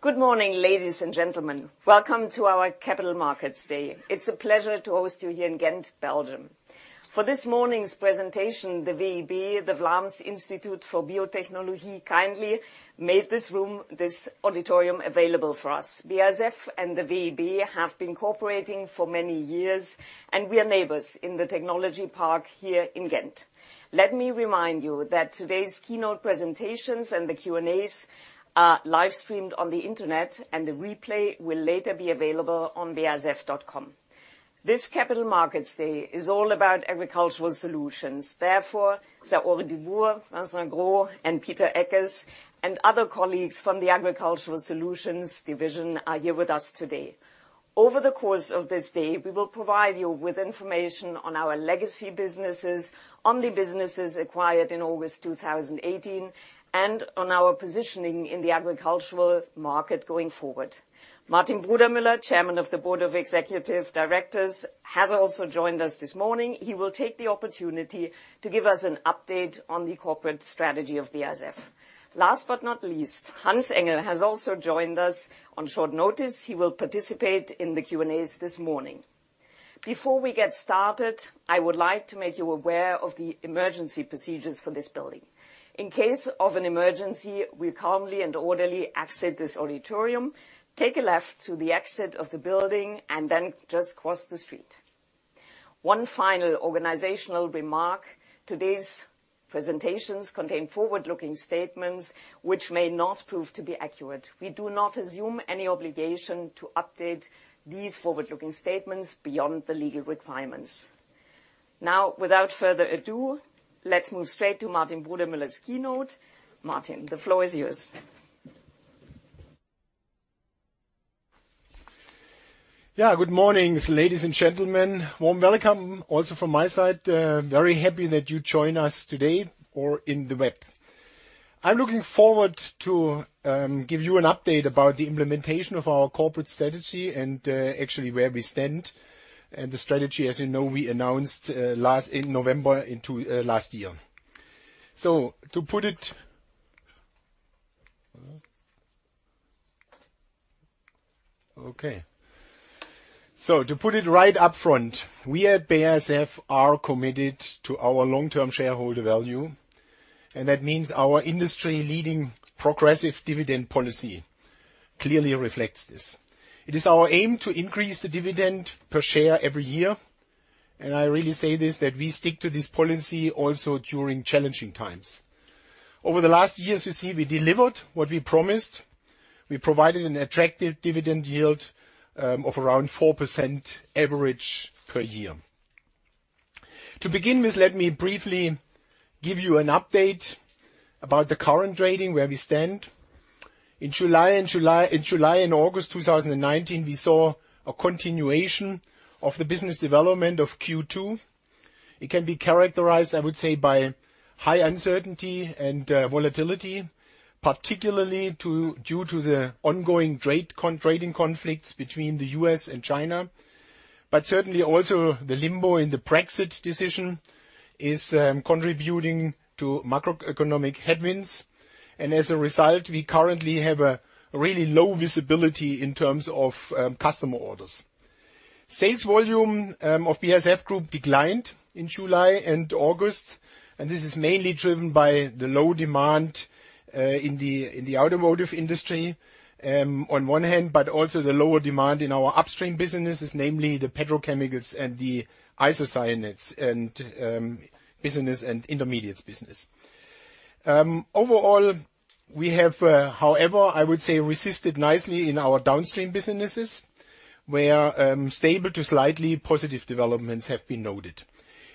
Good morning, ladies and gentlemen. Welcome to our Capital Markets Day. It's a pleasure to host you here in Ghent, Belgium. For this morning's presentation, the VIB, the Vlaams Instituut voor Biotechnologie, kindly made this auditorium available for us. BASF and the VIB have been cooperating for many years, and we are neighbors in the technology park here in Ghent. Let me remind you that today's keynote presentations and the Q&As are live-streamed on the internet, and the replay will later be available on basf.com. This Capital Markets Day is all about Agricultural Solutions. Saori Dubourg, Vincent Gros, and Peter Eckes, and other colleagues from the Agricultural Solutions division are here with us today. Over the course of this day, we will provide you with information on our legacy businesses, on the businesses acquired in August 2018, and on our positioning in the agricultural market going forward. Martin Brudermüller, Chairman of the Executive Directors, has also joined us this morning. He will take the opportunity to give us an update on the corporate strategy of BASF. Last but not least, Hans-Ulrich Engel has also joined us on short notice. He will participate in the Q&As this morning. Before we get started, I would like to make you aware of the emergency procedures for this building. In case of an emergency, we calmly and orderly exit this auditorium, take a left to the exit of the building, and then just cross the street. One final organizational remark. Today's presentations contain forward-looking statements which may not prove to be accurate. We do not assume any obligation to update these forward-looking statements beyond the legal requirements. Without further ado, let's move straight to Martin Brudermüller's keynote. Martin, the floor is yours. Good morning, ladies and gentlemen. Warm welcome also from my side. Very happy that you joined us today or in the web. I am looking forward to give you an update about the implementation of our corporate strategy and actually where we stand. The strategy, as you know, we announced last November into last year. To put it right up front, we at BASF are committed to our long-term shareholder value, and that means our industry-leading progressive dividend policy clearly reflects this. It is our aim to increase the dividend per share every year. I really say this, that we stick to this policy also during challenging times. Over the last years, you see we delivered what we promised. We provided an attractive dividend yield of around 4% average per year. To begin with, let me briefly give you an update about the current trading, where we stand. In July and August 2019, we saw a continuation of the business development of Q2. It can be characterized, I would say, by high uncertainty and volatility, particularly due to the ongoing trading conflicts between the U.S. and China. Certainly also the limbo in the Brexit decision is contributing to macroeconomic headwinds. As a result, we currently have a really low visibility in terms of customer orders. Sales volume of BASF Group declined in July and August, and this is mainly driven by the low demand in the automotive industry on one hand, but also the lower demand in our upstream businesses, namely the petrochemicals and the isocyanates business and intermediates business. Overall, we have, however, I would say, resisted nicely in our downstream businesses, where stable to slightly positive developments have been noted.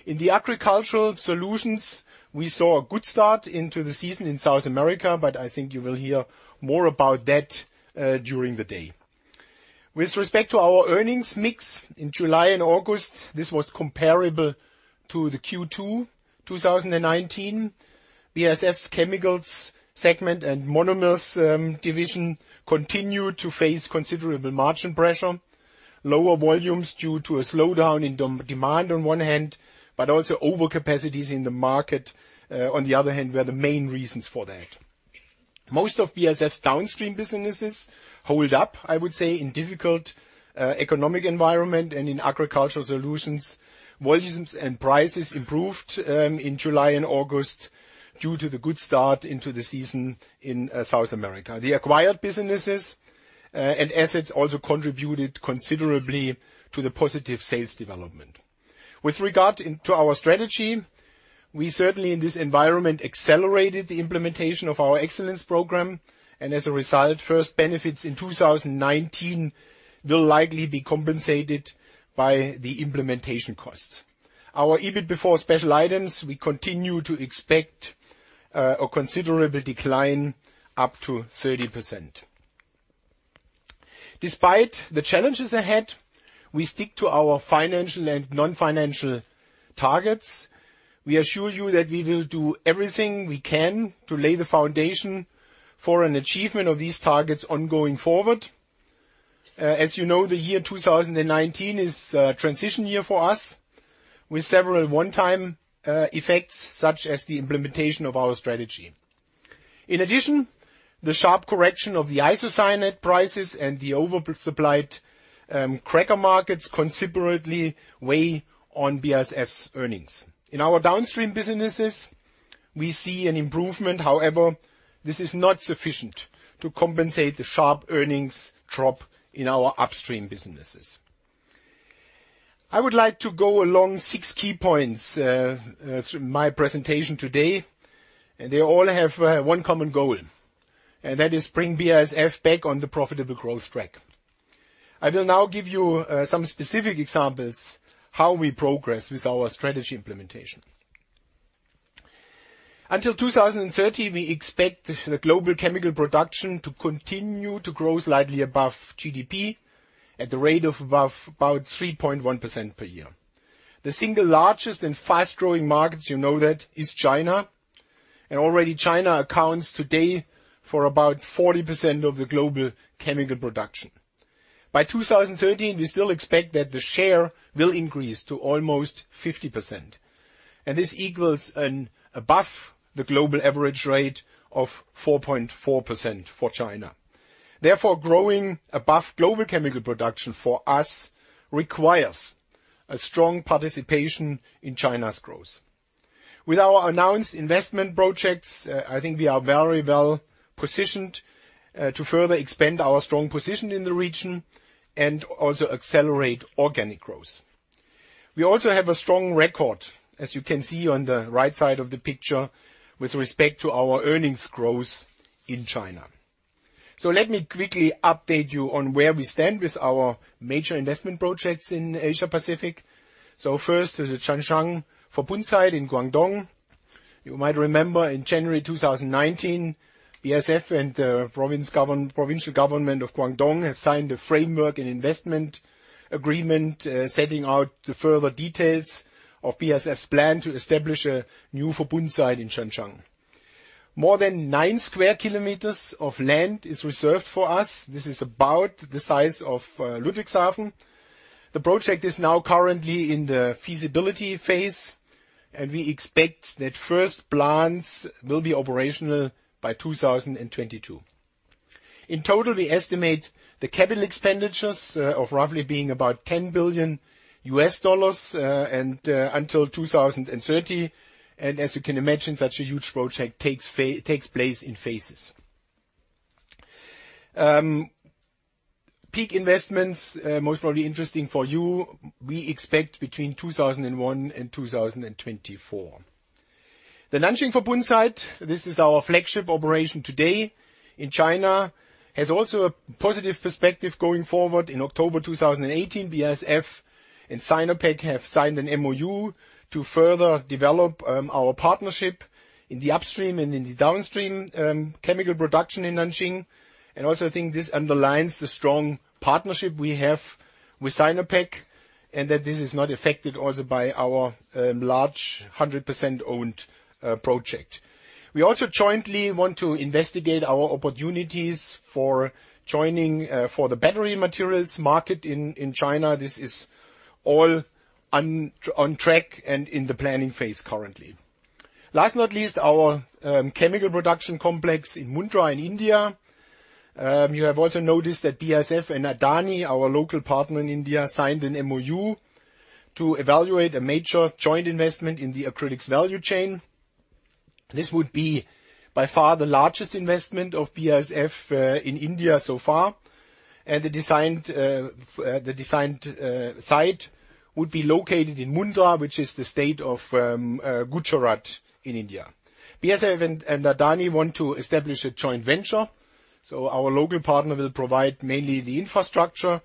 In the Agricultural Solutions, we saw a good start into the season in South America. I think you will hear more about that during the day. With respect to our earnings mix in July and August, this was comparable to the Q2 2019. BASF's Chemicals segment and Monomers division continued to face considerable margin pressure. Lower volumes due to a slowdown in demand on one hand, also overcapacities in the market on the other hand, were the main reasons for that. Most of BASF's downstream businesses hold up, I would say, in difficult economic environment and in Agricultural Solutions. Volumes and prices improved in July and August due to the good start into the season in South America. The acquired businesses and assets also contributed considerably to the positive sales development. With regard to our strategy, we certainly in this environment accelerated the implementation of our excellence program, and as a result, first benefits in 2019 will likely be compensated by the implementation costs. Our EBIT before special items, we continue to expect a considerable decline up to 30%. Despite the challenges ahead, we stick to our financial and non-financial targets. We assure you that we will do everything we can to lay the foundation for an achievement of these targets ongoing forward. As you know, the year 2019 is a transition year for us with several one-time effects, such as the implementation of our strategy. The sharp correction of the isocyanate prices and the oversupplied cracker markets considerably weigh on BASF's earnings. In our downstream businesses, we see an improvement. However, this is not sufficient to compensate the sharp earnings drop in our upstream businesses. I would like to go along six key points through my presentation today, and they all have one common goal, and that is bring BASF back on the profitable growth track. I will now give you some specific examples how we progress with our strategy implementation. Until 2030, we expect the global chemical production to continue to grow slightly above GDP at the rate of above about 3.1% per year. The single largest and fast-growing markets, you know that, is China. Already China accounts today for about 40% of the global chemical production. By 2030, we still expect that the share will increase to almost 50%, and this equals above the global average rate of 4.4% for China. Therefore, growing above global chemical production for us requires a strong participation in China's growth. With our announced investment projects, I think we are very well-positioned to further expand our strong position in the region and also accelerate organic growth. We also have a strong record, as you can see on the right side of the picture, with respect to our earnings growth in China. Let me quickly update you on where we stand with our major investment projects in Asia-Pacific. First is the Zhanjiang Verbundsite in Guangdong. You might remember in January 2019, BASF and the provincial government of Guangdong have signed a framework and investment agreement setting out the further details of BASF's plan to establish a new Verbundsite in Zhanjiang. More than nine square kilometers of land is reserved for us. This is about the size of Ludwigshafen. The project is now currently in the feasibility phase, and we expect that first plants will be operational by 2022. In total, we estimate the capital expenditures of roughly being about $10 billion until 2030. As you can imagine, such a huge project takes place in phases. Peak investments, most probably interesting for you, we expect between 2001 and 2024. The Nanjing Verbund site, this is our flagship operation today in China, has also a positive perspective going forward. In October 2018, BASF and Sinopec have signed an MoU to further develop our partnership in the upstream and in the downstream chemical production in Nanjing. Also, I think this underlines the strong partnership we have with Sinopec, and that this is not affected also by our large 100% owned project. We also jointly want to investigate our opportunities for joining for the battery materials market in China. This is all on track and in the planning phase currently. Last not least, our chemical production complex in Mundra in India. You have also noticed that BASF and Adani, our local partner in India, signed an MoU to evaluate a major joint investment in the acrylics value chain. This would be by far the largest investment of BASF in India so far, and the designed site would be located in Mundra, which is the state of Gujarat in India. Our local partner will provide mainly the infrastructure,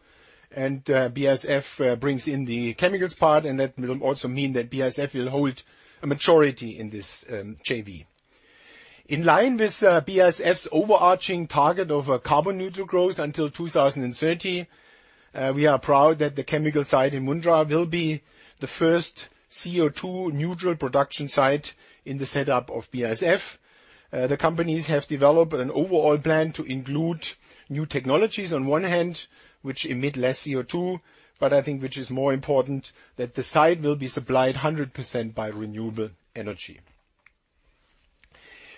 and BASF brings in the chemicals part, and that will also mean that BASF will hold a majority in this JV. In line with BASF's overarching target of a carbon-neutral growth until 2030, we are proud that the chemical site in Mundra will be the first CO2 neutral production site in the setup of BASF. The companies have developed an overall plan to include new technologies on one hand, which emit less CO2, but I think which is more important, that the site will be supplied 100% by renewable energy.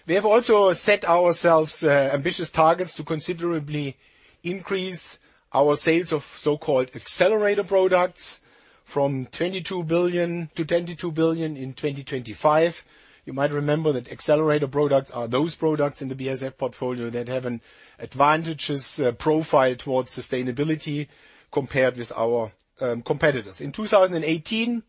We have also set ourselves ambitious targets to considerably increase our sales of so-called accelerator products from [22 billion] in 2025. You might remember that accelerator products are those products in the BASF portfolio that have an advantageous profile towards sustainability compared with our competitors. In 2018,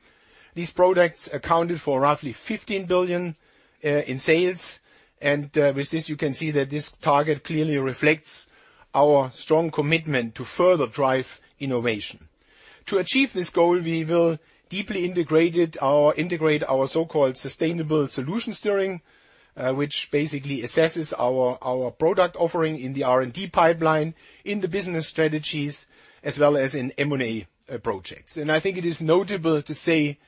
these products accounted for roughly 15 billion in sales. With this, you can see that this target clearly reflects our strong commitment to further drive innovation. To achieve this goal, we will deeply integrate our so-called sustainable solution steering, which basically assesses our product offering in the R&D pipeline, in the business strategies, as well as in M&A projects. I think it is notable to say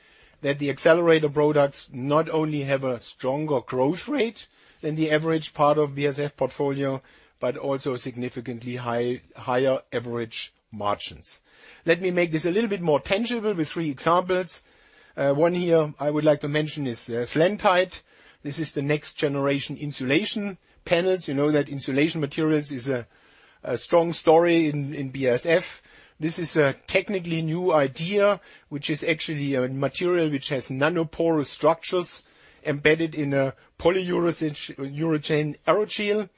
that the accelerator products not only have a stronger growth rate than the average part of BASF portfolio, but also significantly higher average margins. Let me make this a little bit more tangible with three examples. One here I would like to mention is SLENTITE. This is the next generation insulation panels. You know that insulation materials is a strong story in BASF. This is a technically new idea, which is actually a material which has nanoporous structures embedded in a polyurethane aerogel.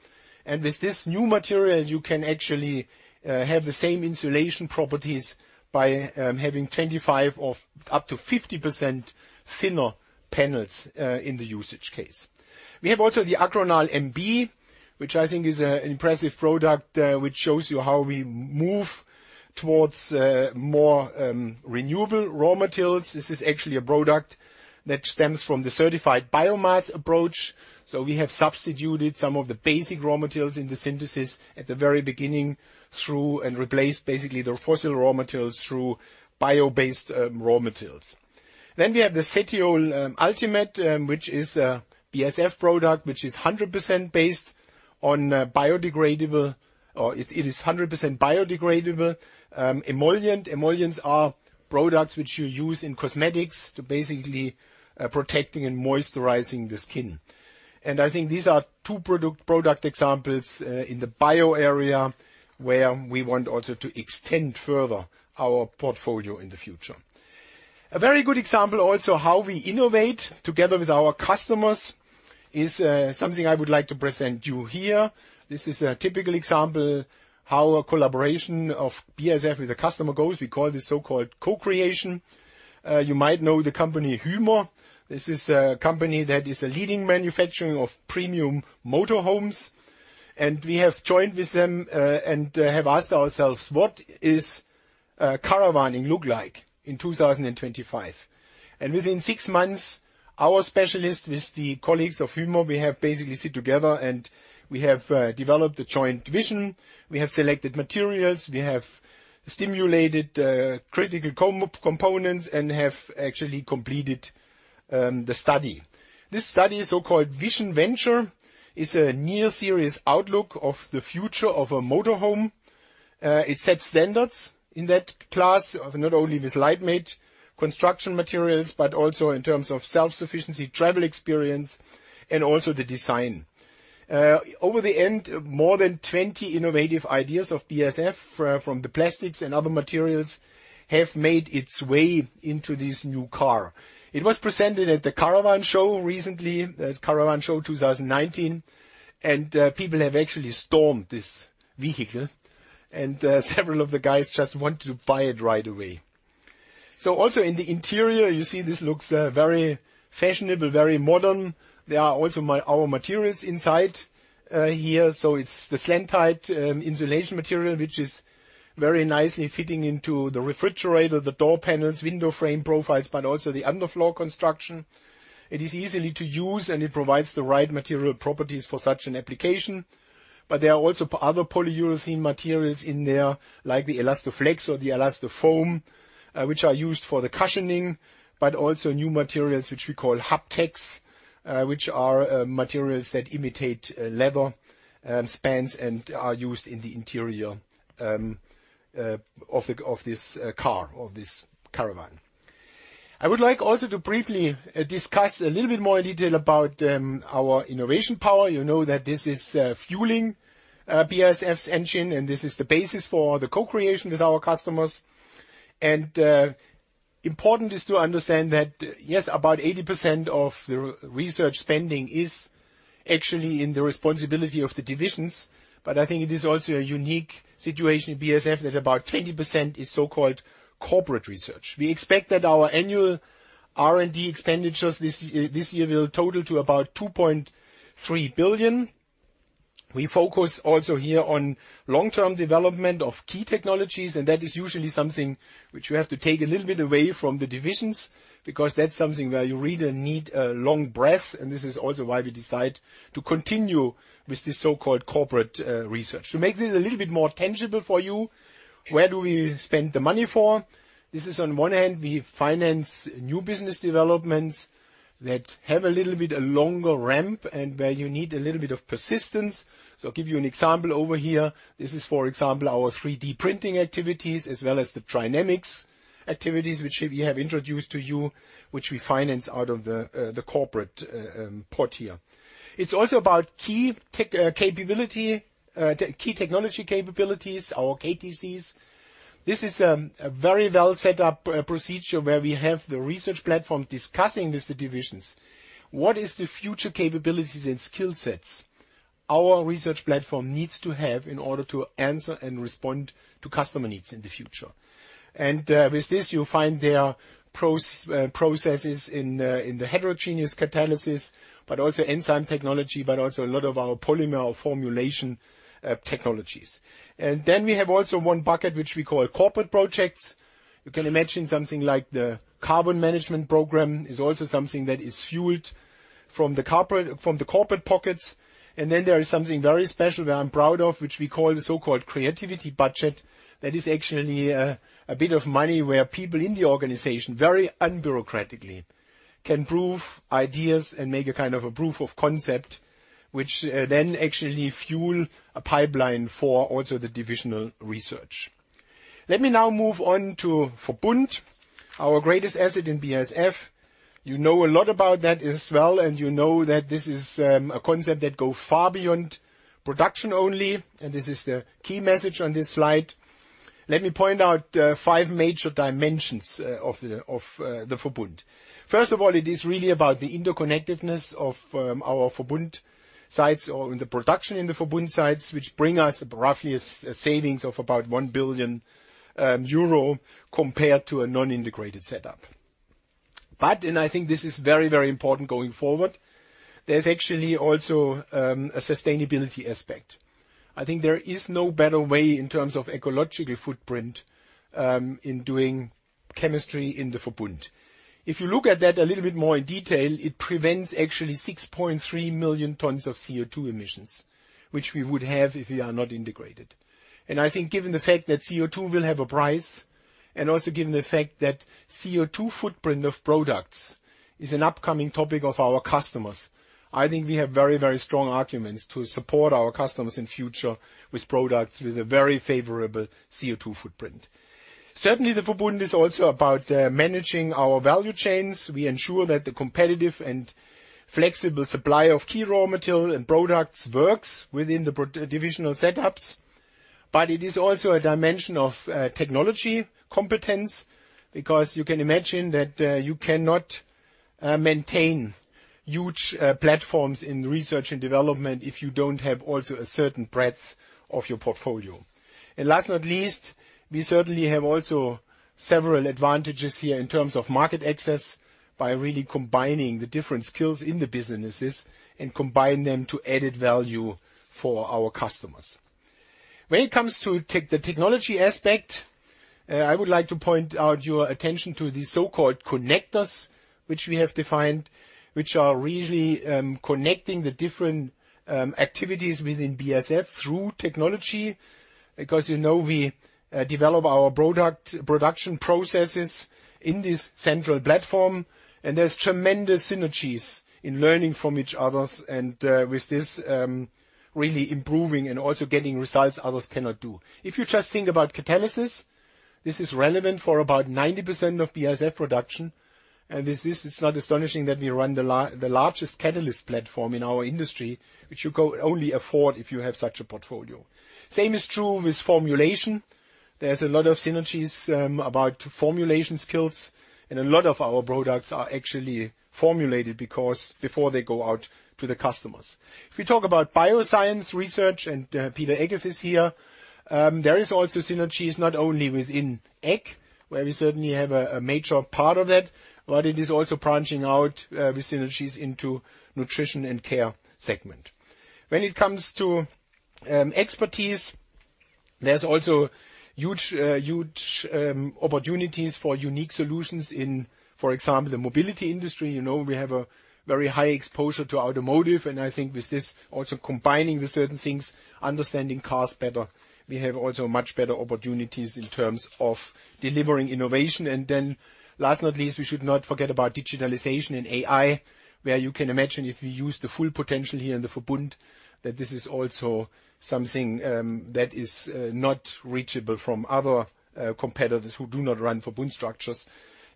With this new material, you can actually have the same insulation properties by having 25% or up to 50% thinner panels in the usage case. We have also the Acronal MB, which I think is an impressive product which shows you how we move towards more renewable raw materials. This is actually a product that stems from the certified biomass approach. We have substituted some of the basic raw materials in the synthesis at the very beginning and replaced basically the fossil raw materials through bio-based raw materials. We have the Cetiol Ultimate, which is a BASF product, which is 100% biodegradable emollient. Emollients are products which you use in cosmetics to basically protecting and moisturizing the skin. I think these are two product examples in the bio area where we want also to extend further our portfolio in the future. A very good example also how we innovate together with our customers is something I would like to present you here. This is a typical example how a collaboration of BASF with a customer goes. We call this so-called co-creation. You might know the company Hymer. This is a company that is a leading manufacturer of premium motor homes. We have joined with them, and have asked ourselves, what is caravaning look like in 2025? Within six months, our specialist with the colleagues of Hymer, we have basically sit together and we have developed a joint vision. We have selected materials, we have stimulated critical components, and have actually completed the study. This study, so-called VisionVenture, is a near serious outlook of the future of a motor home. It sets standards in that class, not only with lightweight construction materials, but also in terms of self-sufficiency, travel experience, and also the design. Over the end, more than 20 innovative ideas of BASF from the plastics and other materials have made its way into this new car. It was presented at the Caravan Show recently, Caravan Show 2019. People have actually stormed this vehicle. Several of the guys just want to buy it right away. Also in the interior, you see this looks very fashionable, very modern. There are also our materials inside here. It's the SLENTITE insulation material, which is very nicely fitting into the refrigerator, the door panels, window frame profiles, also the underfloor construction. It is easy to use. It provides the right material properties for such an application. There are also other polyurethane materials in there, like the Elastoflex or the Elastofoam, which are used for the cushioning, also new materials which we call Haptex, which are materials that imitate leather spans and are used in the interior of this car, of this caravan. I would like also to briefly discuss a little bit more in detail about our innovation power. You know that this is fueling BASF's engine, and this is the basis for the co-creation with our customers. Important is to understand that, yes, about 80% of the research spending is actually in the responsibility of the divisions, but I think it is also a unique situation at BASF that about 20% is so-called corporate research. We expect that our annual R&D expenditures this year will total to about 2.3 billion. We focus also here on long-term development of key technologies, and that is usually something which we have to take a little bit away from the divisions, because that's something where you really need a long breath, and this is also why we decide to continue with this so-called corporate research. To make this a little bit more tangible for you, where do we spend the money for? This is on one hand, we finance new business developments that have a little bit a longer ramp and where you need a little bit of persistence. I'll give you an example over here. This is, for example, our 3D printing activities as well as the trinamiX activities, which we have introduced to you, which we finance out of the corporate pot here. It's also about Key Technology Capabilities, our KTCs. This is a very well set up procedure where we have the research platform discussing with the divisions what is the future capabilities and skill sets our research platform needs to have in order to answer and respond to customer needs in the future. With this, you'll find there are processes in the heterogeneous catalysis, but also enzyme technology, but also a lot of our polymer formulation technologies. We have also one bucket, which we call corporate projects. You can imagine something like the Carbon Management Program is also something that is fueled from the corporate pockets. There is something very special that I'm proud of, which we call the so-called Creativity Budget. That is actually a bit of money where people in the organization, very unbureaucratically, can prove ideas and make a kind of a proof of concept, which then actually fuel a pipeline for also the divisional research. Let me now move on to Verbund, our greatest asset in BASF. You know a lot about that as well, and you know that this is a concept that go far beyond production only, and this is the key message on this slide. Let me point out five major dimensions of the Verbund. First of all, it is really about the interconnectedness of our Verbund sites or the production in the Verbund sites, which bring us roughly a savings of about 1 billion euro compared to a non-integrated setup. I think this is very important going forward, there's actually also a sustainability aspect. I think there is no better way in terms of ecological footprint in doing chemistry in the Verbund. If you look at that a little bit more in detail, it prevents actually 6.3 million tons of CO2 emissions, which we would have if we are not integrated. I think given the fact that CO2 will have a price, and also given the fact that CO2 footprint of products is an upcoming topic of our customers, I think we have very strong arguments to support our customers in future with products with a very favorable CO2 footprint. Certainly, the Verbund is also about managing our value chains. We ensure that the competitive and flexible supply of key raw material and products works within the divisional setups, but it is also a dimension of technology competence, because you can imagine that you cannot maintain huge platforms in research and development if you don't have also a certain breadth of your portfolio. Last not least, we certainly have also several advantages here in terms of market access by really combining the different skills in the businesses and combine them to added value for our customers. When it comes to the technology aspect, I would like to point out your attention to the so-called connectors, which we have defined, which are really connecting the different activities within BASF through technology. You know we develop our production processes in this central platform, and there's tremendous synergies in learning from each others, and with this, really improving and also getting results others cannot do. If you just think about catalysis, this is relevant for about 90% of BASF production. With this, it's not astonishing that we run the largest catalyst platform in our industry, which you could only afford if you have such a portfolio. Same is true with formulation. There's a lot of synergies about formulation skills, and a lot of our products are actually formulated before they go out to the customers. If we talk about Bioscience Research, and Peter Eckes is here, there is also synergies not only within Ag, where we certainly have a major part of that, but it is also branching out with synergies into nutrition and care segment. When it comes to expertise, there's also huge opportunities for unique solutions in, for example, the mobility industry. You know we have a very high exposure to automotive, and I think with this also combining the certain things, understanding cars better. We have also much better opportunities in terms of delivering innovation. Last not least, we should not forget about digitalization and AI, where you can imagine if we use the full potential here in the Verbund, that this is also something that is not reachable from other competitors who do not run Verbund structures.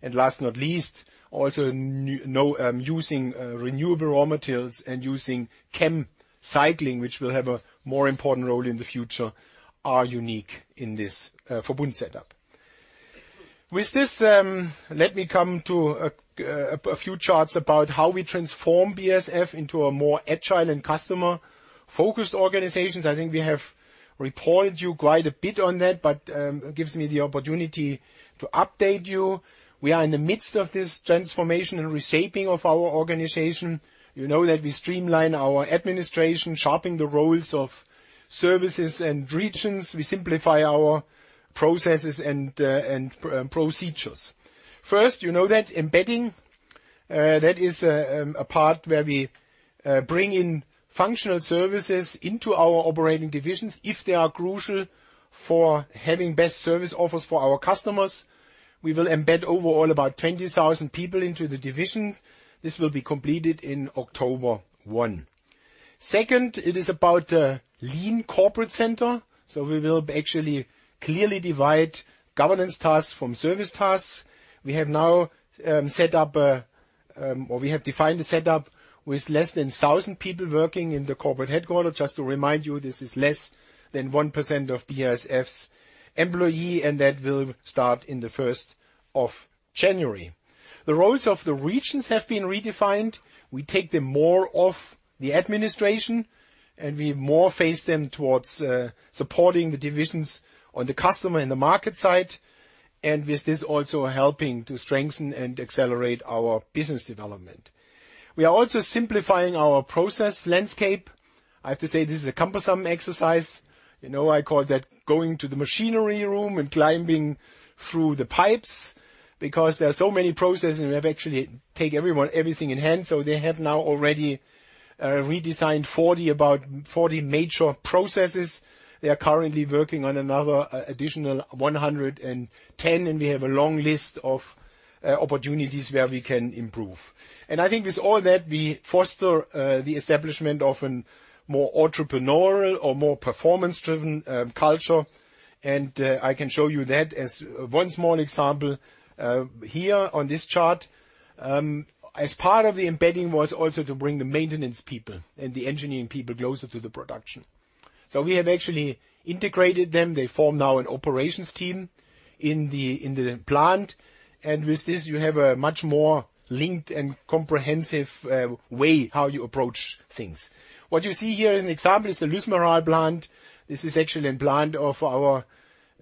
Last not least, also using renewable raw materials and using ChemCycling, which will have a more important role in the future, are unique in this Verbund setup. With this, let me come to a few charts about how we transform BASF into a more agile and customer-focused organizations. I think we have reported you quite a bit on that, but it gives me the opportunity to update you. We are in the midst of this transformation and reshaping of our organization. You know that we streamline our administration, sharpening the roles of services and regions. We simplify our processes and procedures. First, you know that embedding, that is a part where we bring in functional services into our operating divisions, if they are crucial for having best service offers for our customers. We will embed overall about 20,000 people into the divisions. This will be completed in October 1. Second, it is about a lean corporate center. We will actually clearly divide governance tasks from service tasks. We have now set up or we have defined the setup with less than 1,000 people working in the corporate headquarters. Just to remind you, this is less than 1% of BASF's employee, and that will start in the 1st of January. The roles of the regions have been redefined. We take them more off the administration, and we more face them towards supporting the divisions on the customer and the market side. With this also helping to strengthen and accelerate our business development. We are also simplifying our process landscape. I have to say, this is a cumbersome exercise. I call that going to the machinery room and climbing through the pipes because there are so many processes and we have actually take everyone, everything in hand. They have now already redesigned about 40 major processes. They are currently working on another additional 110, and we have a long list of opportunities where we can improve.I think with all that, we foster the establishment of a more entrepreneurial or more performance-driven culture. I can show you that as one small example here on this chart. As part of the embedding was also to bring the maintenance people and the engineering people closer to the production. We have actually integrated them. They form now an operations team in the plant. With this, you have a much more linked and comprehensive way how you approach things. What you see here as an example is the Luisenhain plant. This is actually a plant of our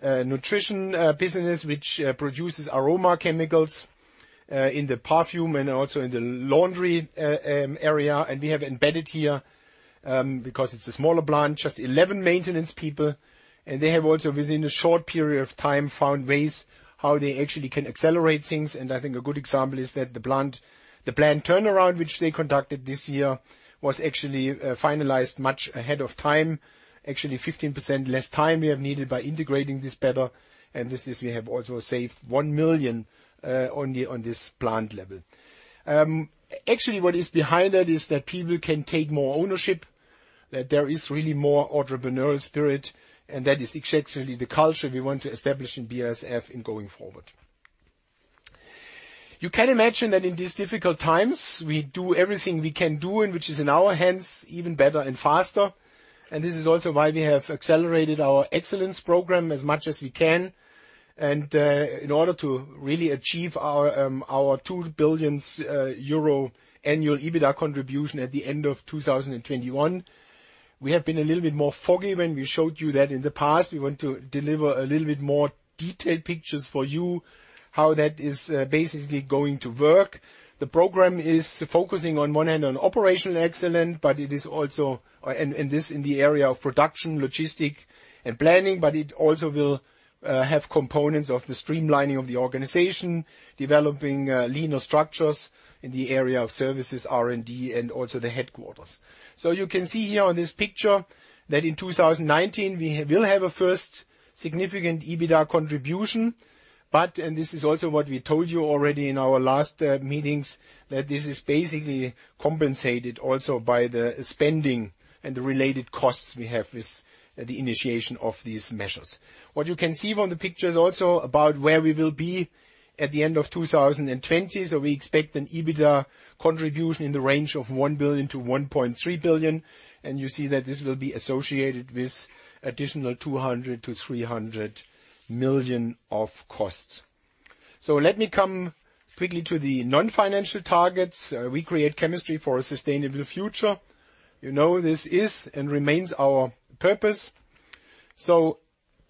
nutrition business, which produces aroma chemicals in the perfume and also in the laundry area. We have embedded here, because it's a smaller plant, just 11 maintenance people. They have also, within a short period of time, found ways how they actually can accelerate things. I think a good example is that the plant turnaround, which they conducted this year, was actually finalized much ahead of time, actually 15% less time we have needed by integrating this better. With this, we have also saved 1 million, only on this plant level. Actually, what is behind that is that people can take more ownership, that there is really more entrepreneurial spirit. That is exactly the culture we want to establish in BASF in going forward. You can imagine that in these difficult times, we do everything we can do, and which is in our hands, even better and faster. This is also why we have accelerated our excellence program as much as we can. In order to really achieve our 2 billion euro annual EBITDA contribution at the end of 2021, we have been a little bit more foggy when we showed you that in the past. We want to deliver a little bit more detailed pictures for you, how that is basically going to work. The program is focusing on one hand on operational excellence, and this in the area of production, logistic and planning, but it also will have components of the streamlining of the organization, developing leaner structures in the area of services, R&D, and also the headquarters. You can see here on this picture that in 2019, we will have a first significant EBITDA contribution. And this is also what we told you already in our last meetings, that this is basically compensated also by the spending and the related costs we have with the initiation of these measures. What you can see from the picture is also about where we will be at the end of 2020. We expect an EBITDA contribution in the range of 1 billion to 1.3 billion. You see that this will be associated with additional 200 million-300 million of costs. Let me come quickly to the non-financial targets. We create chemistry for a sustainable future. You know this is and remains our purpose.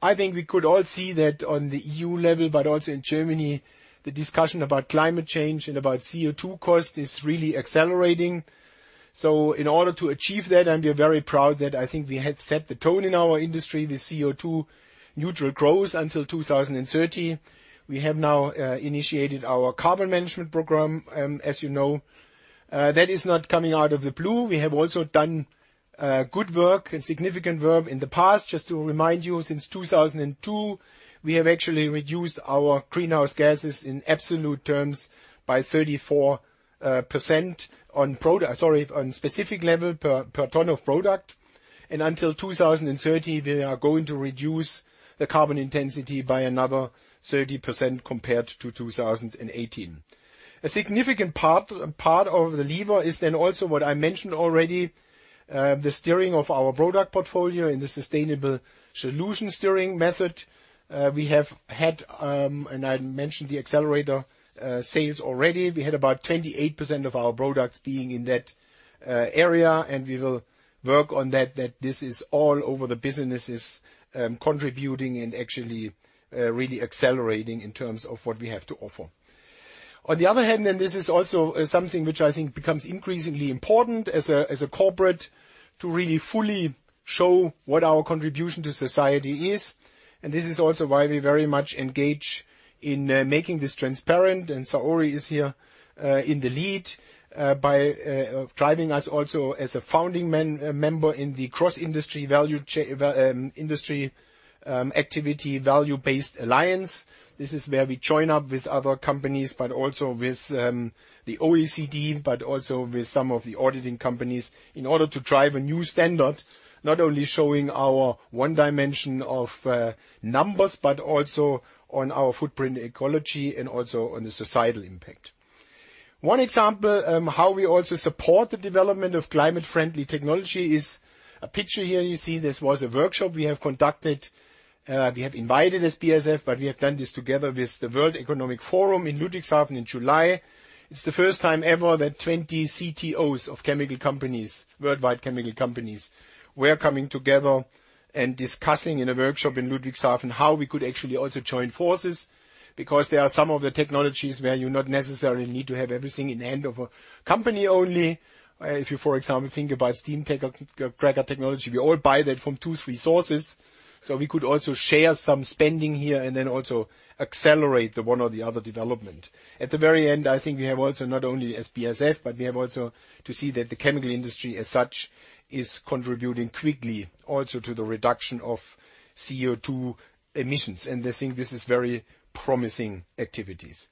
I think we could all see that on the EU level, but also in Germany, the discussion about climate change and about CO2 cost is really accelerating. In order to achieve that, and we are very proud that I think we have set the tone in our industry with CO2 neutral growth until 2030. We have now initiated our Carbon Management Program. As you know, that is not coming out of the blue. We have also done good work and significant work in the past. Just to remind you, since 2002, we have actually reduced our greenhouse gases in absolute terms by 34% on specific level per ton of product. Until 2030, we are going to reduce the carbon intensity by another 30% compared to 2018. A significant part of the lever is then also what I mentioned already, the steering of our product portfolio in the Sustainable Solution Steering method. I mentioned the accelerator sales already. We had about 28% of our products being in that area, and we will work on that this is all over the businesses contributing and actually really accelerating in terms of what we have to offer. On the other hand, this is also something which I think becomes increasingly important as a corporate to really fully show what our contribution to society is. This is also why we very much engage in making this transparent. Saori is here in the lead by driving us also as a founding member in the Value Balancing Alliance. This is where we join up with other companies, but also with the OECD, but also with some of the auditing companies in order to drive a new standard, not only showing our one dimension of numbers, but also on our footprint ecology and also on the societal impact. One example how we also support the development of climate-friendly technology is a picture here you see. This was a workshop we have conducted. We have invited as BASF, but we have done this together with the World Economic Forum in Ludwigshafen in July. It's the first time ever that 20 CTOs of chemical companies, worldwide chemical companies, were coming together and discussing in a workshop in Ludwigshafen how we could actually also join forces because there are some of the technologies where you not necessarily need to have everything in the hand of a company only. If you, for example, think about steam cracker technology, we all buy that from two, three sources. We could also share some spending here and then also accelerate the one or the other development. At the very end, I think we have also not only as BASF, but we have also to see that the chemical industry as such is contributing quickly also to the reduction of CO2 emissions. I think this is very promising activities.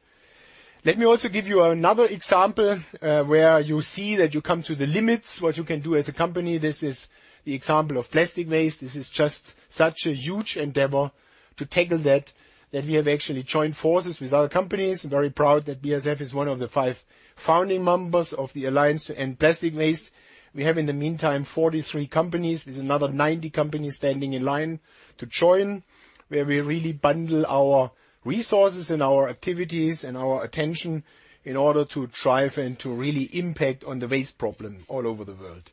Let me also give you another example where you see that you come to the limits what you can do as a company. This is the example of plastic waste. This is just such a huge endeavor to tackle that we have actually joined forces with other companies. Very proud that BASF is one of the five founding members of the Alliance to End Plastic Waste. We have, in the meantime, 43 companies, with another 90 companies standing in line to join, where we really bundle our resources and our activities and our attention in order to drive and to really impact on the waste problem all over the world.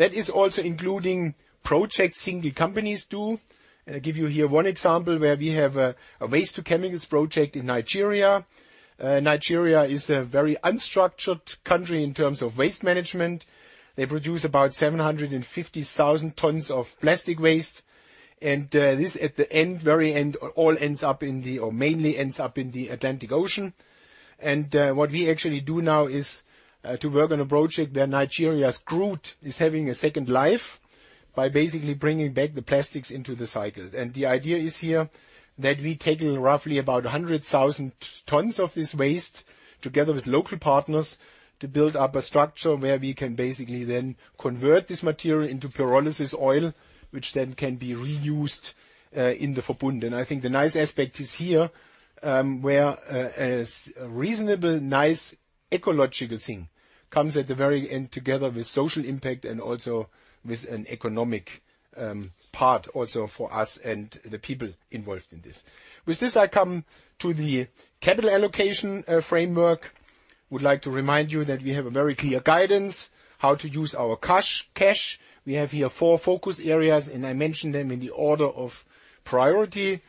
That is also including projects single companies do. I give you here one example where we have a waste-to-chemicals project in Nigeria. Nigeria is a very unstructured country in terms of waste management. They produce about 750,000 tons of plastic waste, and this at the very end all ends up in the, or mainly ends up in the Atlantic Ocean. What we actually do now is to work on a project where Nigeria's Groot is having a second life by basically bringing back the plastics into the cycle. The idea is here that we take roughly about 100,000 tons of this waste, together with local partners, to build up a structure where we can basically then convert this material into pyrolysis oil, which then can be reused in the Verbund. I think the nice aspect is here, where a reasonable, nice ecological thing comes at the very end together with social impact and also with an economic part also for us and the people involved in this. With this, I come to the capital allocation framework. I would like to remind you that we have a very clear guidance how to use our cash. We have here four focus areas. I mention them in the order of priority.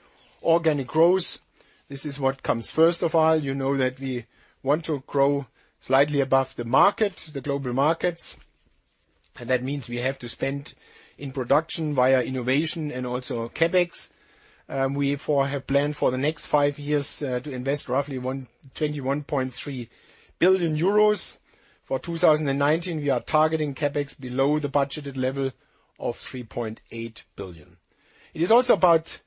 Organic growth. This is what comes first of all. You know that we want to grow slightly above the market, the global markets. That means we have to spend in production via innovation and also CapEx. We have planned for the next five years to invest roughly 21.3 billion euros. For 2019, we are targeting CapEx below the budgeted level of 3.8 billion. It is also about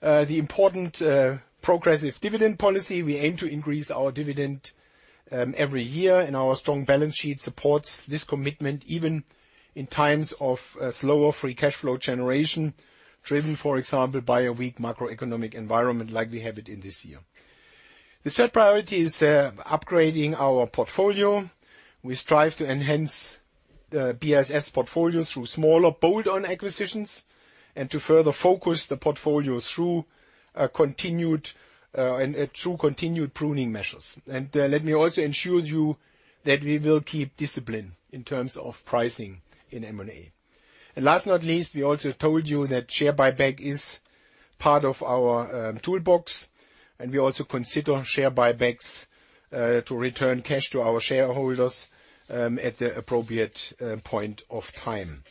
the important progressive dividend policy. We aim to increase our dividend every year, and our strong balance sheet supports this commitment even in times of slower free cash flow generation, driven, for example, by a weak macroeconomic environment like we have it in this year. The third priority is upgrading our portfolio. We strive to enhance the BASF portfolio through smaller bolt-on acquisitions and to further focus the portfolio through continued pruning measures. Let me also assure you that we will keep discipline in terms of pricing in M&A. Last not least, we also told you that share buyback is part of our toolbox, and we also consider share buybacks to return cash to our shareholders at the appropriate point of time.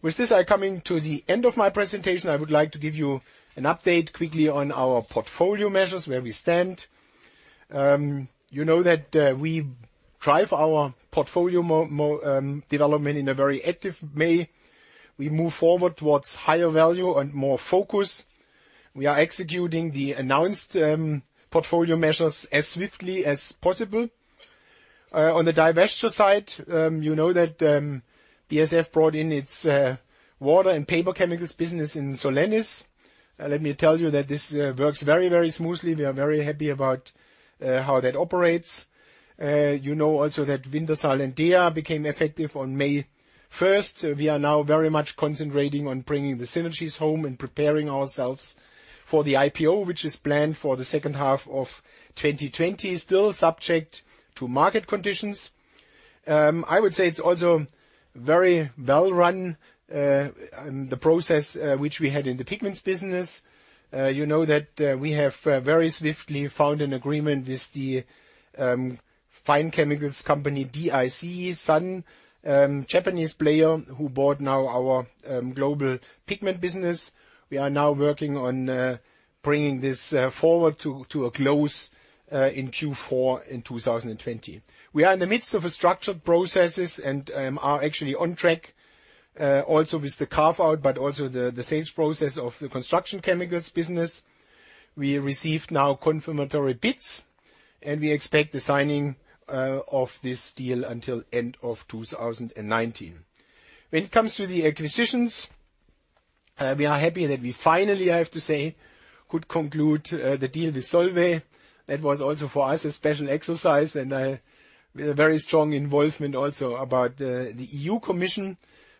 With this, I'm coming to the end of my presentation. I would like to give you an update quickly on our portfolio measures, where we stand. You know that we drive our portfolio development in a very active way. We move forward towards higher value and more focus. We are executing the announced portfolio measures as swiftly as possible. On the divestiture side, you know that BASF brought in its water and paper chemicals business in Solenis. Let me tell you that this works very smoothly. We are very happy about how that operates. You know also that Wintershall and DEA became effective on May 1st. We are now very much concentrating on bringing the synergies home and preparing ourselves for the IPO, which is planned for the second half of 2020, still subject to market conditions. I would say it's also very well-run, the process which we had in the pigments business. You know that we have very swiftly found an agreement with the fine chemicals company, DIC Corporation, Japanese player who bought now our global pigment business. We are now working on bringing this forward to a close in Q4 in 2020. We are in the midst of structured processes and are actually on track, also with the carve-out, but also the sales process of the construction chemicals business. We received now confirmatory bids. We expect the signing of this deal until end of 2019. When it comes to the acquisitions, we are happy that we finally, I have to say, could conclude the deal with Solvay. That was also for us a special exercise and a very strong involvement also about the European Commission.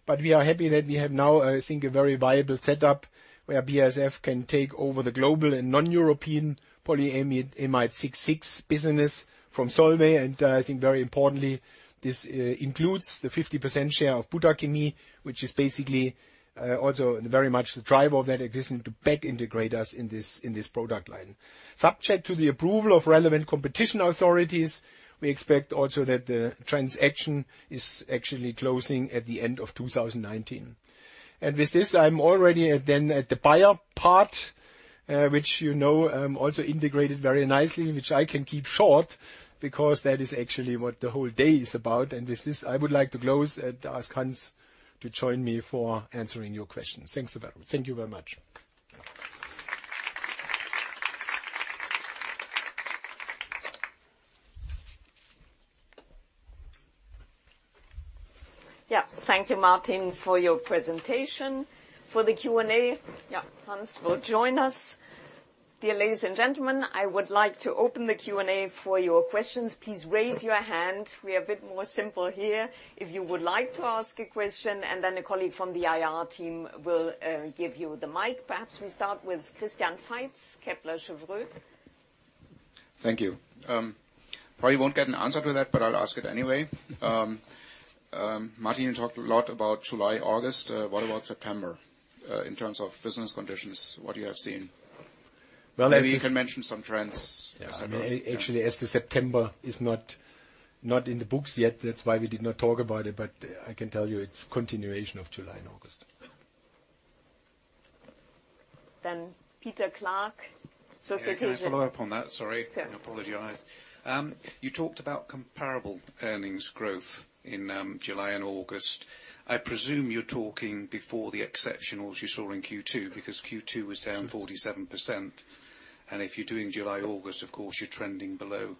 We are happy that we have now, I think, a very viable setup where BASF can take over the global and non-European polyamide 6,6 business from Solvay. I think very importantly, this includes the 50% share of Butachimie, which is basically also very much the driver of that existing to back integrate us in this product line. Subject to the approval of relevant competition authorities, we expect also that the transaction is actually closing at the end of 2019. With this, I'm already then at the Bayer part, which you know also integrated very nicely, which I can keep short because that is actually what the whole day is about. With this, I would like to close and ask Hans to join me for answering your questions. Thanks a very much. Thank you very much. Thank you, Martin, for your presentation. For the Q&A, Hans will join us. Dear ladies and gentlemen, I would like to open the Q&A for your questions. Please raise your hand, we are a bit more simple here, if you would like to ask a question, and then a colleague from the IR team will give you the mic. Perhaps we start with Christian Faitz, Kepler Cheuvreux. Thank you. Probably won't get an answer to that, but I'll ask it anyway. Martin, you talked a lot about July, August. What about September, in terms of business conditions, what you have seen? Well- Maybe you can mention some trends. Yeah. Actually, as to September, is not in the books yet. That's why we did not talk about it, but I can tell you it's continuation of July and August. Peter Clark, Societe Generale. Yeah, can I follow up on that? Sorry. Sure. I apologize. You talked about comparable earnings growth in July and August. I presume you're talking before the exceptionals you saw in Q2, because Q2 was down 47%. If you're doing July, August, of course, you're trending below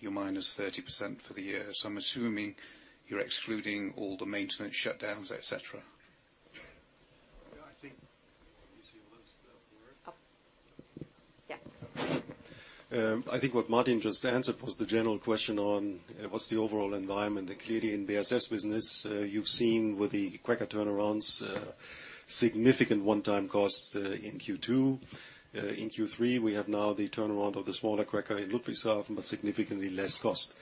your -30% for the year. I'm assuming you're excluding all the maintenance shutdowns, et cetera. Yeah, I think. You see who has the word. Oh. Yeah. I think what Martin just answered was the general question on, what's the overall environment. Clearly in BASF business, you've seen with the cracker turnarounds, significant one-time costs in Q2. In Q3, we have now the turnaround of the smaller cracker in Ludwigshafen, but significantly less cost.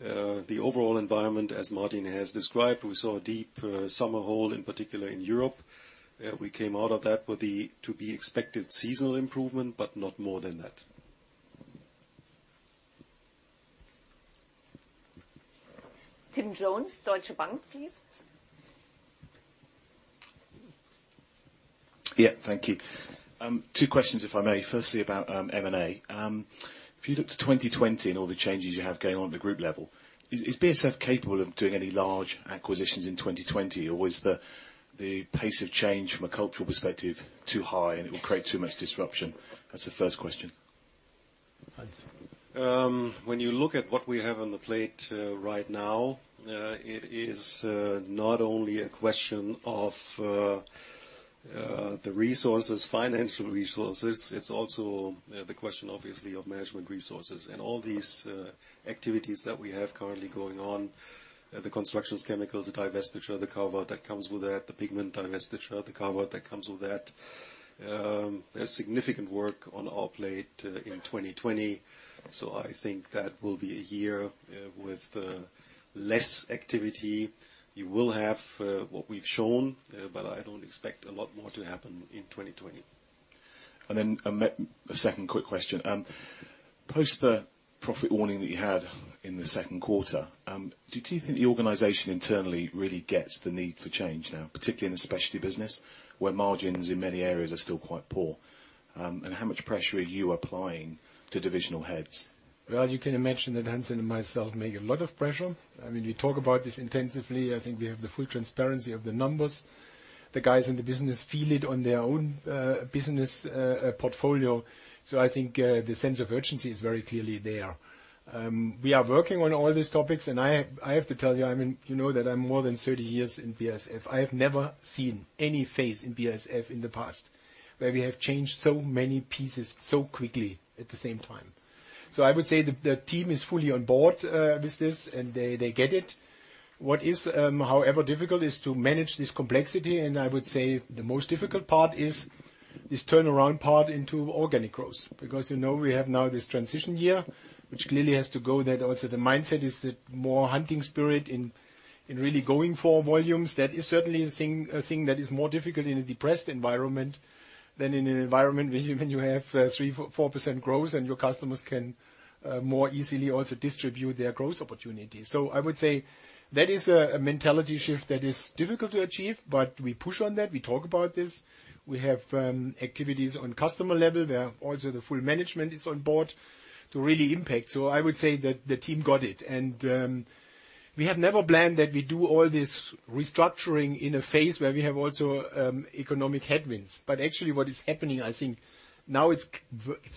The overall environment, as Martin has described, we saw a deep summer hole in particular in Europe. We came out of that with the to-be-expected seasonal improvement, but not more than that. Tim Jones, Deutsche Bank, please. Yeah, thank you. Two questions if I may. Firstly, about M&A. If you look to 2020 and all the changes you have going on at the group level, is BASF capable of doing any large acquisitions in 2020 or was the pace of change from a cultural perspective too high and it will create too much disruption? That is the first question. Hans. When you look at what we have on the plate right now, it is not only a question of the resources, financial resources, it's also the question obviously of management resources. All these activities that we have currently going on, the Construction Chemicals, the divestiture, the carve-out that comes with that, the pigments divestiture, the carve-out that comes with that. There's significant work on our plate in 2020. I think that will be a year with less activity. You will have what we've shown, but I don't expect a lot more to happen in 2020. A second quick question. Post the profit warning that you had in the second quarter, do you think the organization internally really gets the need for change now, particularly in the specialty business, where margins in many areas are still quite poor? How much pressure are you applying to divisional heads? Well, you can imagine that Hans and myself make a lot of pressure. We talk about this intensively. I think we have the full transparency of the numbers. The guys in the business feel it on their own business portfolio. I think the sense of urgency is very clearly there. We are working on all these topics, and I have to tell you know that I'm more than 30 years in BASF. I have never seen any phase in BASF in the past where we have changed so many pieces so quickly at the same time. I would say the team is fully on board with this, and they get it. What is, however, difficult is to manage this complexity, and I would say the most difficult part is this turnaround part into organic growth. We have now this transition year, which clearly has to go that also the mindset is the more hunting spirit in really going for volumes. That is certainly a thing that is more difficult in a depressed environment than in an environment when you have 3%, 4% growth and your customers can more easily also distribute their growth opportunities. I would say that is a mentality shift that is difficult to achieve, but we push on that. We talk about this. We have activities on customer level, where also the full management is on board to really impact. I would say that the team got it. We have never planned that we do all this restructuring in a phase where we have also economic headwinds. Actually what is happening, I think now it's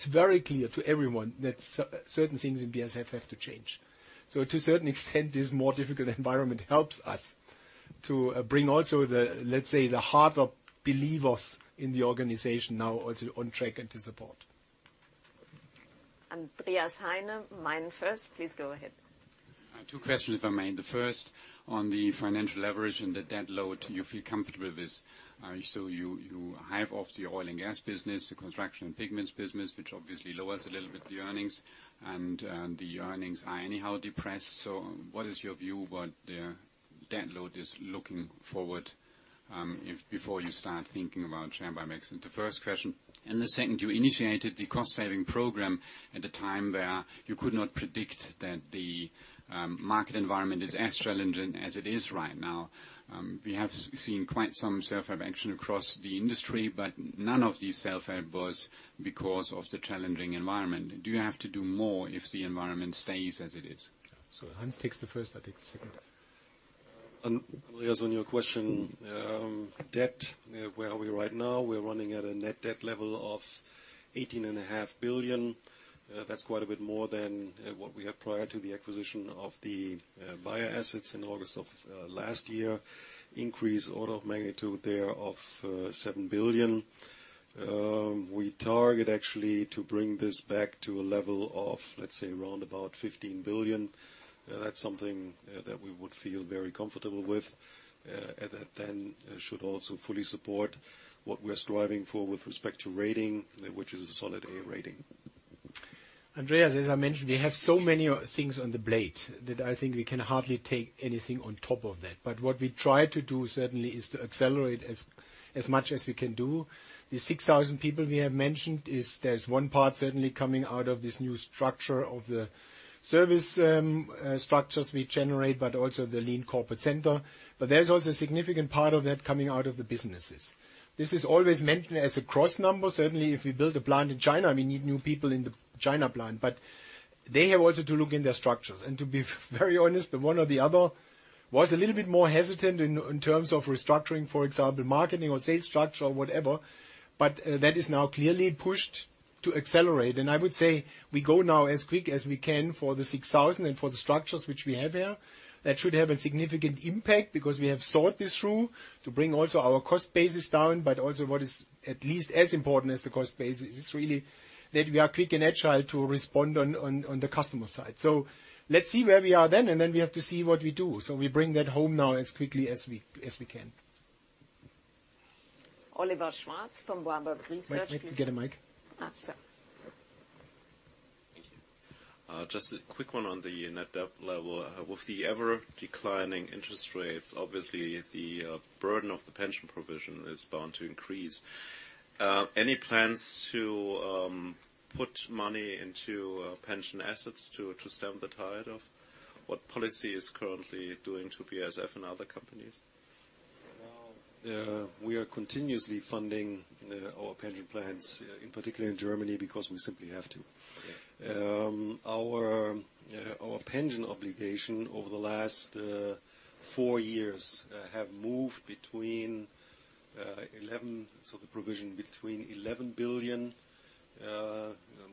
very clear to everyone that certain things in BASF have to change. To a certain extent, this more difficult environment helps us to bring also the, let's say, the heart of believers in the organization now also on track and to support. Andreas Heine, MainFirst, please go ahead. Two questions, if I may. The first on the financial leverage and the debt load you feel comfortable with. You hive off the oil and gas business, the construction pigments business, which obviously lowers a little bit the earnings, and the earnings are anyhow depressed. What is your view what the debt load is looking forward, before you start thinking about share buybacks? That's the first question. The second, you initiated the cost-saving program at a time where you could not predict that the market environment is as challenging as it is right now. We have seen quite some share buyback action across the industry, but none of these share buybacks was because of the challenging environment. Do you have to do more if the environment stays as it is? Hans takes the first, I take the second. Andreas, on your question, debt, where are we right now? We're running at a net debt level of 18.5 billion. That's quite a bit more than what we had prior to the acquisition of the Bayer assets in August of last year. Increase order of magnitude there of 7 billion. We target actually to bring this back to a level of, let's say around about 15 billion. That's something that we would feel very comfortable with. That then should also fully support what we're striving for with respect to rating, which is a solid A rating. Andreas, as I mentioned, we have so many things on the blade that I think we can hardly take anything on top of that. What we try to do certainly is to accelerate as much as we can do. The 6,000 people we have mentioned is, there's one part certainly coming out of this new structure of the service structures we generate, but also the lean corporate center. There's also a significant part of that coming out of the businesses. This is always mentioned as a cross number. Certainly, if we build a plant in China, we need new people in the China plant, but they have also to look in their structures. To be very honest, the one or the other was a little bit more hesitant in terms of restructuring, for example, marketing or sales structure or whatever, but that is now clearly pushed to accelerate. I would say we go now as quick as we can for the 6,000 and for the structures which we have here. That should have a significant impact because we have thought this through to bring also our cost bases down, but also what is at least as important as the cost base is really that we are quick and agile to respond on the customer side. Let's see where we are then, and then we have to see what we do. We bring that home now as quickly as we can. Oliver Schwarz from Warburg Research. Wait, can we get a mic? Thank you. Just a quick one on the net debt level. With the ever-declining interest rates, obviously the burden of the pension provision is bound to increase. Any plans to put money into pension assets to stem the tide of what policy is currently doing to BASF and other companies? Well, we are continuously funding our pension plans, in particular in Germany, because we simply have to. Yeah. Our pension obligation over the last four years have moved between 11 billion,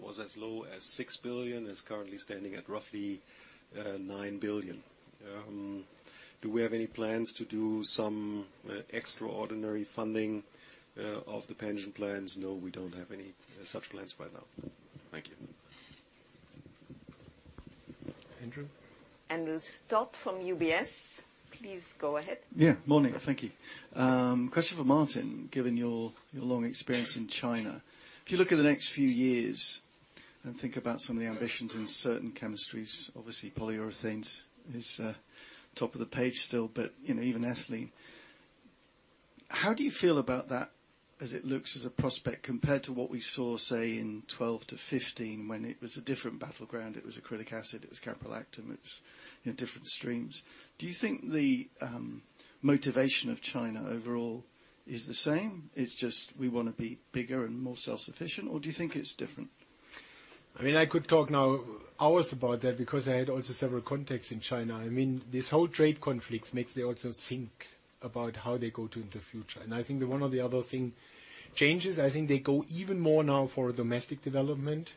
was as low as 6 billion, is currently standing at roughly 9 billion. Do we have any plans to do some extraordinary funding of the pension plans? No, we don't have any such plans right now. Thank you. Andrew? Andrew Stott from UBS. Please go ahead. Yeah. Morning. Thank you. Question for Martin, given your long experience in China. If you look at the next few years and think about some of the ambitions in certain chemistries, obviously polyurethanes is top of the page still, but even ethylene. How do you feel about that as it looks as a prospect compared to what we saw, say, in 2012 to 2015 when it was a different battleground, it was acrylic acid, it was caprolactam, it's different streams. Do you think the motivation of China overall is the same? It's just we want to be bigger and more self-sufficient, or do you think it's different? I could talk now hours about that because I had also several contacts in China. This whole trade conflict makes them also think about how they go to in the future. I think the one or the other thing changes. I think they go even more now for domestic development.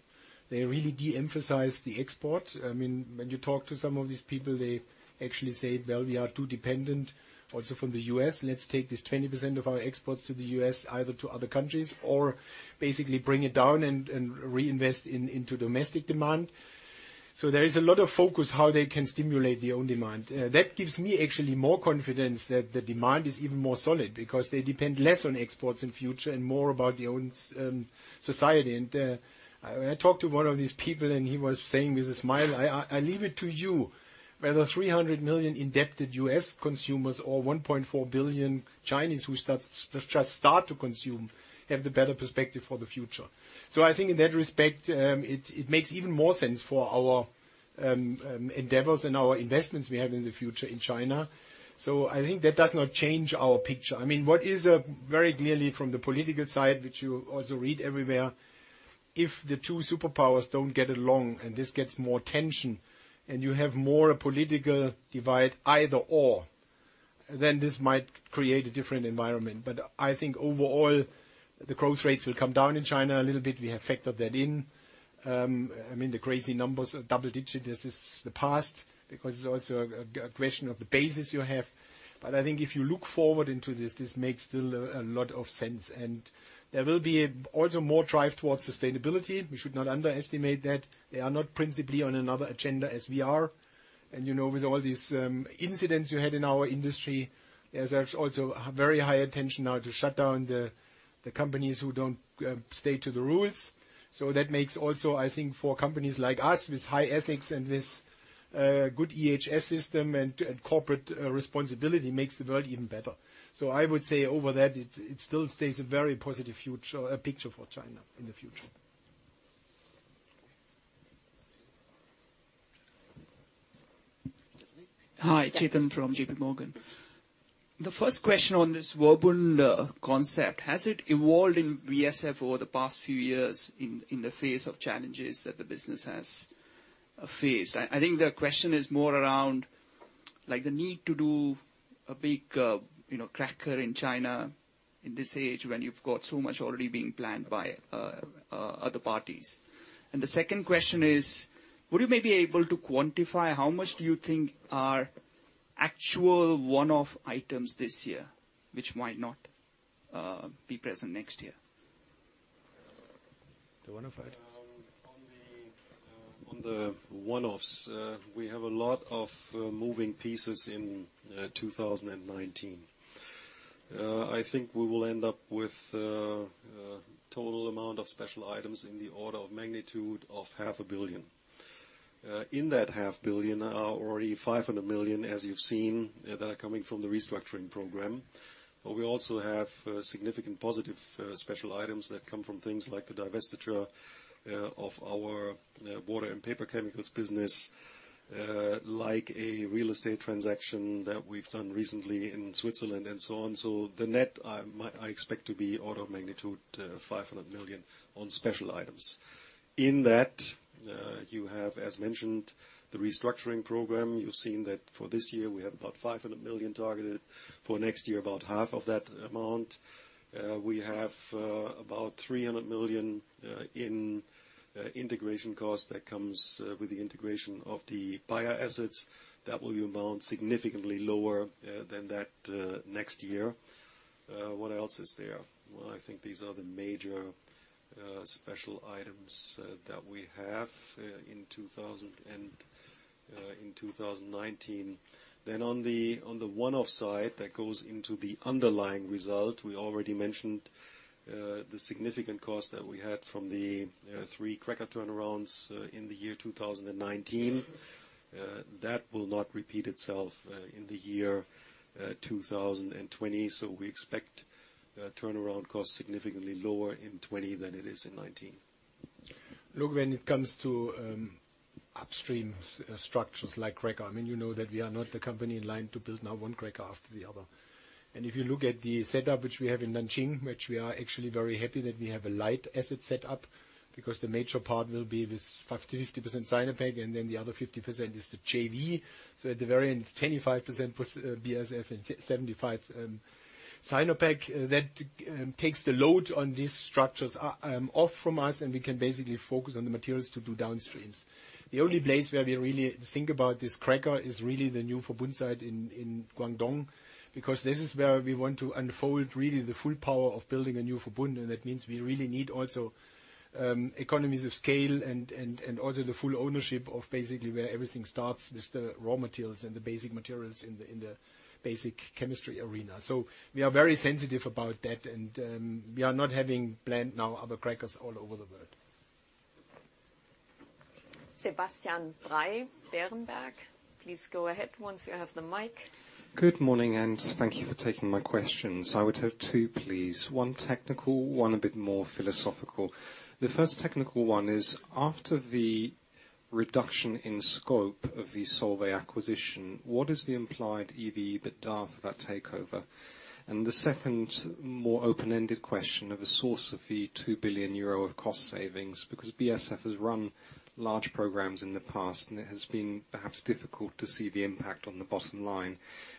They really de-emphasize the export. When you talk to some of these people, they actually say, "Well, we are too dependent also from the U.S. Let's take this 20% of our exports to the U.S., either to other countries or basically bring it down and reinvest into domestic demand." There is a lot of focus how they can stimulate their own demand. That gives me actually more confidence that the demand is even more solid because they depend less on exports in future and more about their own society. When I talked to one of these people, and he was saying with a smile, "I leave it to you whether 300 million indebted U.S. consumers or 1.4 billion Chinese who just start to consume have the better perspective for the future." I think in that respect, it makes even more sense for our endeavors and our investments we have in the future in China. I think that does not change our picture. What is very clearly from the political side, which you also read everywhere, if the two superpowers don't get along and this gets more tension and you have more a political divide either/or, then this might create a different environment. I think overall, the growth rates will come down in China a little bit. We have factored that in. The crazy numbers of double digit, this is the past because it's also a question of the basis you have. I think if you look forward into this makes still a lot of sense. There will be also more drive towards sustainability. We should not underestimate that. They are not principally on another agenda as we are. With all these incidents you had in our industry, there's also very high attention now to shut down the companies who don't stay to the rules. That makes also, I think, for companies like us with high ethics and with good EHS system and corporate responsibility makes the world even better. I would say over that, it still stays a very positive future, a picture for China in the future. [Chetan]? Hi, Chetan from J.P. Morgan. The first question on this Verbund concept, has it evolved in BASF over the past few years in the face of challenges that the business has faced? I think the question is more around the need to do a big cracker in China in this age when you've got so much already being planned by other parties. The second question is, would you maybe be able to quantify how much do you think are actual one-off items this year, which might not be present next year? The one-off items. On the one-offs, we have a lot of moving pieces in 2019. I think we will end up with a total amount of special items in the order of magnitude of half a billion EUR. In that half billion EUR are already 500 million, as you've seen, that are coming from the restructuring program. We also have significant positive special items that come from things like the divestiture of our water and paper chemicals business, like a real estate transaction that we've done recently in Switzerland, and so on. The net, I expect to be order of magnitude 500 million on special items. In that, you have, as mentioned, the restructuring program. You've seen that for this year, we have about 500 million targeted. For next year, about half of that amount EUR. We have about 300 million in integration costs that comes with the integration of the Bayer assets. That will amount significantly lower than that next year. What else is there? Well, I think these are the major special items that we have in 2019. On the one-off side, that goes into the underlying result. We already mentioned the significant cost that we had from the three cracker turnarounds in the year 2019. That will not repeat itself in the year 2020. We expect turnaround costs significantly lower in 2020 than it is in 2019. Look, when it comes to upstream structures like cracker, you know that we are not the company in line to build now one cracker after the other. If you look at the setup which we have in Nanjing, which we are actually very happy that we have a light asset set up, because the major part will be with 50% Sinopec, and then the other 50% is the JV. At the very end, it's 25% BASF and 75% Sinopec. That takes the load on these structures off from us, and we can basically focus on the materials to do downstreams. The only place where we really think about this cracker is really the new Verbund site in Guangdong, because this is where we want to unfold really the full power of building a new Verbund, and that means we really need also economies of scale and also the full ownership of basically where everything starts with the raw materials and the basic materials in the basic chemistry arena. We are very sensitive about that, and we are not having planned now other crackers all over the world. Sebastian Bray, Berenberg. Please go ahead once you have the mic. Good morning. Thank you for taking my questions. I would have two, please. One technical, one a bit more philosophical. The first technical one is after the reduction in scope of the Solvay acquisition, what is the implied EBITDA for that takeover? The second more open-ended question of a source of the 2 billion euro of cost savings, because BASF has run large programs in the past, and it has been perhaps difficult to see the impact on the bottom line.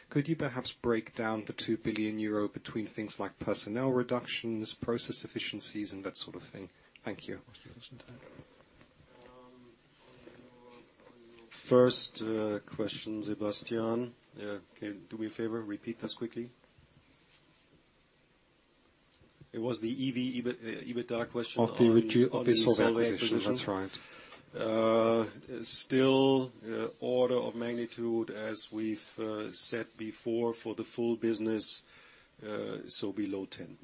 Could you perhaps break down the 2 billion euro between things like personnel reductions, process efficiencies, and that sort of thing? Thank you. On your first question, Sebastian. Do me a favor, repeat this quickly. It was the EV, EBITDA question. Of the Solvay acquisition, that's right. on the Solvay acquisition. Still order of magnitude as we've said before for the full business, so below 10.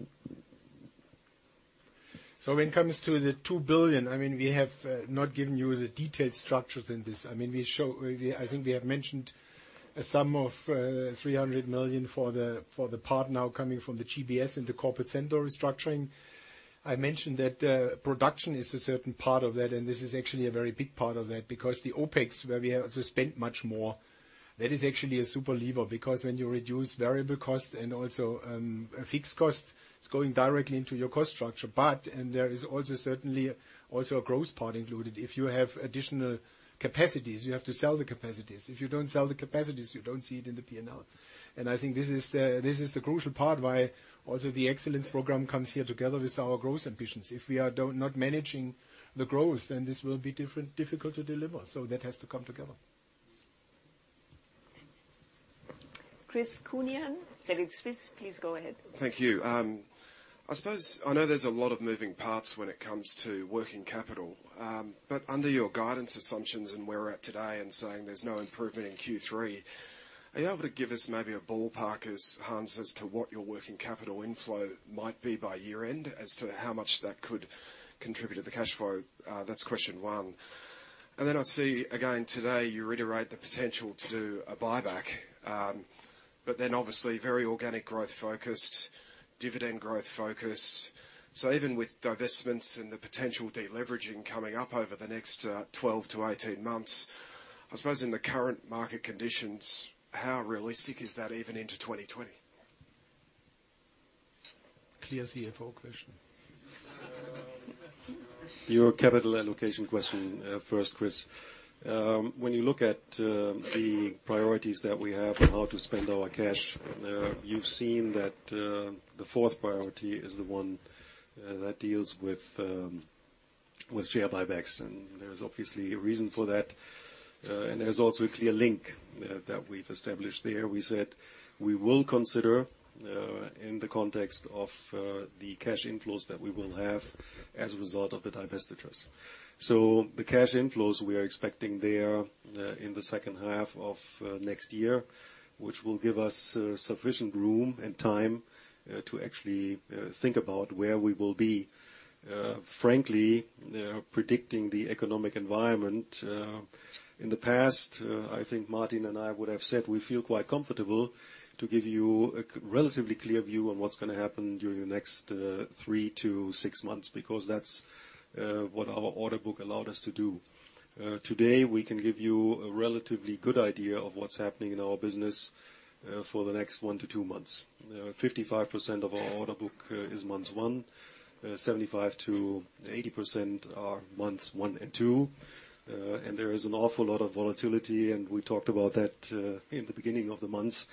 When it comes to the 2 billion, we have not given you the detailed structures in this. I think we have mentioned a sum of 300 million for the part now coming from the GBS and the corporate center restructuring. I mentioned that production is a certain part of that, and this is actually a very big part of that, because the OpEx, where we have to spend much more, that is actually a super lever, because when you reduce variable costs and also fixed costs, it's going directly into your cost structure. There is also certainly also a growth part included. If you have additional capacities, you have to sell the capacities. If you don't sell the capacities, you don't see it in the P&L. I think this is the crucial part why also the excellence program comes here together with our growth ambitions. If we are not managing the growth, then this will be difficult to deliver. That has to come together. Chris Counihan, Credit Suisse, please go ahead. Thank you. I suppose I know there's a lot of moving parts when it comes to working capital. Under your guidance assumptions and where we're at today and saying there's no improvement in Q3, are you able to give us maybe a ballpark, Hans, as to what your working capital inflow might be by year-end as to how much that could contribute to the cash flow? That's question one. I see again today you reiterate the potential to do a buyback. Obviously very organic growth focused, dividend growth focus. Even with divestments and the potential deleveraging coming up over the next 12-18 months, I suppose in the current market conditions, how realistic is that even into 2020? Clear CFO question. Your capital allocation question first, Chris. When you look at the priorities that we have on how to spend our cash, you've seen that the fourth priority is the one that deals with share buybacks. There's obviously a reason for that, and there's also a clear link that we've established there. We said we will consider in the context of the cash inflows that we will have as a result of the divestitures. The cash inflows we are expecting there in the second half of next year, which will give us sufficient room and time to actually think about where we will be. Frankly, predicting the economic environment in the past, I think Martin and I would have said we feel quite comfortable to give you a relatively clear view on what's going to happen during the next three to six months, because that's what our order book allowed us to do. Today, we can give you a relatively good idea of what's happening in our business for the next one to two months. 55% of our order book is months 1, 75%-80% are months 1 and 2, and there is an awful lot of volatility, and we talked about that in the beginning of the month.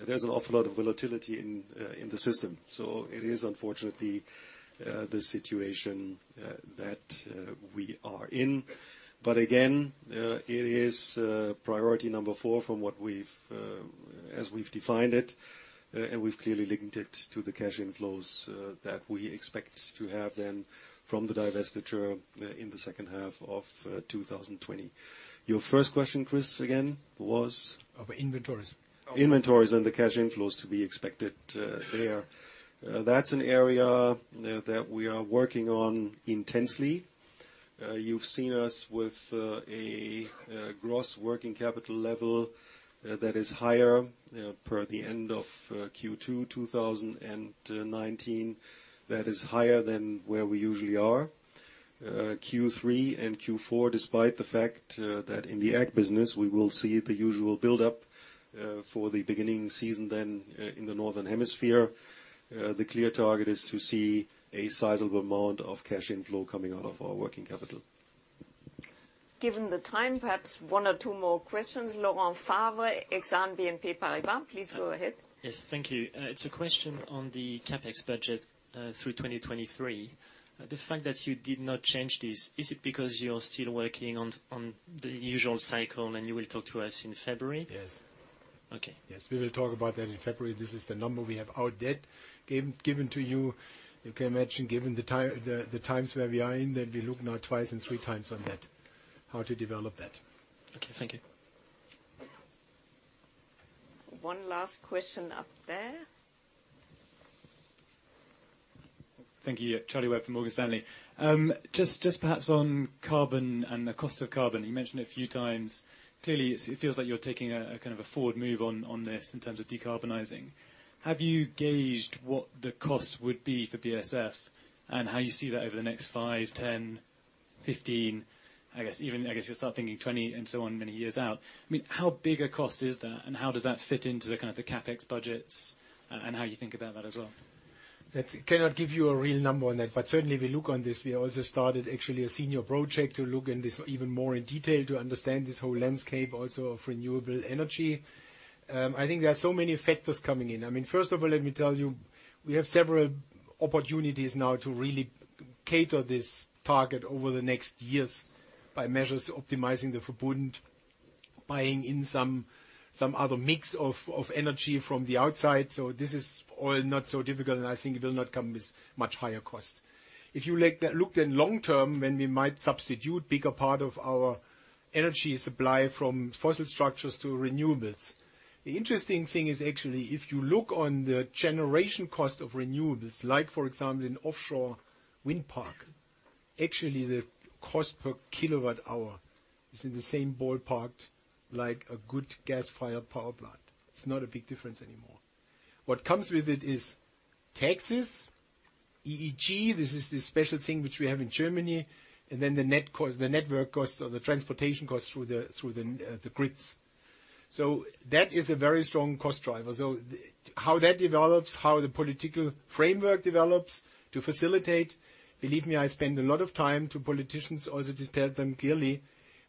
There's an awful lot of volatility in the system, so it is unfortunately the situation that we are in. Again, it is priority number 4 as we've defined it, and we've clearly linked it to the cash inflows that we expect to have then from the divestiture in the second half of 2020. Your first question, Chris, again, was? Of inventories. Inventories and the cash inflows to be expected there. That's an area that we are working on intensely. You've seen us with a gross working capital level that is higher per the end of Q2 2019, that is higher than where we usually are. Q3 and Q4, despite the fact that in the Ag business, we will see the usual buildup for the beginning season then in the Northern Hemisphere. The clear target is to see a sizable amount of cash inflow coming out of our working capital. Given the time, perhaps one or two more questions. Laurent Favre, Exane BNP Paribas, please go ahead. Yes. Thank you. It's a question on the CapEx budget through 2023. The fact that you did not change this, is it because you're still working on the usual cycle and you will talk to us in February? Yes. Okay. We will talk about that in February. This is the number we have out there given to you. You can imagine, given the times where we are in, that we look now twice and three times on that, how to develop that. Okay. Thank you. One last question up there. Thank you. Charlie Webb from Morgan Stanley. Just perhaps on carbon and the cost of carbon. You mentioned a few times. Clearly, it feels like you're taking a forward move on this in terms of decarbonizing. Have you gauged what the cost would be for BASF and how you see that over the next five, 10, 15, I guess you'll start thinking 20 and so on, many years out? How big a cost is that, and how does that fit into the CapEx budgets, and how you think about that as well? I cannot give you a real number on that, but certainly we look on this. We also started actually a senior project to look in this even more in detail to understand this whole landscape also of renewable energy. I think there are so many factors coming in. First of all, let me tell you, we have several opportunities now to really cater this target over the next years by measures optimizing the Verbund, buying in some other mix of energy from the outside. This is all not so difficult, and I think it will not come with much higher cost. If you look then long-term, when we might substitute bigger part of our energy supply from fossil structures to renewables. The interesting thing is actually, if you look on the generation cost of renewables, like for example in offshore wind park, actually the cost per kilowatt hour is in the same ballpark like a good gas-fired power plant. It's not a big difference anymore. What comes with it is taxes, EEG, this is the special thing which we have in Germany, then the network cost or the transportation cost through the grids. That is a very strong cost driver. How that develops, how the political framework develops to facilitate, believe me, I spend a lot of time to politicians also to tell them, clearly,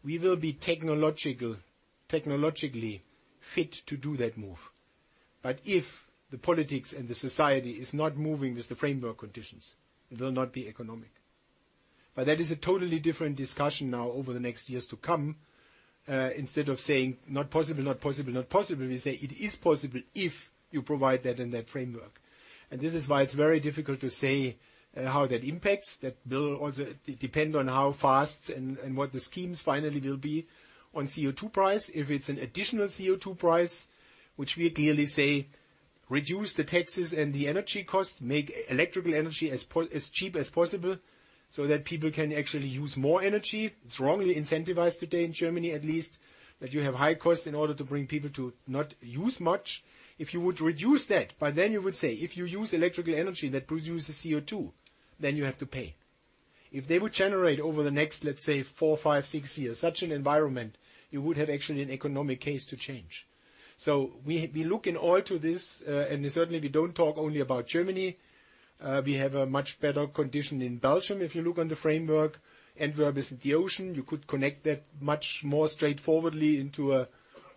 we will be technologically fit to do that move. If the politics and the society is not moving with the framework conditions, it will not be economic. That is a totally different discussion now over the next years to come. Instead of saying, "Not possible," we say, "It is possible if you provide that in that framework." This is why it's very difficult to say how that impacts. That will also depend on how fast and what the schemes finally will be on CO2 price. If it's an additional CO2 price, which we clearly say, reduce the taxes and the energy cost, make electrical energy as cheap as possible so that people can actually use more energy. It's wrongly incentivized today in Germany at least, that you have high cost in order to bring people to not use much. If you would reduce that, then you would say, if you use electrical energy that produces CO2, then you have to pay. If they would generate over the next, let's say, four, five, six years, such an environment, you would have actually an economic case to change. We look in oil to this. Certainly we don't talk only about Germany. We have a much better condition in Belgium if you look on the framework. Antwerp is at the ocean, you could connect that much more straightforwardly into an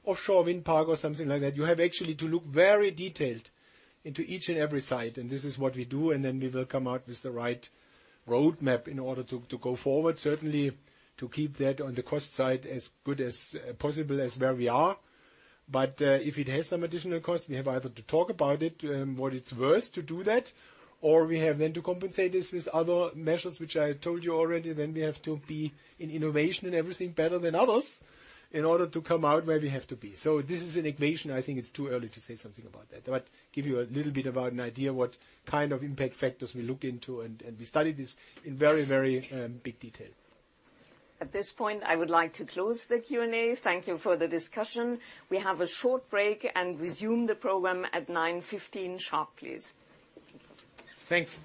offshore wind park or something like that. You have actually to look very detailed into each and every site. This is what we do. Then we will come out with the right roadmap in order to go forward, certainly to keep that on the cost side as good as possible as where we are. If it has some additional cost, we have either to talk about it, what it's worth to do that, or we have then to compensate this with other measures, which I told you already. We have to be in innovation and everything better than others in order to come out where we have to be. This is an equation. I think it's too early to say something about that. Give you a little bit about an idea what kind of impact factors we look into, and we study this in very big detail. At this point, I would like to close the Q&A. Thank you for the discussion. We have a short break and resume the program at 9:15 A.M. sharp, please. Thanks.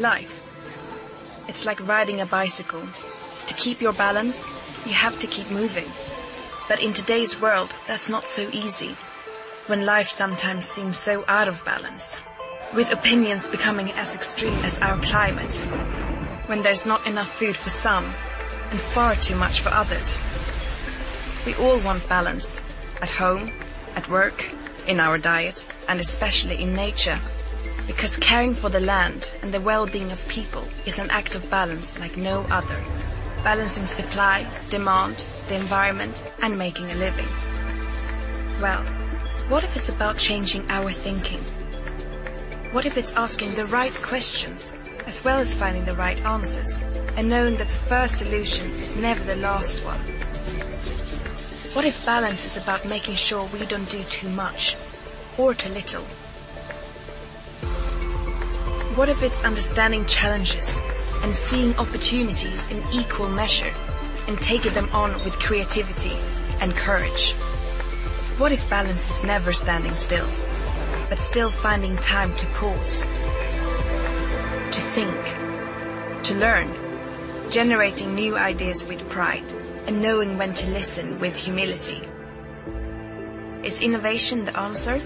Life, it's like riding a bicycle. To keep your balance, you have to keep moving. In today's world, that's not so easy, when life sometimes seems so out of balance. With opinions becoming as extreme as our climate. When there's not enough food for some and far too much for others. We all want balance at home, at work, in our diet, and especially in nature. Because caring for the land and the well-being of people is an act of balance like no other. Balancing supply, demand, the environment, and making a living. Well, what if it's about changing our thinking? What if it's asking the right questions, as well as finding the right answers and knowing that the first solution is never the last one? What if balance is about making sure we don't do too much or too little? What if it's understanding challenges and seeing opportunities in equal measure and taking them on with creativity and courage? What if balance is never standing still, but still finding time to pause, to think, to learn, generating new ideas with pride, and knowing when to listen with humility? Is innovation the answer?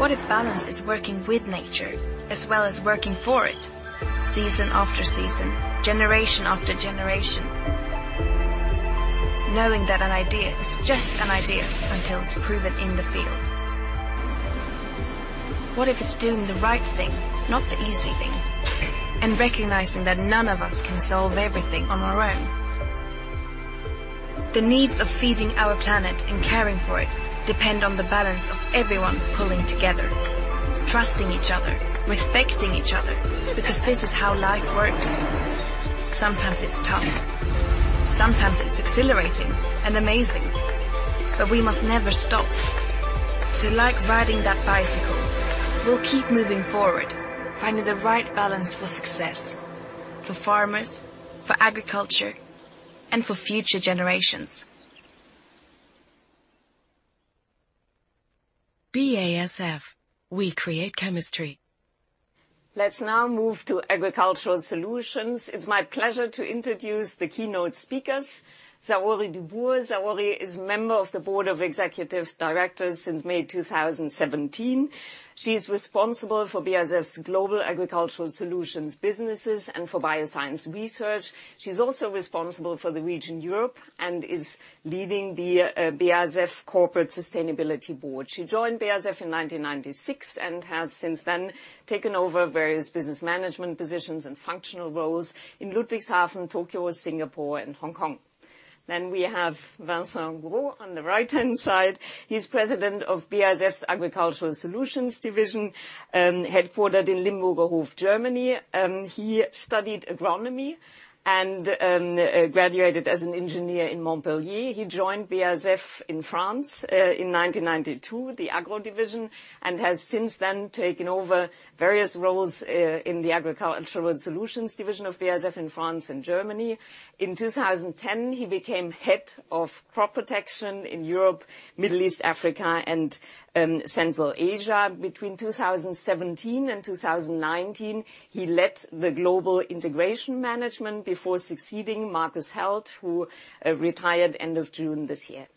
What if balance is working with nature as well as working for it, season after season, generation after generation? Knowing that an idea is just an idea until it's proven in the field. What if it's doing the right thing, not the easy thing, and recognizing that none of us can solve everything on our own? The needs of feeding our planet and caring for it depend on the balance of everyone pulling together, trusting each other, respecting each other, because this is how life works. Sometimes it's tough. Sometimes it's exhilarating and amazing, but we must never stop. Like riding that bicycle, we'll keep moving forward, finding the right balance for success. For farmers, for agriculture, and for future generations. BASF, we create chemistry. Let's now move to Agricultural Solutions. It's my pleasure to introduce the keynote speakers. Saori Dubourg. Saori is Member of the Board of Executive Directors since May 2017. She's responsible for BASF's global Agricultural Solutions businesses and for Bioscience Research. She's also responsible for the region Europe and is leading the BASF Corporate Sustainability Board. She joined BASF in 1996 and has since then taken over various business management positions and functional roles in Ludwigshafen, Tokyo, Singapore, and Hong Kong. We have Vincent Gros on the right-hand side. He's President of BASF's Agricultural Solutions Division, headquartered in Limburgerhof, Germany. He studied agronomy and graduated as an engineer in Montpellier. He joined BASF in France in 1992, the Agro division, and has since then taken over various roles in the Agricultural Solutions Division of BASF in France and Germany. In 2010, he became Head of Crop Protection in Europe, Middle East, Africa, and Central Asia. Between 2017 and 2019, he led the Global Integration Management before succeeding Markus Heldt, who retired end of June this year.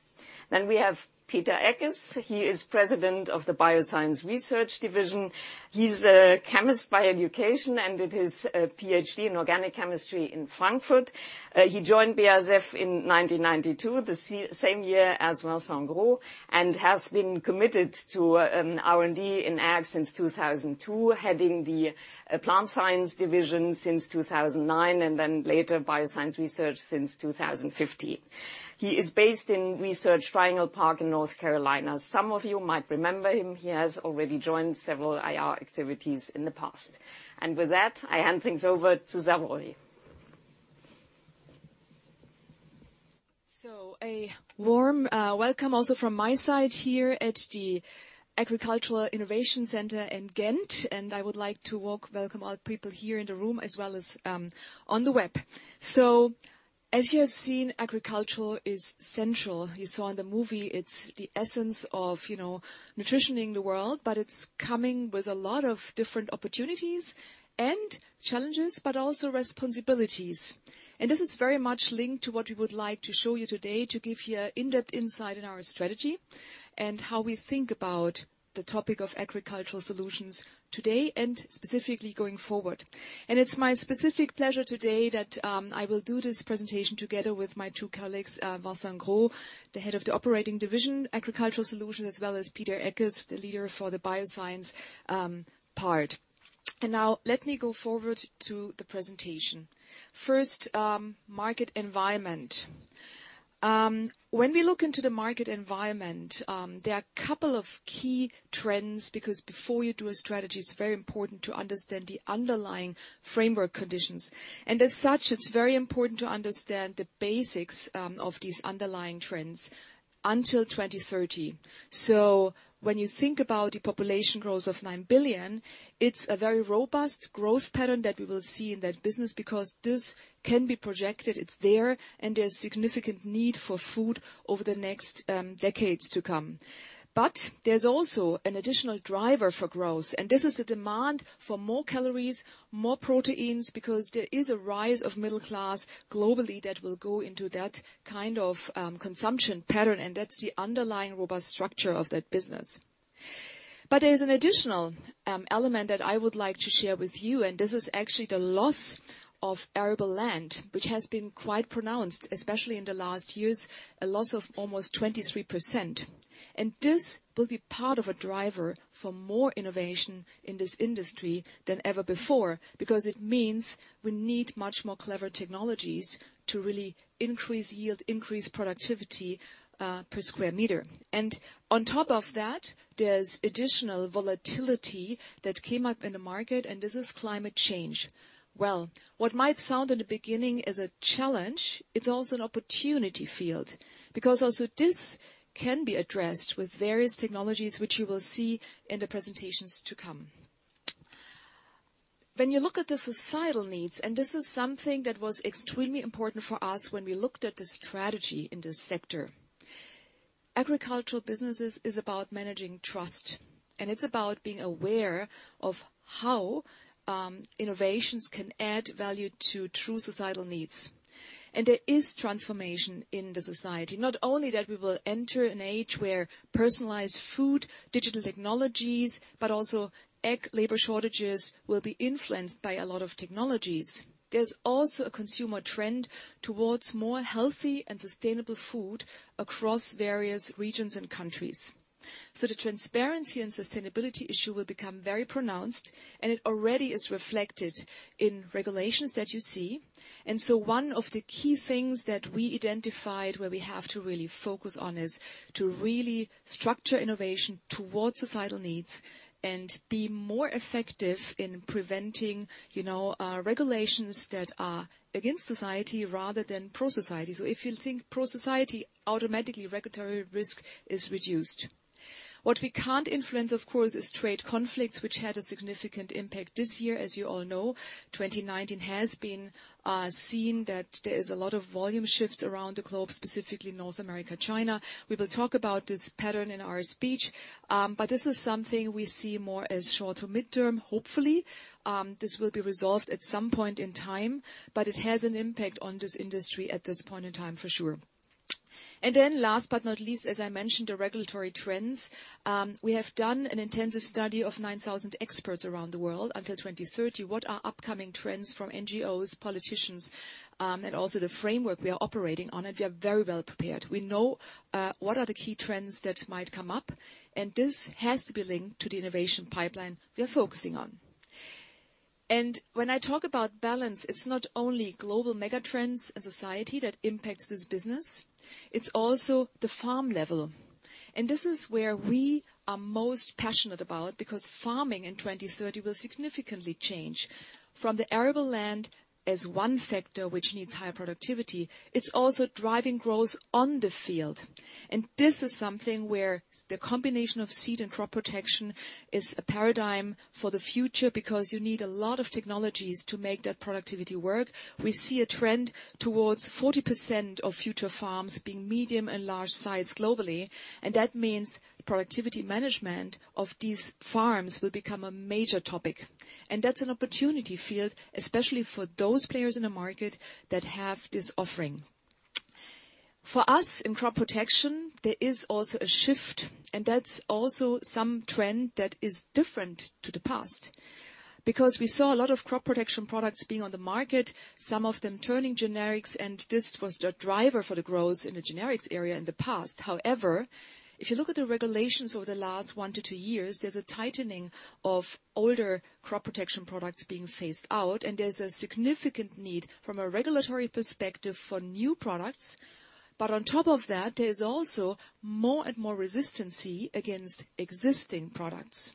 We have Peter Eckes. He is president of the Bioscience Research Division. He is a chemist by education and did his PhD in organic chemistry in Frankfurt. He joined BASF in 1992, the same year as Vincent Gros, and has been committed to R&D in ag since 2002, heading the Plant Science Division since 2009, and then later Bioscience Research since 2015. He is based in Research Triangle Park in North Carolina. Some of you might remember him. He has already joined several IR activities in the past. With that, I hand things over to Saori. A warm welcome also from my side here at the Agricultural Innovation Center in Ghent, and I would like to welcome all people here in the room as well as on the web. As you have seen, agricultural is central. You saw in the movie, it's the essence of nutritioning the world, but it's coming with a lot of different opportunities and challenges, but also responsibilities. This is very much linked to what we would like to show you today to give you an in-depth insight in our strategy and how we think about the topic of Agricultural Solutions today and specifically going forward. It's my specific pleasure today that I will do this presentation together with my two colleagues, Vincent Gros, the head of the operating division, Agricultural Solution, as well as Peter Eckes, the leader for the bioscience part. Now let me go forward to the presentation. First, market environment. When we look into the market environment, there are a couple of key trends because before you do a strategy, it is very important to understand the underlying framework conditions. As such, it is very important to understand the basics of these underlying trends until 2030. When you think about the population growth of nine billion, it is a very robust growth pattern that we will see in that business because this can be projected, it is there, and there is significant need for food over the next decades to come. There is also an additional driver for growth, and this is the demand for more calories, more proteins, because there is a rise of middle class globally that will go into that kind of consumption pattern, and that is the underlying robust structure of that business. There is an additional element that I would like to share with you, and this is actually the loss of arable land, which has been quite pronounced, especially in the last years, a loss of almost 23%. This will be part of a driver for more innovation in this industry than ever before, because it means we need much more clever technologies to really increase yield, increase productivity per square meter. On top of that, there's additional volatility that came up in the market, and this is climate change. Well, what might sound in the beginning as a challenge, it's also an opportunity field, because also this can be addressed with various technologies, which you will see in the presentations to come. When you look at the societal needs, and this is something that was extremely important for us when we looked at the strategy in this sector. Agricultural businesses is about managing trust, and it's about being aware of how innovations can add value to true societal needs. There is transformation in the society. Not only that we will enter an age where personalized food, digital technologies, but also ag labor shortages will be influenced by a lot of technologies. There's also a consumer trend towards more healthy and sustainable food across various regions and countries. The transparency and sustainability issue will become very pronounced, and it already is reflected in regulations that you see. One of the key things that we identified where we have to really focus on is to really structure innovation towards societal needs and be more effective in preventing regulations that are against society rather than pro-society. If you think pro-society, automatically regulatory risk is reduced. What we can't influence, of course, is trade conflicts, which had a significant impact this year, as you all know. 2019 has been seen that there is a lot of volume shifts around the globe, specifically North America, China. We will talk about this pattern in our speech, but this is something we see more as short to midterm. Hopefully, this will be resolved at some point in time, but it has an impact on this industry at this point in time for sure. Last but not least, as I mentioned, the regulatory trends. We have done an intensive study of 9,000 experts around the world until 2030. What are upcoming trends from NGOs, politicians, and also the framework we are operating on, and we are very well prepared. We know what are the key trends that might come up, and this has to be linked to the innovation pipeline we are focusing on. When I talk about balance, it's not only global mega trends and society that impacts this business, it's also the farm level. This is where we are most passionate about because farming in 2030 will significantly change. From the arable land as one factor which needs higher productivity, it's also driving growth on the field. This is something where the combination of seed and crop protection is a paradigm for the future because you need a lot of technologies to make that productivity work. We see a trend towards 40% of future farms being medium and large size globally. That means productivity management of these farms will become a major topic. That's an opportunity field, especially for those players in the market that have this offering. For us in crop protection, there is also a shift. That's also some trend that is different to the past. We saw a lot of crop protection products being on the market, some of them turning generics. This was the driver for the growth in the generics area in the past. However, if you look at the regulations over the last one to two years, there's a tightening of older crop protection products being phased out. There's a significant need from a regulatory perspective for new products. On top of that, there is also more and more resistance against existing products.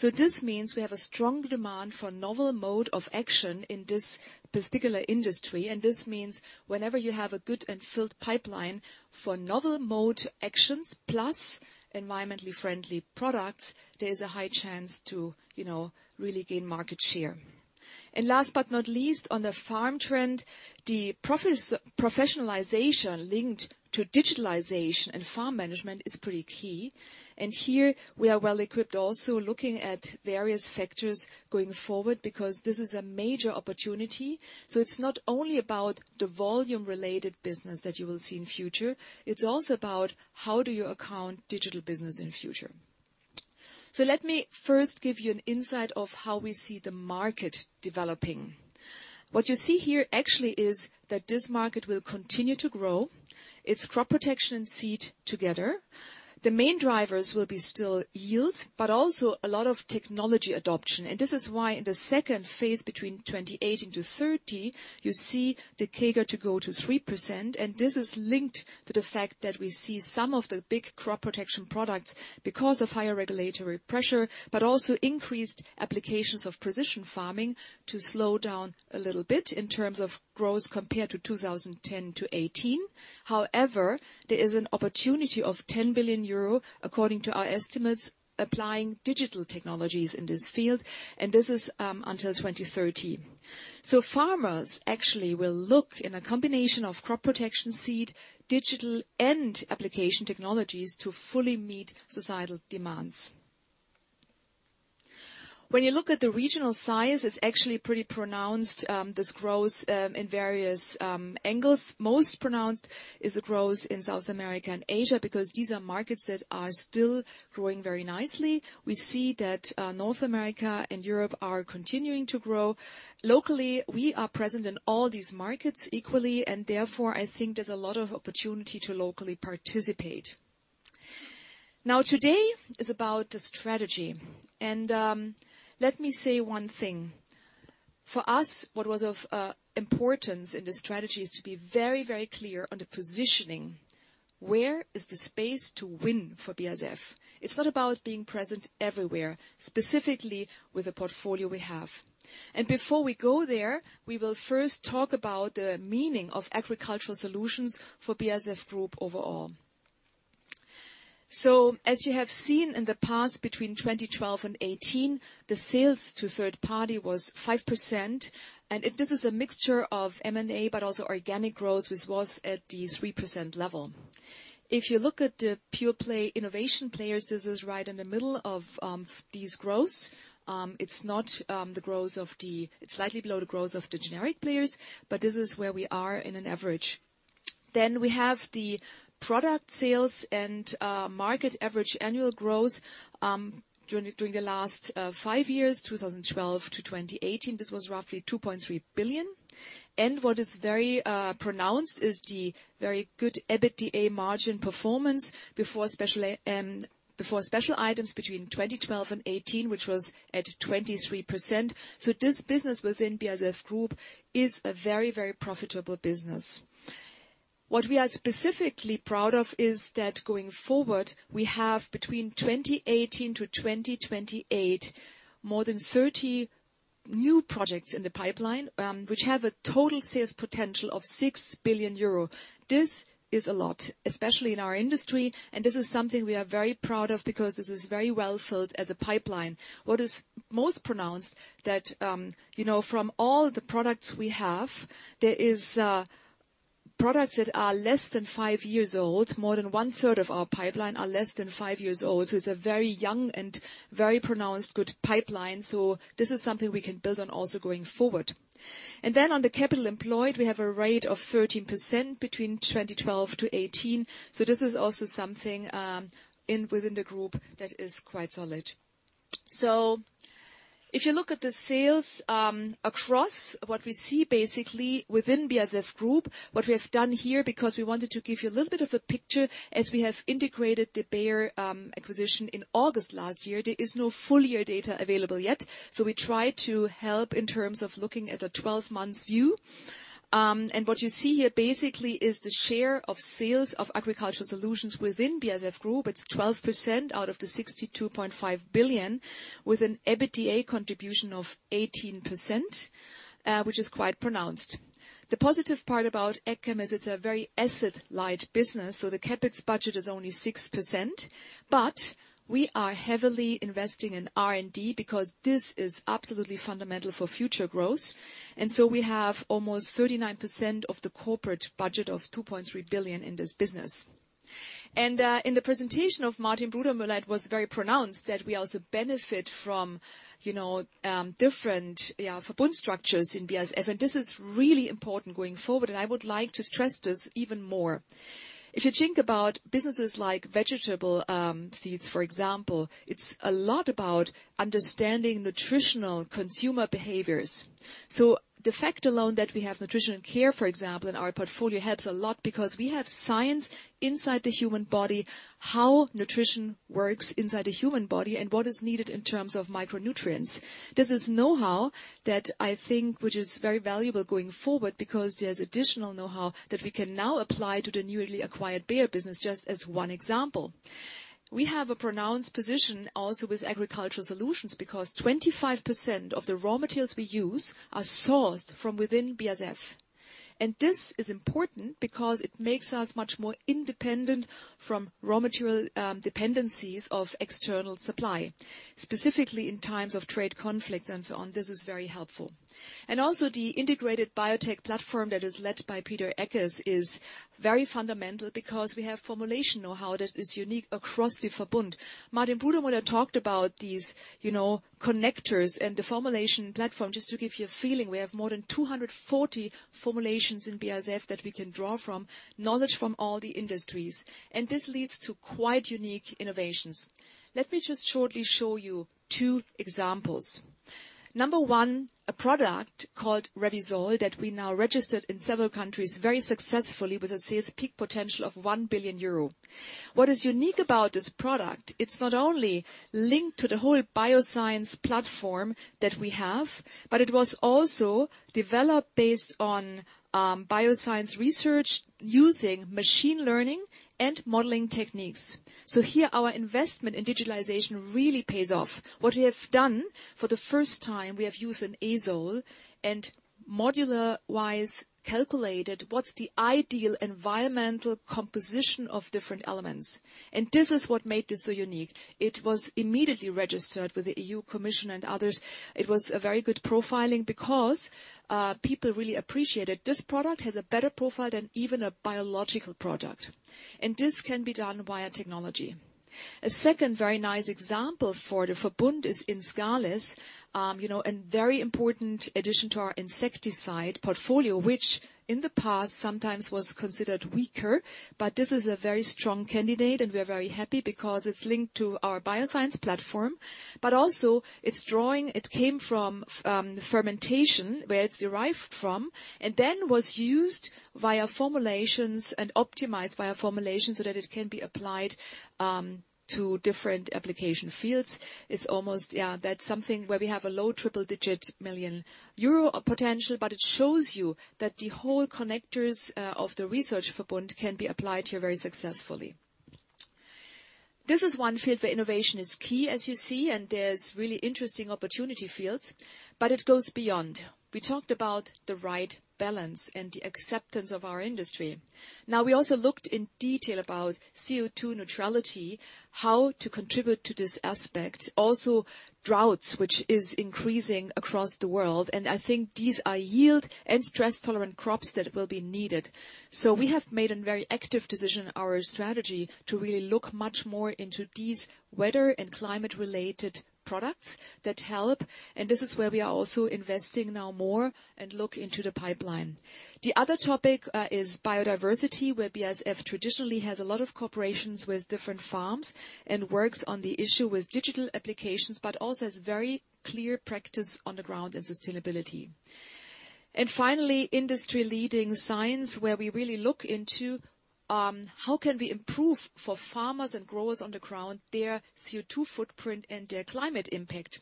This means we have a strong demand for novel mode of action in this particular industry. This means whenever you have a good and filled pipeline for novel mode actions plus environmentally friendly products, there is a high chance to really gain market share. Last but not least, on the farm trend, the professionalization linked to digitalization and farm management is pretty key. Here, we are well equipped also looking at various factors going forward, because this is a major opportunity. It's not only about the volume-related business that you will see in future, it's also about how do you account digital business in future. Let me first give you an insight of how we see the market developing. What you see here actually is that this market will continue to grow. It's crop protection and seed together. The main drivers will be still yield, but also a lot of technology adoption. This is why in the second phase between 2018-2030, you see the CAGR to go to 3%. This is linked to the fact that we see some of the big crop protection products, because of higher regulatory pressure, but also increased applications of precision farming, to slow down a little bit in terms of growth compared to 2010-2018. There is an opportunity of 10 billion euro, according to our estimates, applying digital technologies in this field, and this is until 2030. Farmers actually will look in a combination of crop protection, seed, digital and application technologies to fully meet societal demands. You look at the regional size, it's actually pretty pronounced, this growth, in various angles. Most pronounced is the growth in South America and Asia, because these are markets that are still growing very nicely. We see that North America and Europe are continuing to grow. Locally, we are present in all these markets equally, and therefore, I think there's a lot of opportunity to locally participate. Now, today is about the strategy. Let me say one thing. For us, what was of importance in the strategy is to be very clear on the positioning. Where is the space to win for BASF? It's not about being present everywhere, specifically with the portfolio we have. Before we go there, we will first talk about the meaning of Agricultural Solutions for BASF Group overall. As you have seen in the past, between 2012 and 2018, the sales to third party was 5%, and this is a mixture of M&A, but also organic growth, which was at the 3% level. If you look at the pure-play innovation players, this is right in the middle of this growth. It's slightly below the growth of the generic players, but this is where we are in an average. We have the product sales and market average annual growth during the last five years, 2012 to 2018. This was roughly 2.3 billion. What is very pronounced is the very good EBITDA margin performance before special items between 2012 and 2018, which was at 23%. This business within BASF Group is a very profitable business. What we are specifically proud of is that going forward, we have between 2018 to 2028, more than 30 new projects in the pipeline, which have a total sales potential of 6 billion euro. This is a lot, especially in our industry, and this is something we are very proud of because this is very well-filled as a pipeline. What is most pronounced that from all the products we have, there are products that are less than five years old. More than one-third of our pipeline are less than five years old. It's a very young and very pronounced good pipeline. This is something we can build on also going forward. On the capital employed, we have a rate of 13% between 2012 to 2018. This is also something within the group that is quite solid. If you look at the sales across, what we see within BASF Group, what we have done here, because we wanted to give you a little bit of a picture as we have integrated the Bayer acquisition in August last year. There is no full year data available yet, so we try to help in terms of looking at a 12-month view. What you see here is the share of sales of Agricultural Solutions within BASF Group. It's 12% out of the 62.5 billion, with an EBITDA contribution of 18%, which is quite pronounced. The positive part about AgChem is it's a very asset-light business, so the CapEx budget is only 6%, but we are heavily investing in R&D because this is absolutely fundamental for future growth. We have almost 39% of the corporate budget of 2.3 billion in this business. In the presentation of Martin Brudermüller was very pronounced that we also benefit from different Verbund structures in BASF, and this is really important going forward, and I would like to stress this even more. If you think about businesses like vegetable seeds, for example, it's a lot about understanding nutritional consumer behaviors. The fact alone that we have Nutrition and Care, for example, in our portfolio helps a lot because we have science inside the human body, how nutrition works inside the human body, and what is needed in terms of micronutrients. This is knowhow that I think which is very valuable going forward because there's additional knowhow that we can now apply to the newly acquired Bayer business, just as one example. We have a pronounced position also with Agricultural Solutions because 25% of the raw materials we use are sourced from within BASF. This is important because it makes us much more independent from raw material dependencies of external supply, specifically in times of trade conflicts and so on. This is very helpful. Also the integrated biotech platform that is led by Peter Eckes is very fundamental because we have formulation knowhow that is unique across the Verbund. Martin Brudermüller talked about these connectors and the formulation platform. Just to give you a feeling, we have more than 240 formulations in BASF that we can draw from, knowledge from all the industries. This leads to quite unique innovations. Let me just shortly show you two examples. Number one, a product called Revysol that we now registered in several countries very successfully with a sales peak potential of 1 billion euro. What is unique about this product, it's not only linked to the whole bioscience platform that we have, but it was also developed based on bioscience research using machine learning and modeling techniques. Here, our investment in digitalization really pays off. What we have done for the first time, we have used an azole and modular-wise calculated what's the ideal environmental composition of different elements. This is what made this so unique. It was immediately registered with the EU Commission and others. It was a very good profiling because people really appreciated this product has a better profile than even a biological product. This can be done via technology. A second very nice example for the Verbund is Inscalis, a very important addition to our insecticide portfolio, which in the past sometimes was considered weaker, but this is a very strong candidate, and we are very happy because it's linked to our bioscience platform. Also it came from fermentation where it's derived from and then was used via formulations and optimized via formulations so that it can be applied to different application fields. That's something where we have a low triple-digit million EUR potential, but it shows you that the whole connectors of the research Verbund can be applied here very successfully. This is one field where innovation is key, as you see, and there's really interesting opportunity fields, but it goes beyond. We talked about the right balance and the acceptance of our industry. We also looked in detail about CO2 neutrality, how to contribute to this aspect. Droughts, which is increasing across the world, I think these are yield and stress-tolerant crops that will be needed. We have made a very active decision in our strategy to really look much more into these weather and climate related products that help, this is where we are also investing now more and look into the pipeline. The other topic is biodiversity, where BASF traditionally has a lot of cooperations with different farms and works on the issue with digital applications, but also has very clear practice on the ground in sustainability. Finally, industry-leading science, where we really look into how can we improve for farmers and growers on the ground their CO2 footprint and their climate impact.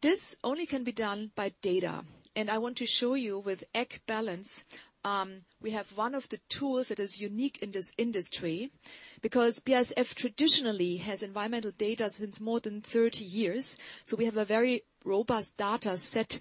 This only can be done by data. I want to show you with AgBalance, we have one of the tools that is unique in this industry because BASF traditionally has environmental data since more than 30 years. We have a very robust data set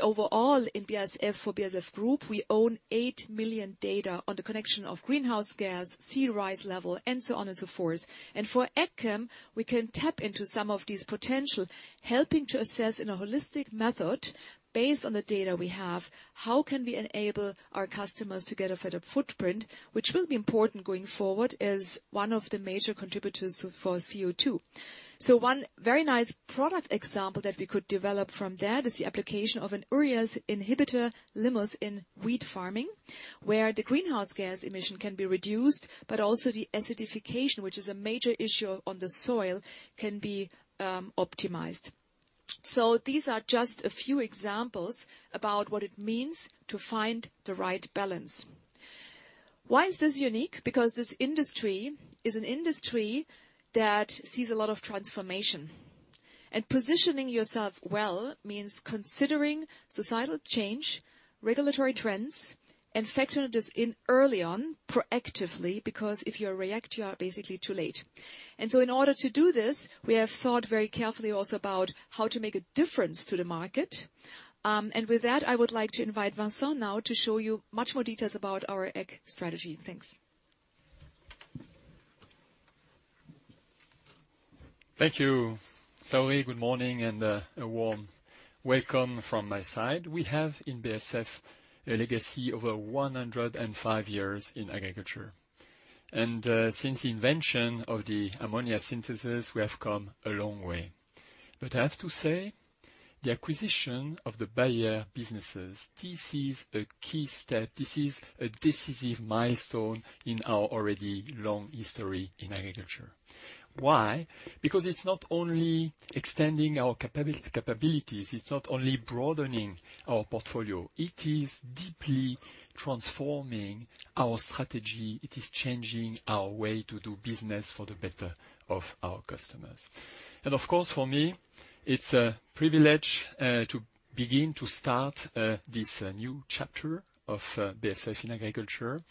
overall in BASF for BASF Group. We own 8 million data on the connection of greenhouse gas, sea rise level, and so on and so forth. For AgChem, we can tap into some of this potential, helping to assess in a holistic method based on the data we have, how can we enable our customers to get a better footprint, which will be important going forward as one of the major contributors for CO2. One very nice product example that we could develop from that is the application of an urease inhibitor Limus in wheat farming, where the greenhouse gas emission can be reduced, but also the acidification, which is a major issue on the soil, can be optimized. These are just a few examples about what it means to find the right balance. Why is this unique? Because this industry is an industry that sees a lot of transformation. Positioning yourself well means considering societal change, regulatory trends, and factor this in early on proactively, because if you react, you are basically too late. In order to do this, we have thought very carefully also about how to make a difference to the market. With that, I would like to invite Vincent now to show you much more details about our Ag strategy. Thanks. Thank you. Sorry, good morning and a warm welcome from my side. We have in BASF a legacy over 105 years in agriculture. Since the invention of the ammonia synthesis, we have come a long way. I have to say, the acquisition of the Bayer businesses, this is a key step. This is a decisive milestone in our already long history in agriculture. Why? Because it's not only extending our capabilities, it's not only broadening our portfolio, it is deeply transforming our strategy. It is changing our way to do business for the better of our customers. Of course, for me, it's a privilege to start this new chapter of BASF in agriculture.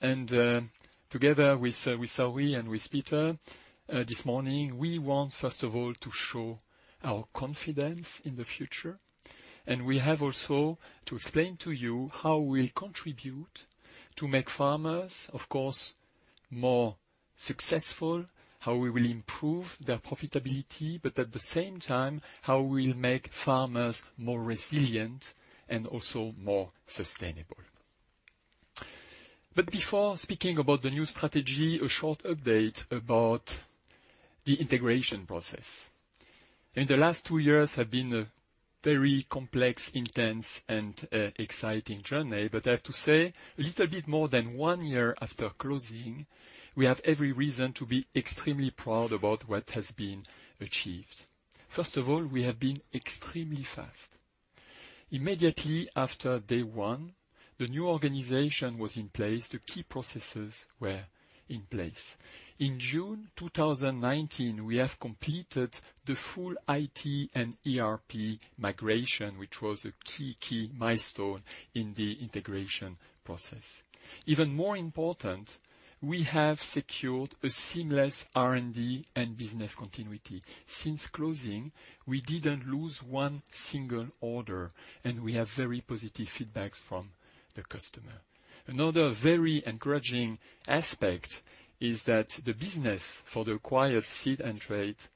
Together with Saori and with Peter this morning, we want, first of all, to show our confidence in the future. We have also to explain to you how we'll contribute to make farmers, of course, more successful, how we will improve their profitability, but at the same time, how we'll make farmers more resilient and also more sustainable. Before speaking about the new strategy, a short update about the integration process. In the last two years have been a very complex, intense, and exciting journey. I have to say, a little bit more than one year after closing, we have every reason to be extremely proud about what has been achieved. First of all, we have been extremely fast. Immediately after day one, the new organization was in place. The key processes were in place. In June 2019, we have completed the full IT and ERP migration, which was a key milestone in the integration process. Even more important, we have secured a seamless R&D and business continuity. Since closing, we didn't lose one single order, and we have very positive feedback from the customer. Another very encouraging aspect is that the business for the acquired seed and trait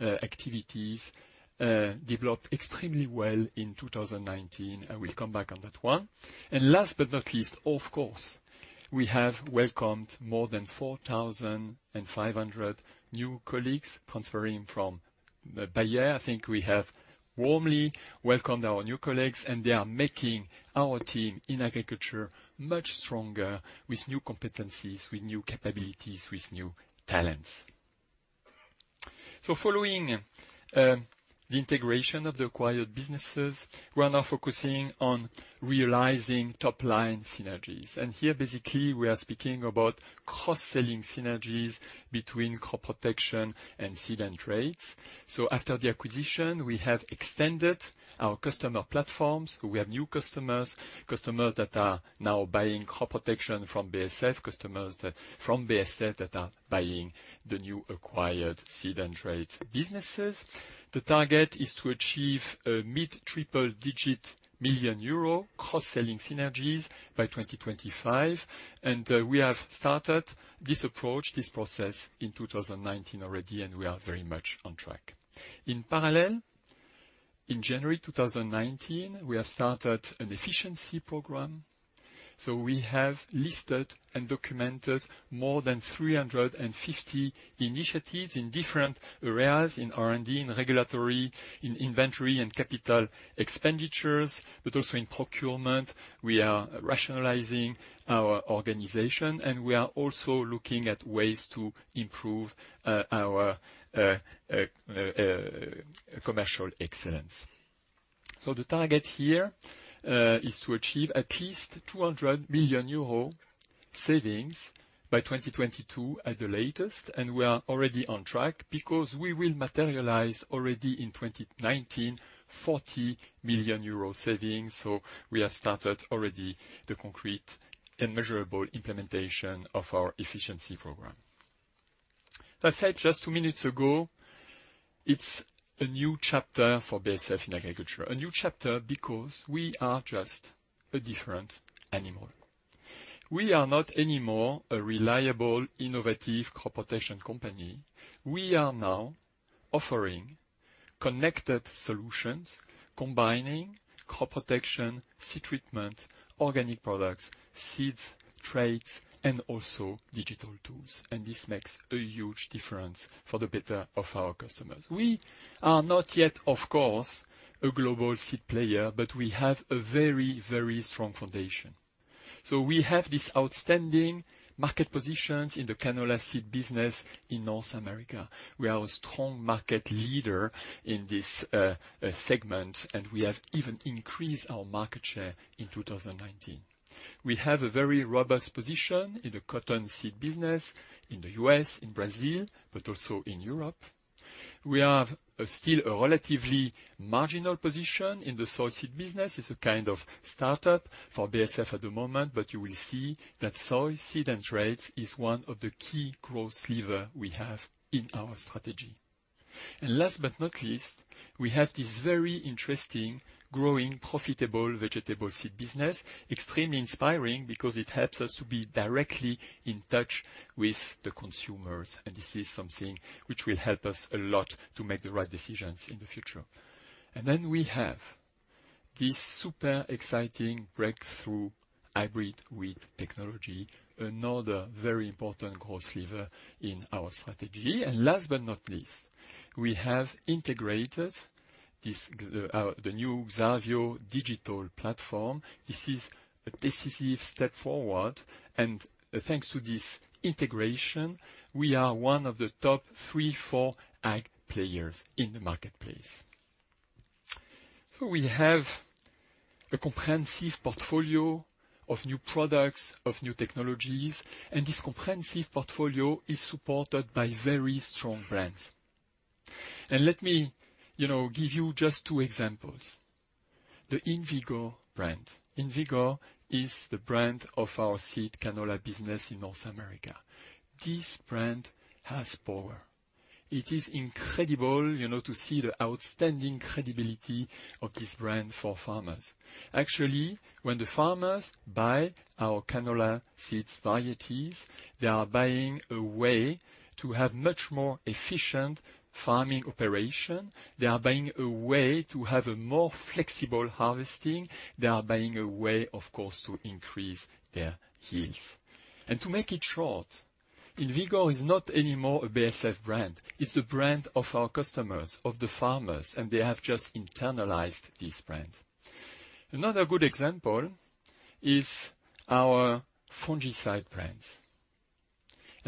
activities developed extremely well in 2019. I will come back on that one. Last but not least, of course, we have welcomed more than 4,500 new colleagues transferring from Bayer. I think we have warmly welcomed our new colleagues, and they are making our team in agriculture much stronger with new competencies, with new capabilities, with new talents. Following the integration of the acquired businesses, we are now focusing on realizing top-line synergies. Here, basically, we are speaking about cross-selling synergies between crop protection and seed and traits. After the acquisition, we have extended our customer platforms. We have new customers that are now buying crop protection from BASF, customers from BASF that are buying the new acquired seed and traits businesses. The target is to achieve a mid-triple digit million euro cross-selling synergies by 2025. We have started this approach, this process in 2019 already, and we are very much on track. In parallel, in January 2019, we have started an efficiency program. We have listed and documented more than 350 initiatives in different areas, in R&D, in regulatory, in inventory and Capital Expenditures, but also in procurement. We are rationalizing our organization, and we are also looking at ways to improve our commercial excellence. The target here is to achieve at least 200 million euro savings by 2022 at the latest. We are already on track because we will materialize already in 2019, 40 million euro savings. We have started already the concrete and measurable implementation of our efficiency program. I said just two minutes ago, it's a new chapter for BASF in agriculture. A new chapter because we are just a different animal. We are not anymore a reliable, innovative crop protection company. We are now offering connected solutions, combining crop protection, seed treatment, organic products, seeds, traits, and also digital tools. This makes a huge difference for the better of our customers. We are not yet, of course, a global seed player, but we have a very, very strong foundation. We have this outstanding market positions in the canola seed business in North America. We are a strong market leader in this segment, and we have even increased our market share in 2019. We have a very robust position in the cotton seed business in the U.S., in Brazil, but also in Europe. We have still a relatively marginal position in the soy seed business. It's a kind of startup for BASF at the moment, but you will see that soy seed and trait is one of the key growth lever we have in our strategy. Last but not least, we have this very interesting, growing, profitable vegetable seed business. Extremely inspiring because it helps us to be directly in touch with the consumers, and this is something which will help us a lot to make the right decisions in the future. Then we have this super exciting breakthrough hybrid with technology, another very important growth lever in our strategy. Last but not least, we have integrated the new xarvio digital platform. This is a decisive step forward. Thanks to this integration, we are one of the top three, four Ag players in the marketplace. We have a comprehensive portfolio of new products, of new technologies, and this comprehensive portfolio is supported by very strong brands. Let me give you just two examples. The InVigor brand. InVigor is the brand of our seed canola business in North America. This brand has power. It is incredible to see the outstanding credibility of this brand for farmers. Actually, when the farmers buy our canola seed varieties, they are buying a way to have much more efficient farming operation. They are buying a way to have a more flexible harvesting. They are buying a way, of course, to increase their yields. To make it short, InVigor is not any more a BASF brand. It's a brand of our customers, of the farmers, and they have just internalized this brand. Another good example is our fungicide brands.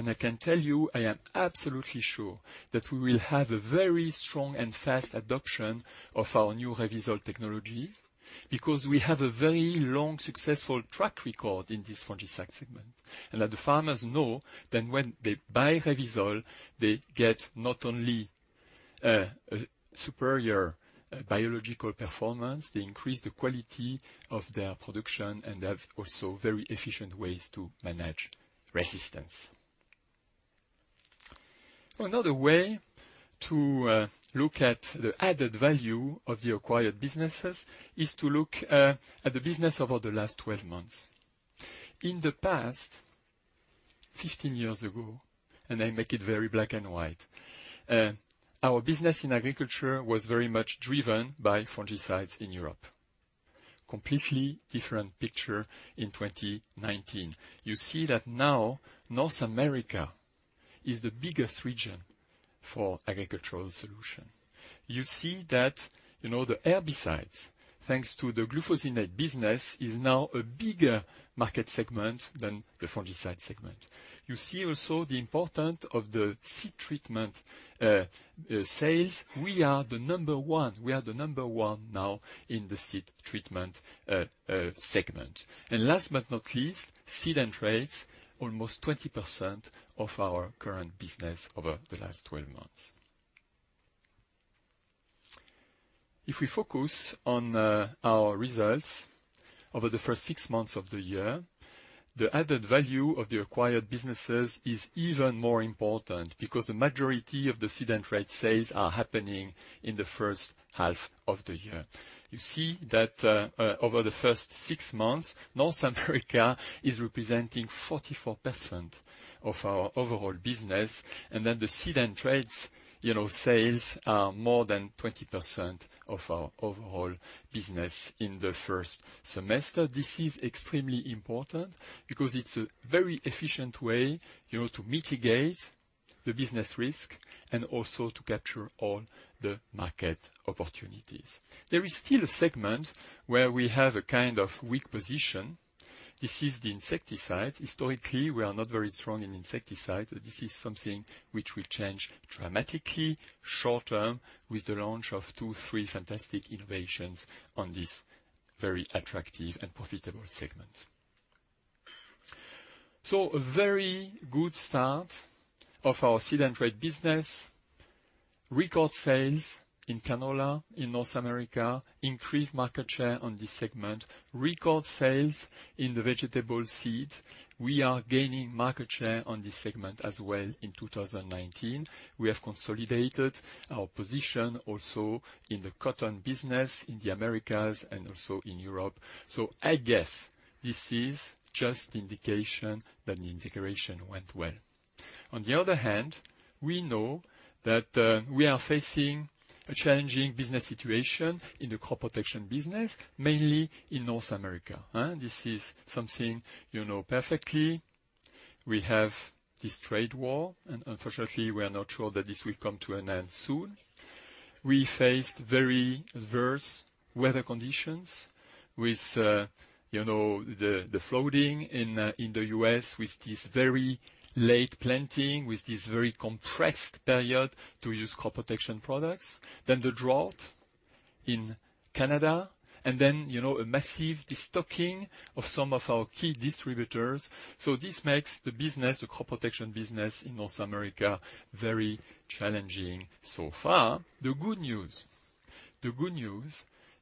I can tell you, I am absolutely sure that we will have a very strong and fast adoption of our new Revysol technology because we have a very long, successful track record in this fungicide segment. That the farmers know that when they buy Revysol, they get not only a superior biological performance, they increase the quality of their production, and they have also very efficient ways to manage resistance. Another way to look at the added value of the acquired businesses is to look at the business over the last 12 months. In the past, 15 years ago, and I make it very black and white, our business in agriculture was very much driven by fungicides in Europe. Completely different picture in 2019. You see that now North America is the biggest region for Agricultural Solutions. You see that the herbicides, thanks to the glufosinate business, is now a bigger market segment than the fungicide segment. You see also the importance of the seed treatment sales. We are the number 1 now in the seed treatment segment. Last but not least, seed and traits, almost 20% of our current business over the last 12 months. If we focus on our results over the first six months of the year, the added value of the acquired businesses is even more important because the majority of the seed and trait sales are happening in the first half of the year. You see that over the first six months, North America is representing 44% of our overall business, the seed and traits sales are more than 20% of our overall business in the first semester. This is extremely important because it's a very efficient way to mitigate the business risk and also to capture all the market opportunities. There is still a segment where we have a kind of weak position. This is the insecticide. Historically, we are not very strong in insecticide, this is something which will change dramatically short-term with the launch of two, three fantastic innovations on this very attractive and profitable segment. A very good start of our seed and trait business. Record sales in canola in North America. Increased market share on this segment. Record sales in the vegetable seeds. We are gaining market share on this segment as well in 2019. We have consolidated our position also in the cotton business in the Americas and also in Europe. I guess this is just indication that the integration went well. On the other hand, we know that we are facing a challenging business situation in the crop protection business, mainly in North America. This is something you know perfectly. We have this trade war, and unfortunately, we are not sure that this will come to an end soon. We faced very adverse weather conditions with the flooding in the U.S., with this very late planting, with this very compressed period to use crop protection products, then the drought in Canada, and then a massive destocking of some of our key distributors. This makes the crop protection business in North America very challenging so far. The good news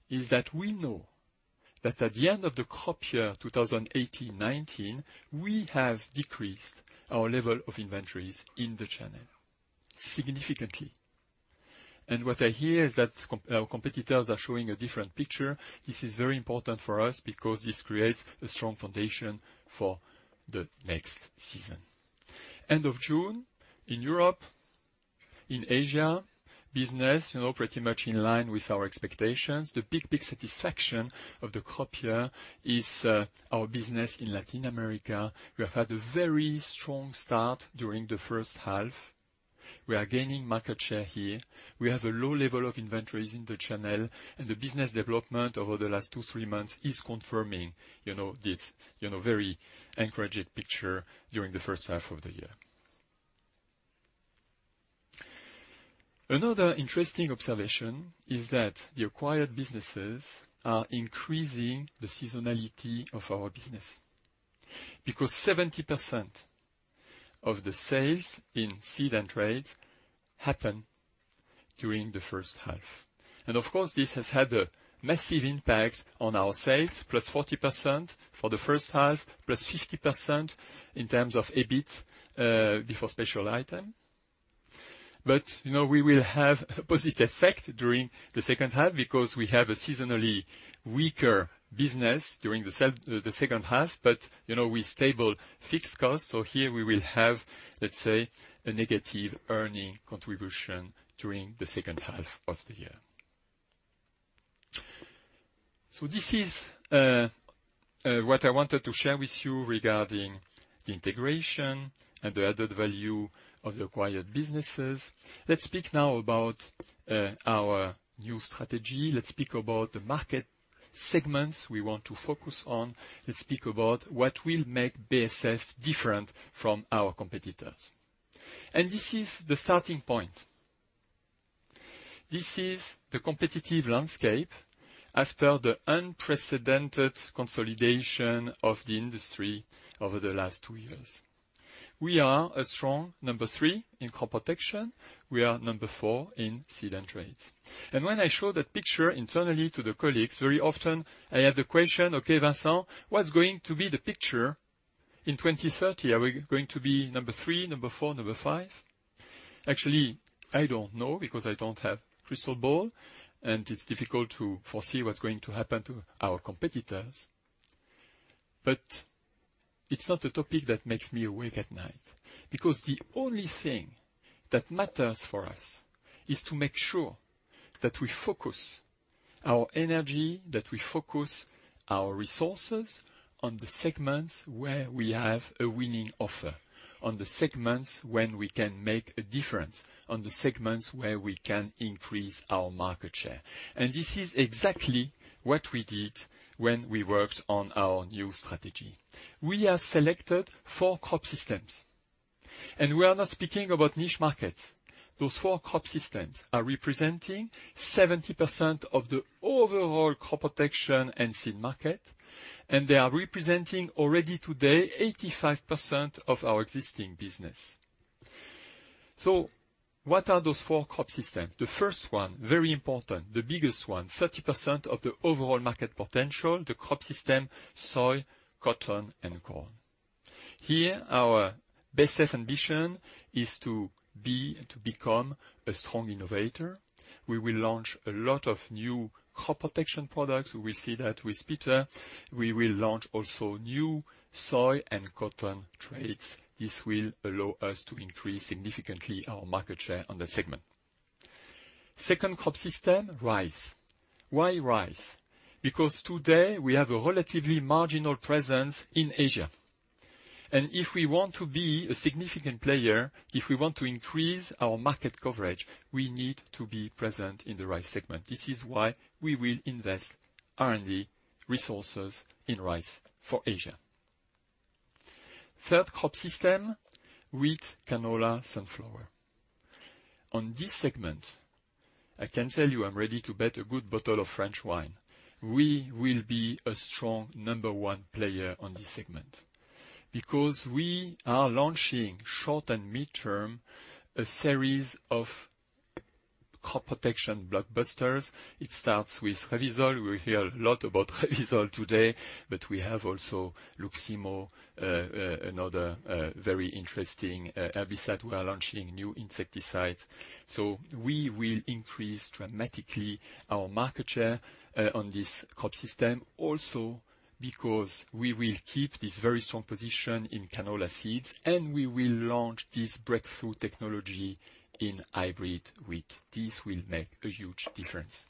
is that we know that at the end of the crop year 2018-2019, we have decreased our level of inventories in the channel significantly. What I hear is that our competitors are showing a different picture. This is very important for us because this creates a strong foundation for the next season. End of June in Europe, in Asia, business pretty much in line with our expectations. The big satisfaction of the crop year is our business in Latin America. We have had a very strong start during the first half. We are gaining market share here. We have a low level of inventories in the channel, and the business development over the last two, three months is confirming this very encouraging picture during the first half of the year. Another interesting observation is that the acquired businesses are increasing the seasonality of our business because 70% of the sales in seed and traits happen during the first half. Of course, this has had a massive impact on our sales, +40% for the first half, +50% in terms of EBIT before special item. We will have a positive effect during the second half because we have a seasonally weaker business during the second half. We stable fixed costs. Here we will have, let's say, a negative earning contribution during the second half of the year. This is what I wanted to share with you regarding the integration and the added value of the acquired businesses. Let's speak now about our new strategy. Let's speak about the market segments we want to focus on. Let's speak about what will make BASF different from our competitors. This is the starting point. This is the competitive landscape after the unprecedented consolidation of the industry over the last two years. We are a strong number three in crop protection. We are number four in seed and traits. When I show that picture internally to the colleagues, very often I have the question, "Okay, Vincent, what's going to be the picture in 2030? Are we going to be number three, number four, number five?" Actually, I don't know because I don't have crystal ball and it's difficult to foresee what's going to happen to our competitors. It's not a topic that makes me awake at night, because the only thing that matters for us is to make sure that we focus our energy, that we focus our resources on the segments where we have a winning offer, on the segments when we can make a difference, on the segments where we can increase our market share. This is exactly what we did when we worked on our new strategy. We have selected four crop systems. We are not speaking about niche markets. Those four crop systems are representing 70% of the overall crop protection and seed market, and they are representing already today 85% of our existing business. What are those four crop systems? The first one, very important, the biggest one, 30% of the overall market potential, the crop system, soy, cotton and corn. Here, our best ambition is to become a strong innovator. We will launch a lot of new crop protection products. We will see that with Peter. We will launch also new soy and cotton traits. This will allow us to increase significantly our market share on the segment. Second crop system, rice. Why rice? Because today we have a relatively marginal presence in Asia. If we want to be a significant player, if we want to increase our market coverage, we need to be present in the rice segment. This is why we will invest R&D resources in rice for Asia. Third crop system, wheat, canola, sunflower. On this segment, I can tell you I'm ready to bet a good bottle of French wine. We will be a strong number 1 player on this segment because we are launching short and midterm a series of crop protection blockbusters. It starts with Revysol. We will hear a lot about Revysol today. We have also Luximo®, another very interesting herbicide. We are launching new insecticides. We will increase dramatically our market share on this crop system also because we will keep this very strong position in canola seeds, and we will launch this breakthrough technology in hybrid wheat. This will make a huge difference.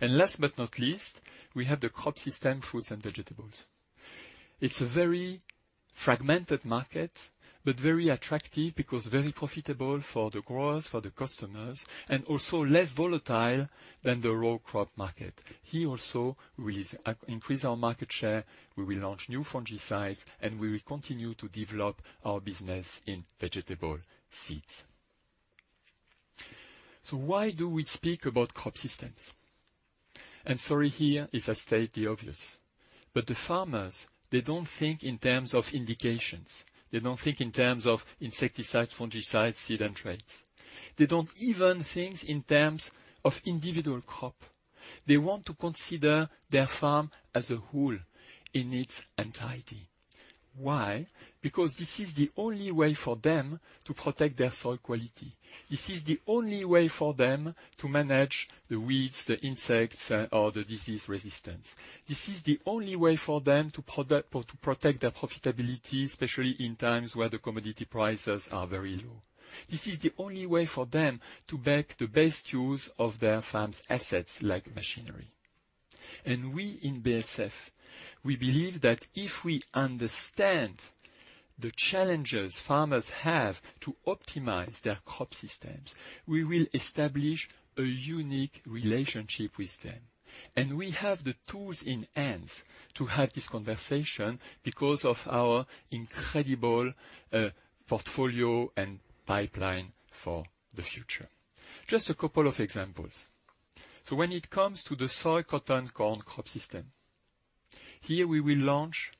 Last but not least, we have the crop system, fruits and vegetables. It's a very fragmented market, but very attractive because very profitable for the growers, for the customers, and also less volatile than the raw crop market. Here also, we increase our market share. We will launch new fungicides, and we will continue to develop our business in vegetable seeds. Why do we speak about crop systems? Sorry here if I state the obvious. The farmers, they don't think in terms of indications. They don't think in terms of insecticides, fungicides, seed, and traits. They don't even think in terms of individual crop. They want to consider their farm as a whole in its entirety. Why? This is the only way for them to protect their soil quality. This is the only way for them to manage the weeds, the insects, or the disease resistance. This is the only way for them to protect their profitability, especially in times where the commodity prices are very low. This is the only way for them to make the best use of their farm's assets, like machinery. We in BASF, we believe that if we understand the challenges farmers have to optimize their crop systems, we will establish a unique relationship with them. We have the tools in hand to have this conversation because of our incredible portfolio and pipeline for the future. Just a couple of examples. When it comes to the soy, cotton, corn crop system, here we will launch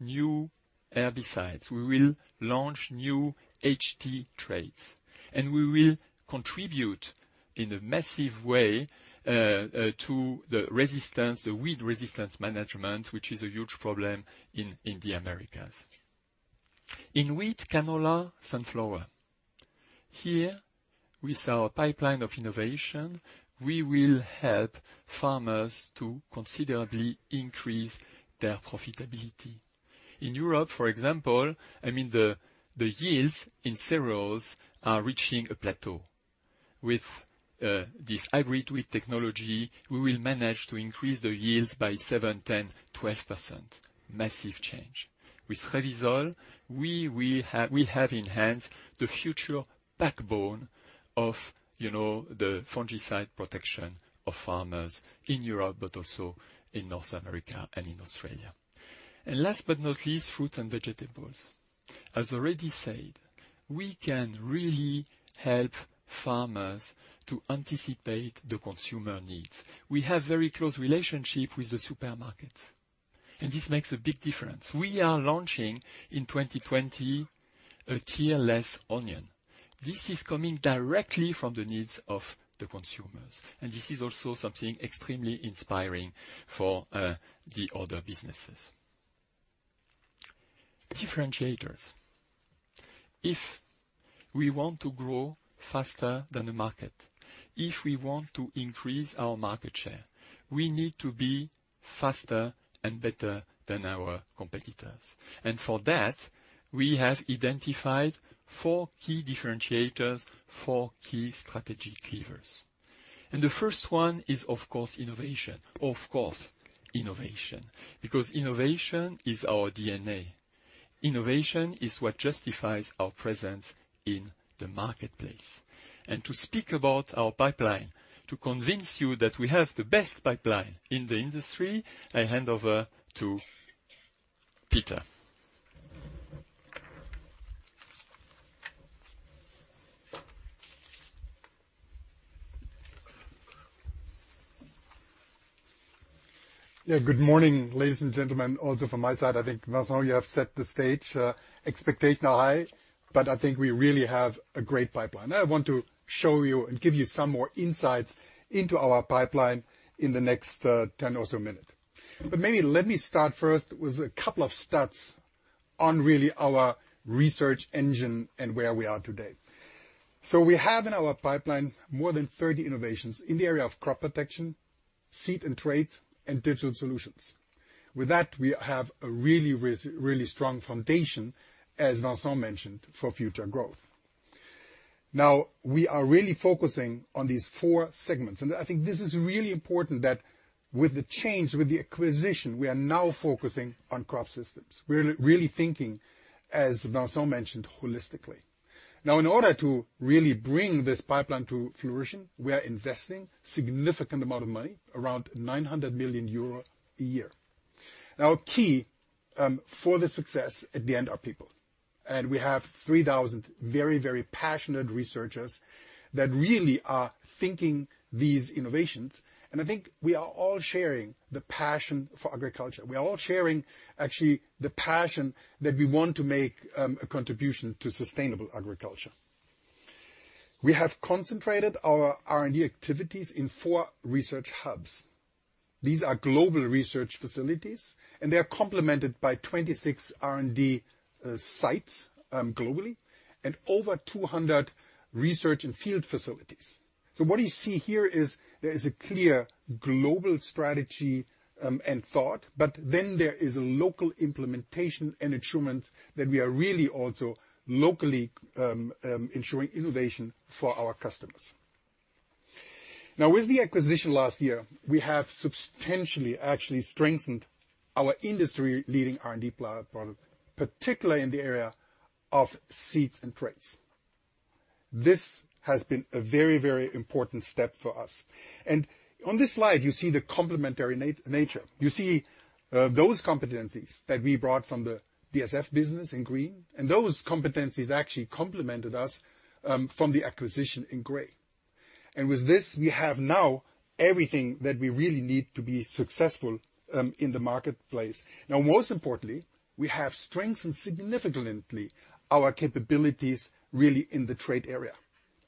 new herbicides. We will launch new HT traits, and we will contribute in a massive way to the weed resistance management, which is a huge problem in the Americas. In wheat, canola, sunflower. Here, with our pipeline of innovation, we will help farmers to considerably increase their profitability. In Europe, for example, the yields in cereals are reaching a plateau. With this hybrid wheat technology, we will manage to increase the yields by 7%, 10%, 12%. Massive change. With Revysol, we have in hand the future backbone of the fungicide protection of farmers in Europe, but also in North America and in Australia. Last but not least, fruits and vegetables. As already said, we can really help farmers to anticipate the consumer needs. We have very close relationship with the supermarkets, and this makes a big difference. We are launching in 2020 a tearless onion. This is coming directly from the needs of the consumers, and this is also something extremely inspiring for the other businesses. Differentiators. If we want to grow faster than the market, if we want to increase our market share, we need to be faster and better than our competitors. For that, we have identified four key differentiators, four key strategy levers. The first one is, of course, innovation. Of course, innovation. Because innovation is our DNA. Innovation is what justifies our presence in the marketplace. To speak about our pipeline, to convince you that we have the best pipeline in the industry, I hand over to Peter. Good morning, ladies and gentlemen. Also from my side, I think, Vincent, you have set the stage. Expectation are high, I think we really have a great pipeline. I want to show you and give you some more insights into our pipeline in the next 10 or so minute. Maybe let me start first with a couple of stats on really our research engine and where we are today. We have in our pipeline more than 30 innovations in the area of crop protection, seed and traits, and digital solutions. With that, we have a really strong foundation, as Vincent mentioned, for future growth. We are really focusing on these four segments. I think this is really important that with the change, with the acquisition, we are now focusing on crop systems. We're really thinking, as Vincent mentioned, holistically. In order to really bring this pipeline to fruition, we are investing significant amount of money, around 900 million euro a year. Key for the success at the end are people. We have 3,000 very passionate researchers that really are thinking these innovations, and I think we are all sharing the passion for agriculture. We are all sharing actually the passion that we want to make a contribution to sustainable agriculture. We have concentrated our R&D activities in four research hubs. These are global research facilities, and they are complemented by 26 R&D sites globally and over 200 research and field facilities. What you see here is there is a clear global strategy and thought, but then there is a local implementation and attunement that we are really also locally ensuring innovation for our customers. With the acquisition last year, we have substantially actually strengthened our industry-leading R&D product, particularly in the area of seeds and traits. This has been a very important step for us. On this slide, you see the complementary nature. You see those competencies that we brought from the BASF business in green, and those competencies actually complemented us from the acquisition in gray. With this, we have now everything that we really need to be successful in the marketplace. Most importantly, we have strengthened significantly our capabilities really in the trait area.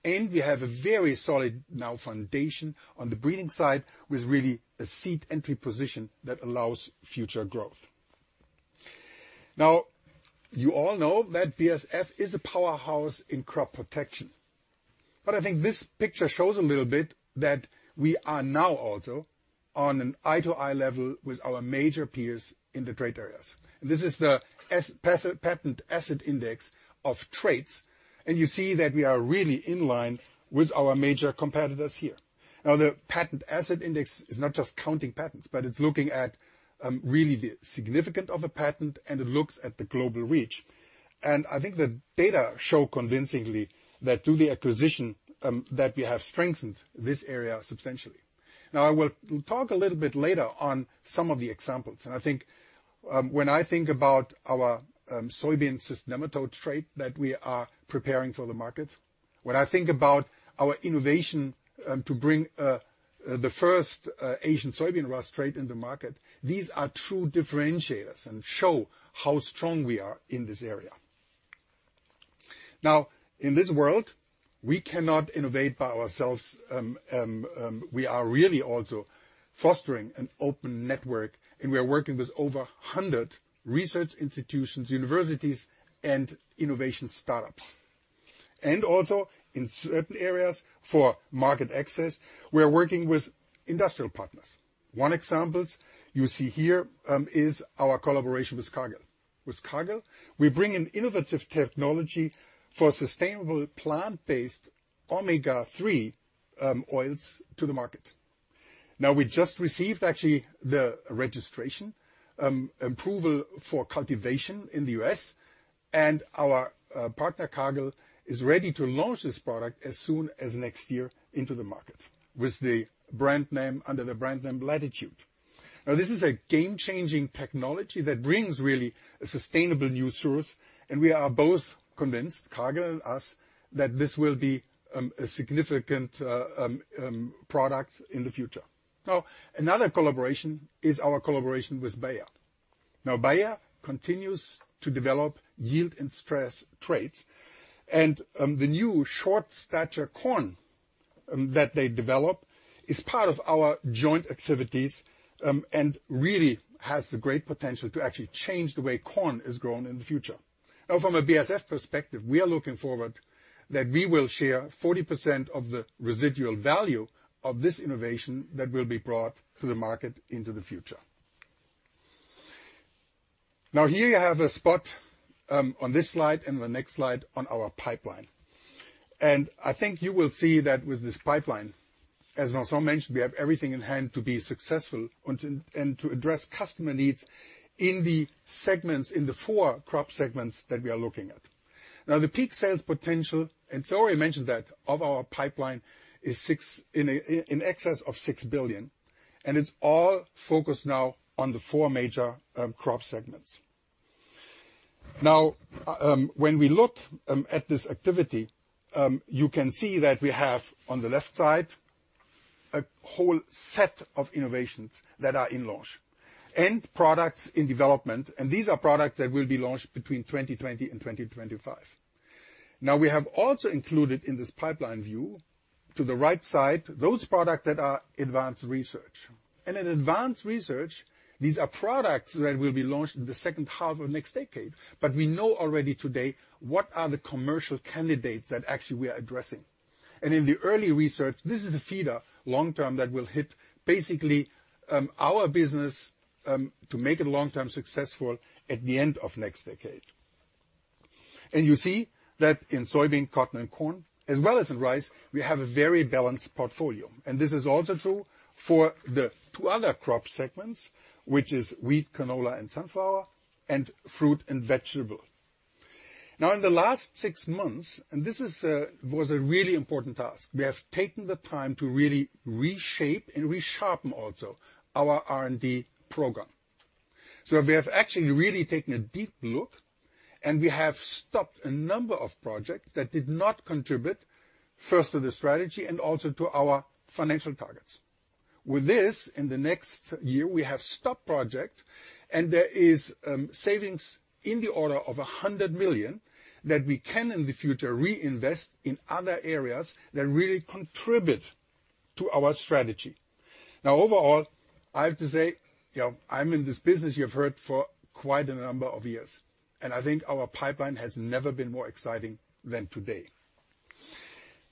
We have a very solid now foundation on the breeding side, with really a seed entry position that allows future growth. You all know that BASF is a powerhouse in crop protection. I think this picture shows a little bit that we are now also on an eye-to-eye level with our major peers in the trait areas. This is the patent asset index of traits. You see that we are really in line with our major competitors here. The patent asset index is not just counting patents, but it's looking at really the significant of a patent and it looks at the global reach. I think the data show convincingly that through the acquisition, that we have strengthened this area substantially. I will talk a little bit later on some of the examples. I think when I think about our soybean cyst nematode trait that we are preparing for the market, when I think about our innovation to bring the first Asian soybean rust trait in the market, these are true differentiators and show how strong we are in this area. In this world, we cannot innovate by ourselves. We are really also fostering an open network, and we are working with over 100 research institutions, universities, and innovation startups. Also in certain areas for market access, we are working with industrial partners. One example you see here is our collaboration with Cargill. With Cargill, we bring an innovative technology for sustainable plant-based omega-3 oils to the market. We just received actually the registration approval for cultivation in the U.S., and our partner, Cargill, is ready to launch this product as soon as next year into the market under the brand name Latitude. This is a game-changing technology that brings really a sustainable new source, and we are both convinced, Cargill and us, that this will be a significant product in the future. Another collaboration is our collaboration with Bayer. Bayer continues to develop yield and stress traits. The new short stature corn that they develop is part of our joint activities and really has the great potential to actually change the way corn is grown in the future. From a BASF perspective, we are looking forward that we will share 40% of the residual value of this innovation that will be brought to the market into the future. Here you have a spot on this slide and the next slide on our pipeline. I think you will see that with this pipeline, as Vincent mentioned, we have everything in hand to be successful and to address customer needs in the segments, in the four crop segments that we are looking at. The peak sales potential, I mentioned that of our pipeline is in excess of 6 billion, and it's all focused now on the four major crop segments. When we look at this activity, you can see that we have on the left side a whole set of innovations that are in launch and products in development, and these are products that will be launched between 2020 and 2025. We have also included in this pipeline view to the right side those products that are advanced research. In advanced Research, these are products that will be launched in the second half of next decade. We know already today what are the commercial candidates that actually we are addressing. In the early Research, this is a feeder long-term that will hit basically our business to make it long-term successful at the end of next decade. You see that in soybean, cotton, and corn, as well as in rice, we have a very balanced portfolio. This is also true for the two other crop segments, which is wheat, canola, and sunflower, and fruit and vegetable. Now in the last six months, and this was a really important task, we have taken the time to really reshape and resharpen also our R&D program. We have actually really taken a deep look, and we have stopped a number of project that did not contribute first to the strategy and also to our financial targets. With this, in the next year, we have stopped project, and there is savings in the order of 100 million that we can in the future reinvest in other areas that really contribute to our strategy. Overall, I have to say, I'm in this business you've heard for quite a number of years. I think our pipeline has never been more exciting than today.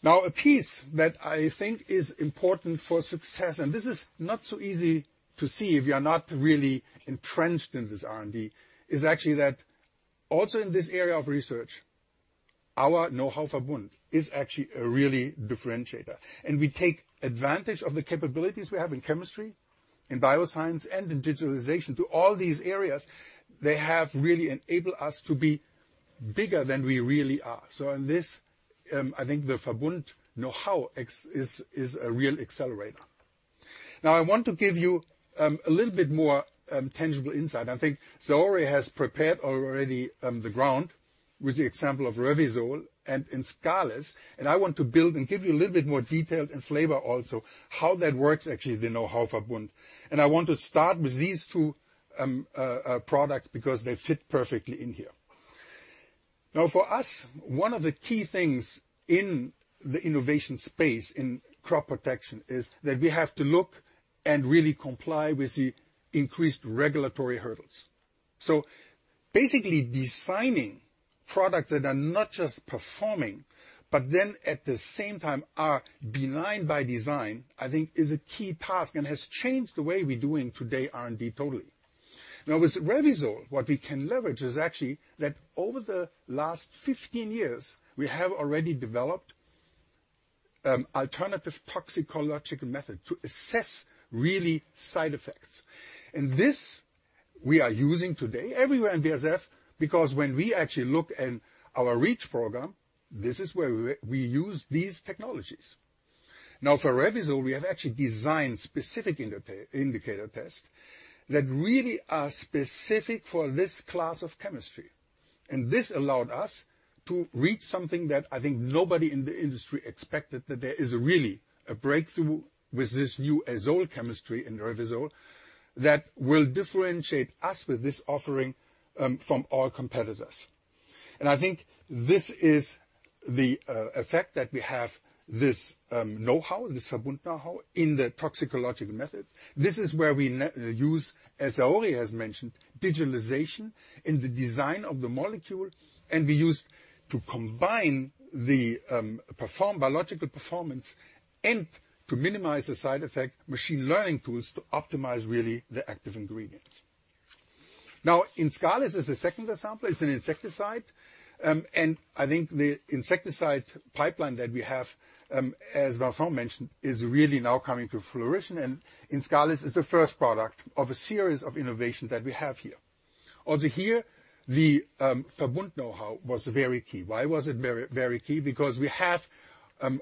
A piece that I think is important for success, and this is not so easy to see if you are not really entrenched in this R&D, is actually that also in this area of research, our know-how Verbund is actually a really differentiator. We take advantage of the capabilities we have in chemistry, in Bioscience, and in digitalization to all these areas. They have really enabled us to be bigger than we really are. In this, I think the Verbund know-how is a real accelerator. I want to give you a little bit more tangible insight. I think Saori has prepared already the ground with the example of Revysol and Inscalis. I want to build and give you a little bit more detail and flavor also how that works, actually, the know-how for Verbund. I want to start with these two products because they fit perfectly in here. For us, one of the key things in the innovation space in crop protection is that we have to look and really comply with the increased regulatory hurdles. Basically designing products that are not just performing, but then at the same time are benign by design, I think is a key task and has changed the way we're doing today R&D totally. With Revysol, what we can leverage is actually that over the last 15 years, we have already developed alternative toxicological method to assess really side effects. This we are using today everywhere in BASF because when we actually look in our REACH program, this is where we use these technologies. For Revysol, we have actually designed specific indicator tests that really are specific for this class of chemistry. This allowed us to reach something that I think nobody in the industry expected, that there is really a breakthrough with this new azole chemistry in Revysol that will differentiate us with this offering from all competitors. I think this is the effect that we have this know-how, this Verbund know-how in the toxicological method. This is where we use, as Saori has mentioned, digitalization in the design of the molecule, and we use to combine the biological performance and to minimize the side effect machine learning tools to optimize really the active ingredients. Inscalis is the second example. It's an insecticide. I think the insecticide pipeline that we have, as Vincent mentioned, is really now coming to fruition, and Inscalis is the first product of a series of innovations that we have here. Here, the Verbund know-how was very key. Why was it very key? Because we had on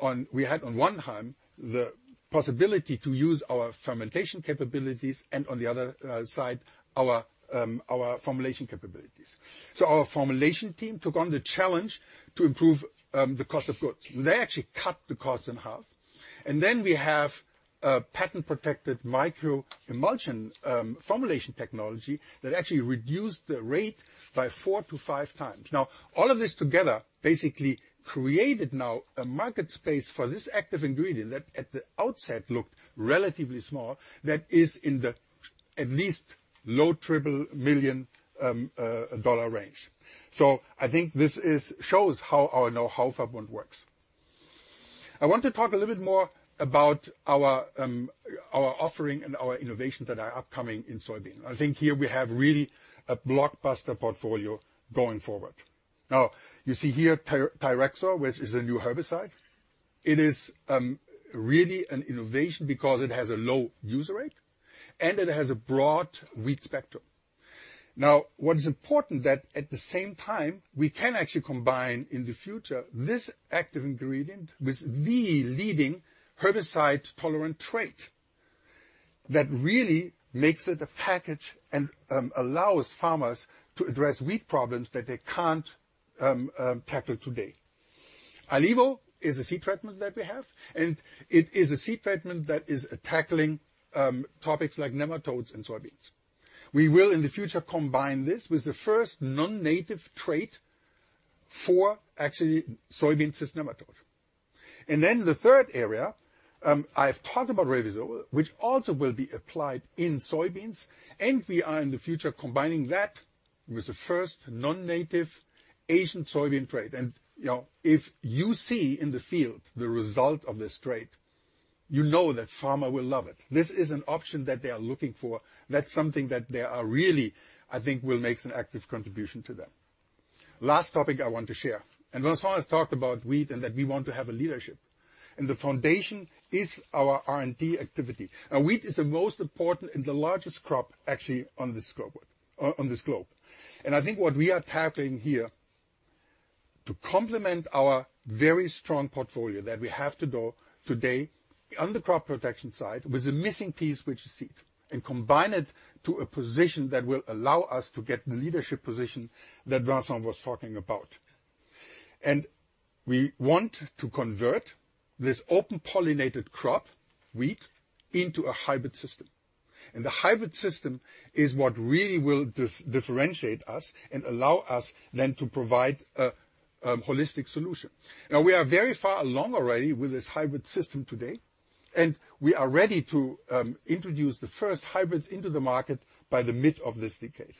one hand the possibility to use our fermentation capabilities and on the other side our formulation capabilities. Our formulation team took on the challenge to improve the cost of goods. They actually cut the cost in half. Then we have a patent-protected microemulsion formulation technology that actually reduced the rate by four to five times. All of this together basically created now a market space for this active ingredient that at the outset looked relatively small, that is in the at least low triple million EUR range. I think this shows how our know-how Verbund works. I want to talk a little bit more about our offering and our innovations that are upcoming in soybean. I think here we have really a blockbuster portfolio going forward. You see here Tirexor, which is a new herbicide. It is really an innovation because it has a low user rate and it has a broad weed spectrum. What is important that at the same time we can actually combine in the future this active ingredient with the leading herbicide-tolerant trait that really makes it a package and allows farmers to address weed problems that they can't tackle today. ILeVO is a seed treatment that we have, and it is a seed treatment that is tackling topics like nematodes in soybeans. We will, in the future, combine this with the first non-native trait for actually soybean cyst nematode. The third area, I have talked about Revysol, which also will be applied in soybeans, and we are in the future combining that with the first non-native Asian soybean trait. If you see in the field the result of this trait, you know that farmer will love it. This is an option that they are looking for. That's something that they are really, I think, will make an active contribution to them. Last topic I want to share, Vincent has talked about wheat and that we want to have a leadership. The foundation is our R&D activity. Wheat is the most important and the largest crop actually on this globe. I think what we are tackling here to complement our very strong portfolio that we have to go today on the crop protection side with the missing piece which is seed, and combine it to a position that will allow us to get the leadership position that Vincent was talking about. We want to convert this open-pollinated crop, wheat, into a hybrid system. The hybrid system is what really will differentiate us and allow us then to provide a holistic solution. We are very far along already with this hybrid system today, and we are ready to introduce the first hybrids into the market by the mid of this decade.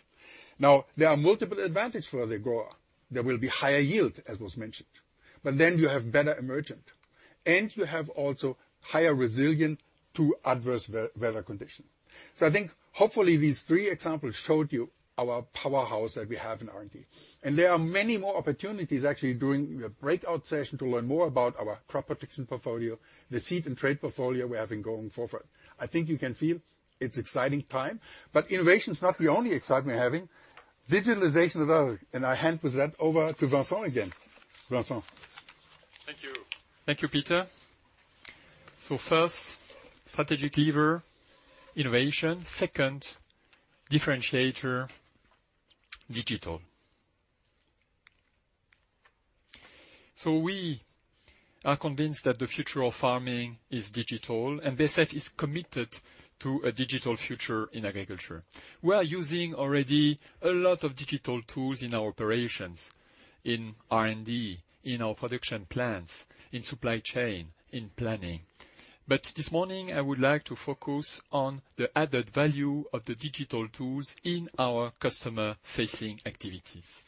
There are multiple advantages for the grower. There will be higher yield, as was mentioned. You have better emergence, and you have also higher resilience to adverse weather conditions. I think hopefully these three examples showed you our powerhouse that we have in R&D. There are many more opportunities actually during the breakout session to learn more about our crop protection portfolio, the seed and trait portfolio we have been going forward. I think you can feel it's exciting time. Innovation is not the only excitement we're having. Digitalization as well. I hand with that over to Vincent again. Vincent. Thank you. Thank you, Peter. First, strategic lever, innovation. Second differentiator, digital. We are convinced that the future of farming is digital, and BASF is committed to a digital future in agriculture. We are using already a lot of digital tools in our operations, in R&D, in our production plants, in supply chain, in planning. This morning, I would like to focus on the added value of the digital tools in our customer-facing activities.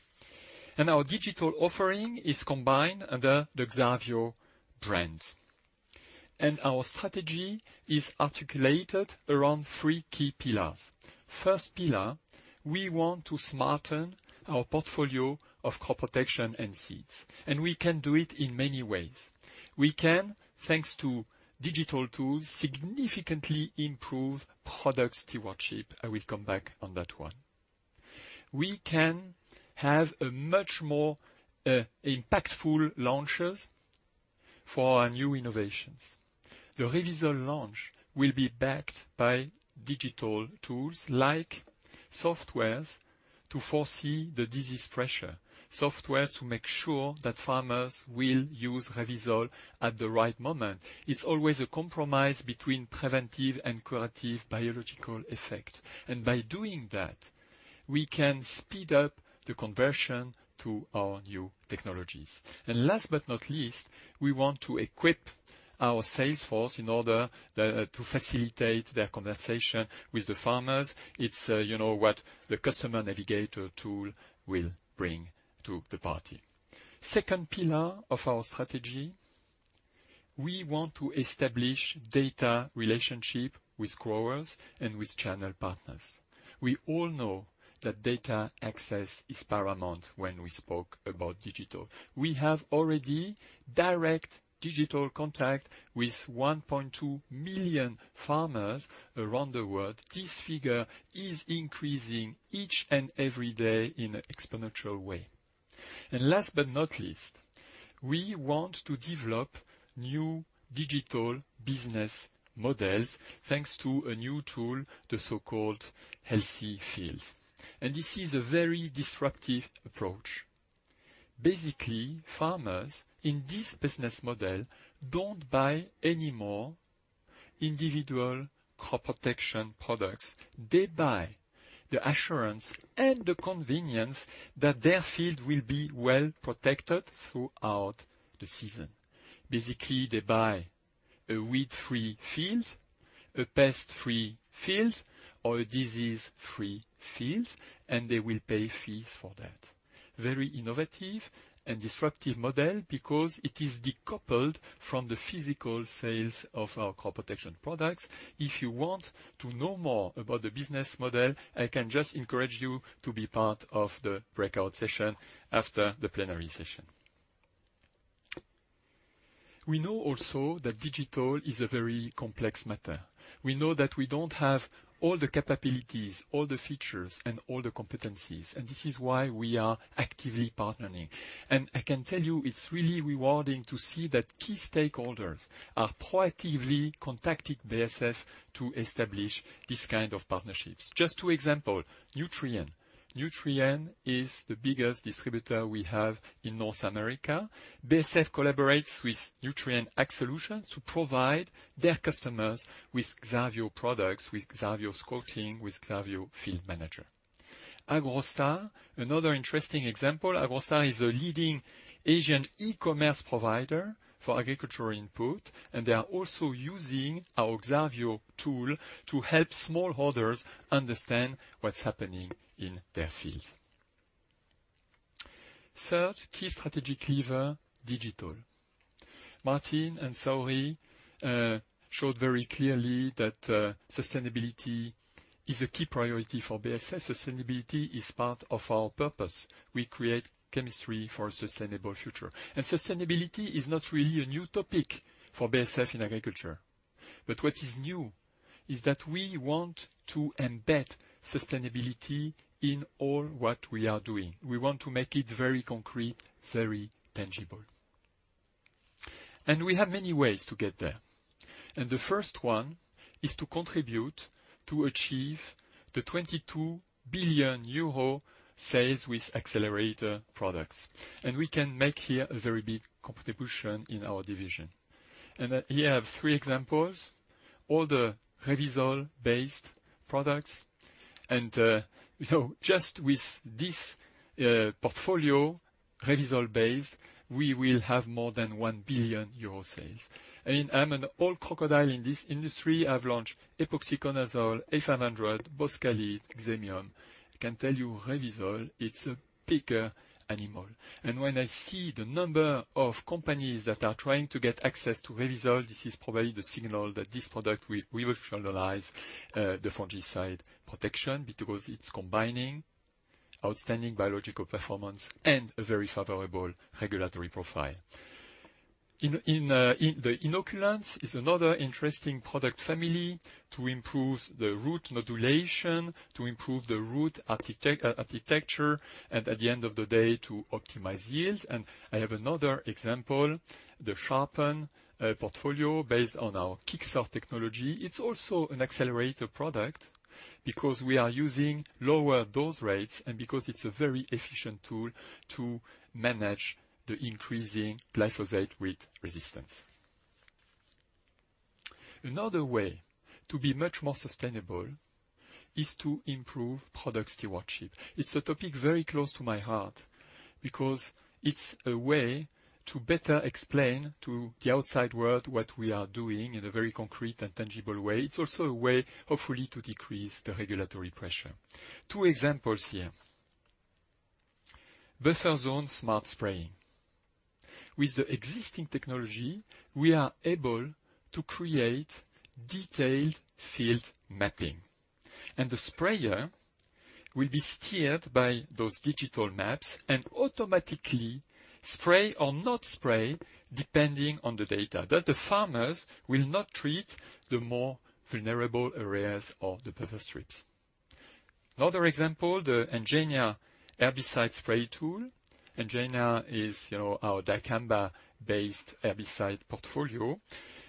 Our digital offering is combined under the xarvio brand. Our strategy is articulated around three key pillars. First pillar, we want to smarten our portfolio of crop protection and seeds, and we can do it in many ways. We can, thanks to digital tools, significantly improve product stewardship. I will come back on that one. We can have a much more impactful launches for our new innovations. The Revysol launch will be backed by digital tools like softwares to foresee the disease pressure, softwares to make sure that farmers will use Revysol at the right moment. It's always a compromise between preventive and curative biological effect. By doing that, we can speed up the conversion to our new technologies. Last but not least, we want to equip our sales force in order to facilitate their conversation with the farmers. It's what the customer navigator tool will bring to the party. Second pillar of our strategy, we want to establish data relationship with growers and with channel partners. We all know that data access is paramount when we spoke about digital. We have already direct digital contact with 1.2 million farmers around the world. This figure is increasing each and every day in an exponential way. Last but not least, we want to develop new digital business models thanks to a new tool, the so-called Healthy Fields. This is a very disruptive approach. Basically, farmers in this business model don't buy any more individual crop protection products. They buy the assurance and the convenience that their field will be well-protected throughout the season. Basically, they buy a weed-free field, a pest-free field, or a disease-free field, and they will pay fees for that. Very innovative and disruptive model because it is decoupled from the physical sales of our crop protection products. If you want to know more about the business model, I can just encourage you to be part of the breakout session after the plenary session. We know also that digital is a very complex matter. We know that we don't have all the capabilities, all the features, and all the competencies. This is why we are actively partnering. I can tell you it's really rewarding to see that key stakeholders are proactively contacting BASF to establish this kind of partnerships. Just two example, Nutrien. Nutrien is the biggest distributor we have in North America. BASF collaborates with Nutrien Ag Solutions to provide their customers with xarvio products, with xarvio scouting, with xarvio field manager. AgroStar, another interesting example. AgroStar is a leading Asian e-commerce provider for agricultural input. They are also using our xarvio tool to help smallholders understand what's happening in their field. Third key strategic lever, digital. Martin and Saori showed very clearly that sustainability is a key priority for BASF. Sustainability is part of our purpose. We create chemistry for a sustainable future. Sustainability is not really a new topic for BASF in agriculture. What is new is that we want to embed sustainability in all what we are doing. We want to make it very concrete, very tangible. We have many ways to get there. The first one is to contribute to achieve the 22 billion euro sales with accelerator products. We can make here a very big contribution in our division. Here I have three examples. All the Revysol-based products. Just with this portfolio, Revysol-based, we will have more than 1 billion euro sales. I mean, I'm an old crocodile in this industry. I've launched epoxiconazole, F500, boscalid, Xemium. I can tell you, Revysol, it's a bigger animal. When I see the number of companies that are trying to get access to Revysol, this is probably the signal that this product will revolutionize the fungicide protection because it's combining outstanding biological performance and a very favorable regulatory profile. The inoculants is another interesting product family to improve the root modulation, to improve the root architecture, and at the end of the day, to optimize yields. I have another example, the Sharpen portfolio based on our Kixor technology. It's also an accelerator product because we are using lower dose rates and because it's a very efficient tool to manage the increasing glyphosate with resistance. Another way to be much more sustainable is to improve product stewardship. It's a topic very close to my heart because it's a way to better explain to the outside world what we are doing in a very concrete and tangible way. It's also a way, hopefully, to decrease the regulatory pressure. Two examples here. Buffer zone smart spraying. With the existing technology, we are able to create detailed field mapping, and the sprayer will be steered by those digital maps and automatically spray or not spray, depending on the data, thus the farmers will not treat the more vulnerable areas of the buffer strips. Another example, the Engenia herbicide spray tool. Engenia is our dicamba-based herbicide portfolio.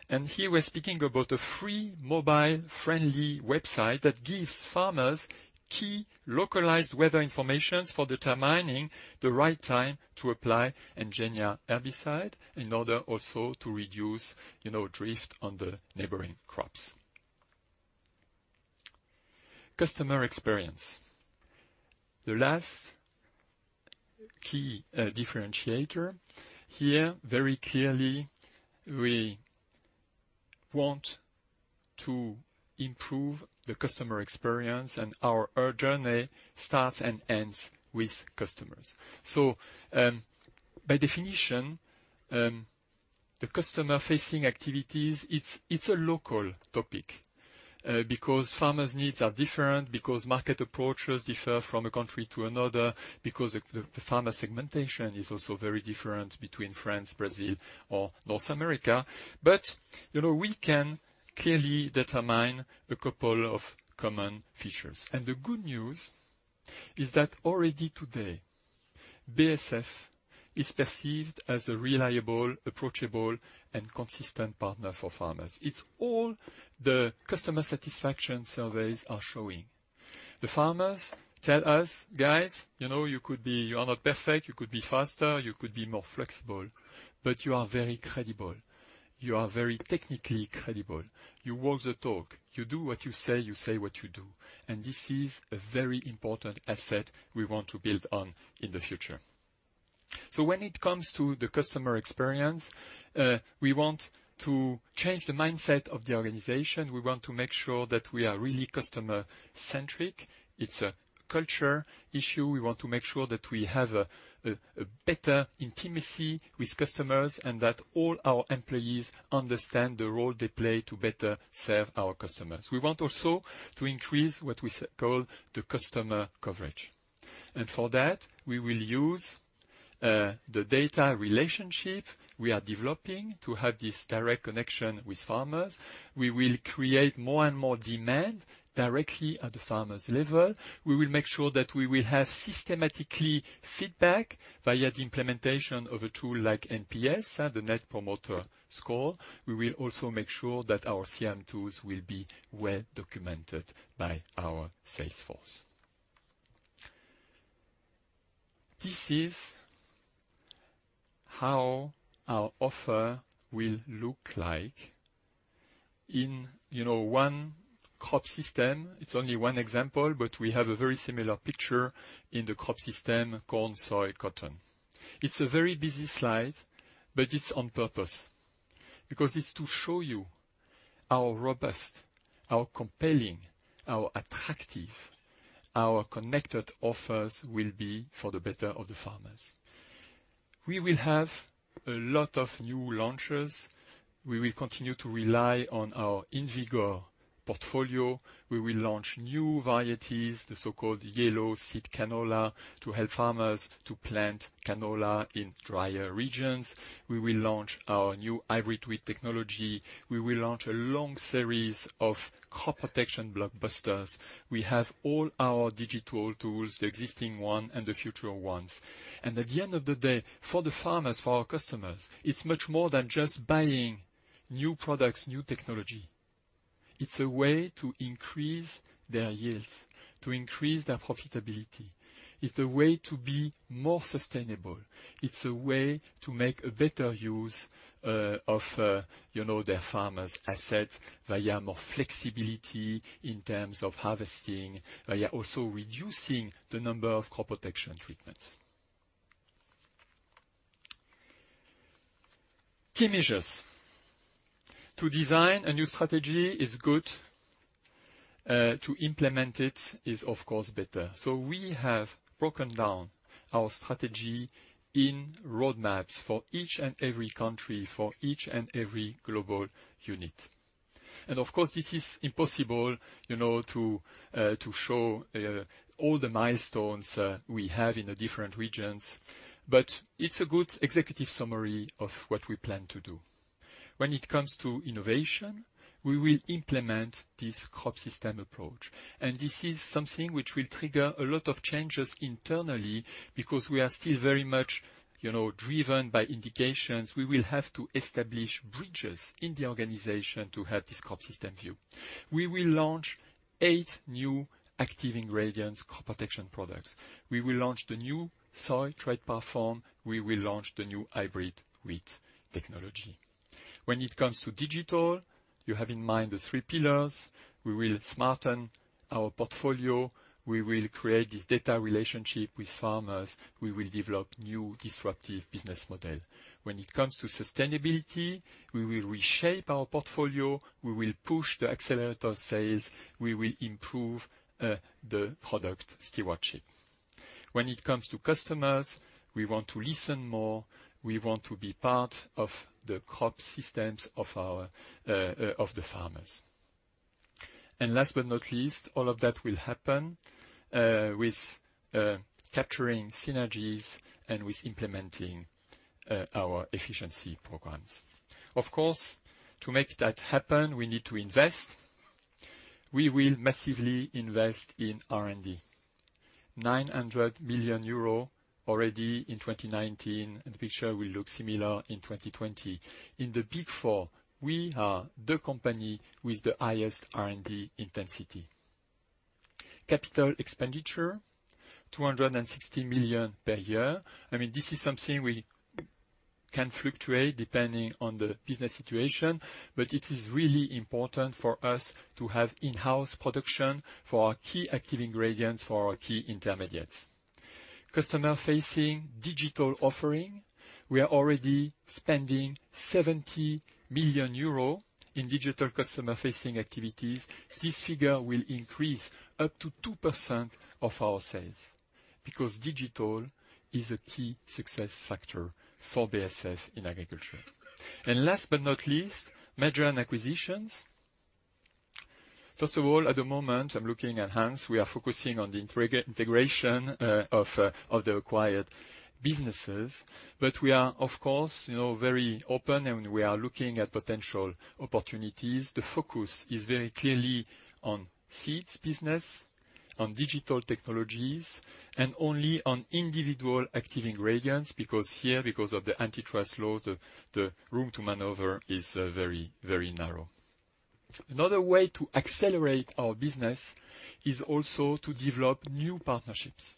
Here we're speaking about a free mobile-friendly website that gives farmers key localized weather informations for determining the right time to apply Engenia herbicide in order also to reduce drift on the neighboring crops. Customer experience. The last key differentiator. Here, very clearly, we want to improve the customer experience, and our journey starts and ends with customers. By definition, the customer-facing activities, it's a local topic, because farmers' needs are different, because market approaches differ from a country to another, because the farmer segmentation is also very different between France, Brazil, or North America. We can clearly determine a couple of common features. The good news is that already today, BASF is perceived as a reliable, approachable, and consistent partner for farmers. It's all the customer satisfaction surveys are showing. The farmers tell us, "Guys, you are not perfect, you could be faster, you could be more flexible, but you are very credible. You are very technically credible. You walk the talk. You do what you say, you say what you do." This is a very important asset we want to build on in the future. When it comes to the customer experience, we want to change the mindset of the organization. We want to make sure that we are really customer-centric. It's a culture issue. We want to make sure that we have a better intimacy with customers and that all our employees understand the role they play to better serve our customers. We want also to increase what we call the customer coverage. For that, we will use the data relationship we are developing to have this direct connection with farmers. We will create more and more demand directly at the farmer's level. We will make sure that we will have systematically feedback via the implementation of a tool like NPS, the net promoter score. We will also make sure that our CRM tools will be well-documented by our sales force. This is how our offer will look like in one crop system. It's only one example. We have a very similar picture in the crop system, corn, soy, cotton. It's a very busy slide, but it's on purpose because it's to show you how robust, how compelling, how attractive our connected offers will be for the better of the farmers. We will have a lot of new launches. We will continue to rely on our InVigor portfolio. We will launch new varieties, the so-called yellow seed canola, to help farmers to plant canola in drier regions. We will launch our new hybrid wheat technology. We will launch a long series of crop protection blockbusters. We have all our digital tools, the existing one and the future ones. At the end of the day, for the farmers, for our customers, it's much more than just buying new products, new technology. It's a way to increase their yields, to increase their profitability. It's a way to be more sustainable. It's a way to make a better use of their farmer's assets via more flexibility in terms of harvesting, via also reducing the number of crop protection treatments. Key measures. To design a new strategy is good, to implement it is, of course, better. We have broken down our strategy in roadmaps for each and every country, for each and every global unit. Of course, this is impossible to show all the milestones we have in the different regions, but it's a good executive summary of what we plan to do. When it comes to innovation, we will implement this crop system approach. This is something which will trigger a lot of changes internally because we are still very much driven by indications. We will have to establish bridges in the organization to have this crop system view. We will launch eight new active ingredient crop protection products. We will launch the new soil trade platform. We will launch the new hybrid wheat technology. When it comes to digital, you have in mind the three pillars. We will smarten our portfolio. We will create this data relationship with farmers. We will develop new disruptive business model. When it comes to sustainability, we will reshape our portfolio. We will push the accelerator sales. We will improve the product stewardship. When it comes to customers, we want to listen more. We want to be part of the crop systems of the farmers. Last but not least, all of that will happen with capturing synergies and with implementing our efficiency programs. Of course, to make that happen, we need to invest. We will massively invest in R&D, 900 million euro already in 2019. The picture will look similar in 2020. In the Big Four, we are the company with the highest R&D intensity. Capital expenditure, 260 million per year. This is something we can fluctuate depending on the business situation. It is really important for us to have in-house production for our key active ingredients, for our key intermediates. Customer-facing digital offering, we are already spending 70 million euros in digital customer-facing activities. This figure will increase up to 2% of our sales because digital is a key success factor for BASF in agriculture. Last but not least, merger and acquisitions. First of all, at the moment, I'm looking at Hans, we are focusing on the integration of the acquired businesses. We are, of course, very open and we are looking at potential opportunities. The focus is very clearly on seeds business, on digital technologies, and only on individual active ingredients, because here, because of the antitrust law, the room to maneuver is very, very narrow. Another way to accelerate our business is also to develop new partnerships.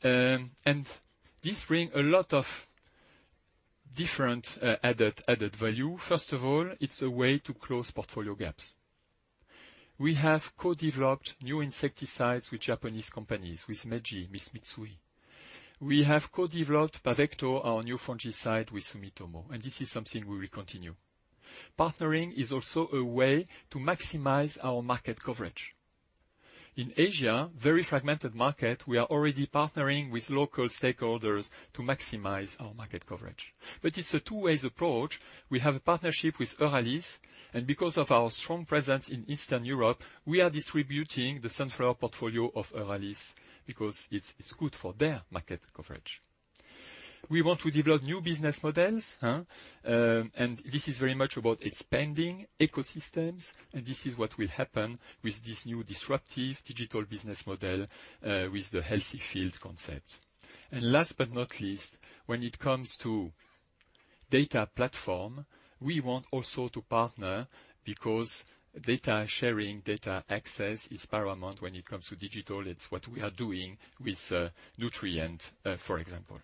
This bring a lot of different added value. First of all, it's a way to close portfolio gaps. We have co-developed new insecticides with Japanese companies, with Meiji, with Mitsui. We have co-developed Pavecto, our new fungicide with Sumitomo. This is something we will continue. Partnering is also a way to maximize our market coverage. In Asia, very fragmented market, we are already partnering with local stakeholders to maximize our market coverage. It's a two-ways approach. We have a partnership with Euralis, and because of our strong presence in Eastern Europe, we are distributing the sunflower portfolio of Euralis because it's good for their market coverage. We want to develop new business models, and this is very much about expanding ecosystems, and this is what will happen with this new disruptive digital business model with the Healthy Field concept. Last but not least, when it comes to data platform, we want also to partner because data sharing, data access is paramount when it comes to digital. It's what we are doing with Nutrien, for example.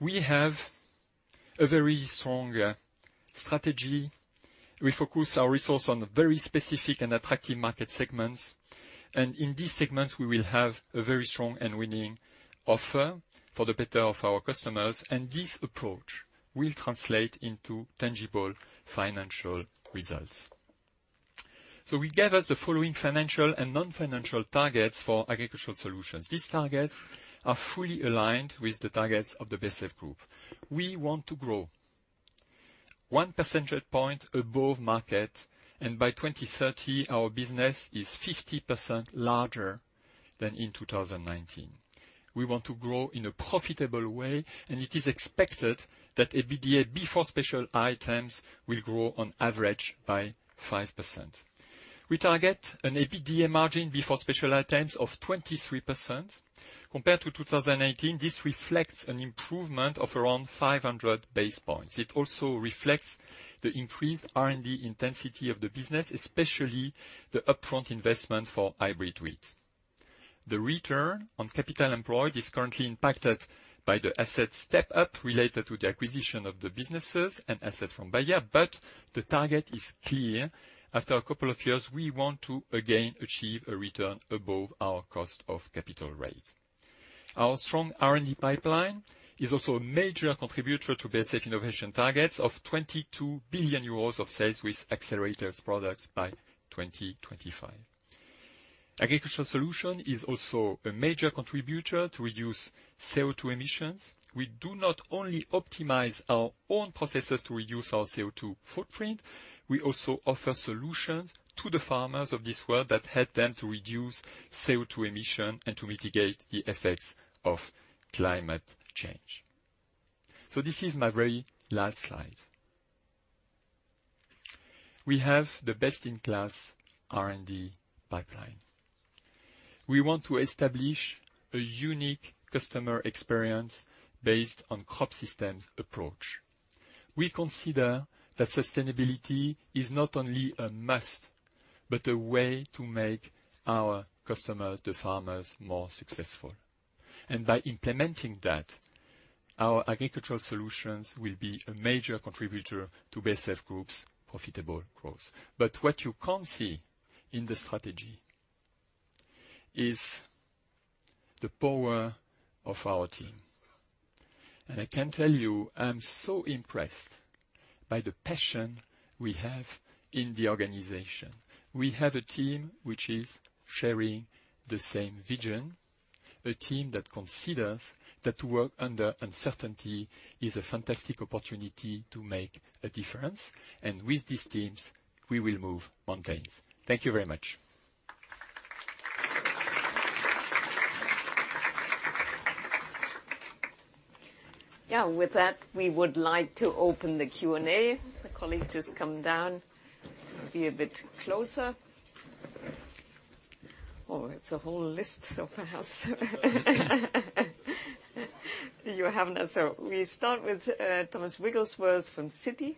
We have a very strong strategy. We focus our resource on very specific and attractive market segments. In these segments, we will have a very strong and winning offer for the better of our customers, and this approach will translate into tangible financial results. We gather the following financial and non-financial targets for Agricultural Solutions. These targets are fully aligned with the targets of the BASF Group. We want to grow 1 percentage point above market, and by 2030, our business is 50% larger than in 2019. We want to grow in a profitable way, and it is expected that EBITDA before special items will grow on average by 5%. We target an EBITDA margin before special items of 23%. Compared to 2019, this reflects an improvement of around 500 basis points. It also reflects the increased R&D intensity of the business, especially the upfront investment for hybrid wheat. The return on capital employed is currently impacted by the asset step-up related to the acquisition of the businesses and assets from Bayer, the target is clear. After a couple of years, we want to again achieve a return above our cost of capital rate. Our strong R&D pipeline is also a major contributor to BASF innovation targets of 22 billion euros of sales with accelerators products by 2025. Agricultural Solutions is also a major contributor to reduce CO2 emissions. We do not only optimize our own processes to reduce our CO2 footprint, we also offer solutions to the farmers of this world that help them to reduce CO2 emission and to mitigate the effects of climate change. This is my very last slide. We have the best-in-class R&D pipeline. We want to establish a unique customer experience based on crop systems approach. We consider that sustainability is not only a must, but a way to make our customers, the farmers, more successful. By implementing that, our Agricultural Solutions will be a major contributor to BASF Group's profitable growth. What you can't see in the strategy is the power of our team. I can tell you, I'm so impressed by the passion we have in the organization. We have a team which is sharing the same vision, a team that considers that to work under uncertainty is a fantastic opportunity to make a difference. With these teams, we will move mountains. Thank you very much. Yeah. With that, we would like to open the Q&A. My colleague just come down to be a bit closer. Oh, it's a whole list, so perhaps you have that. We start with Thomas Wrigglesworth from Citi.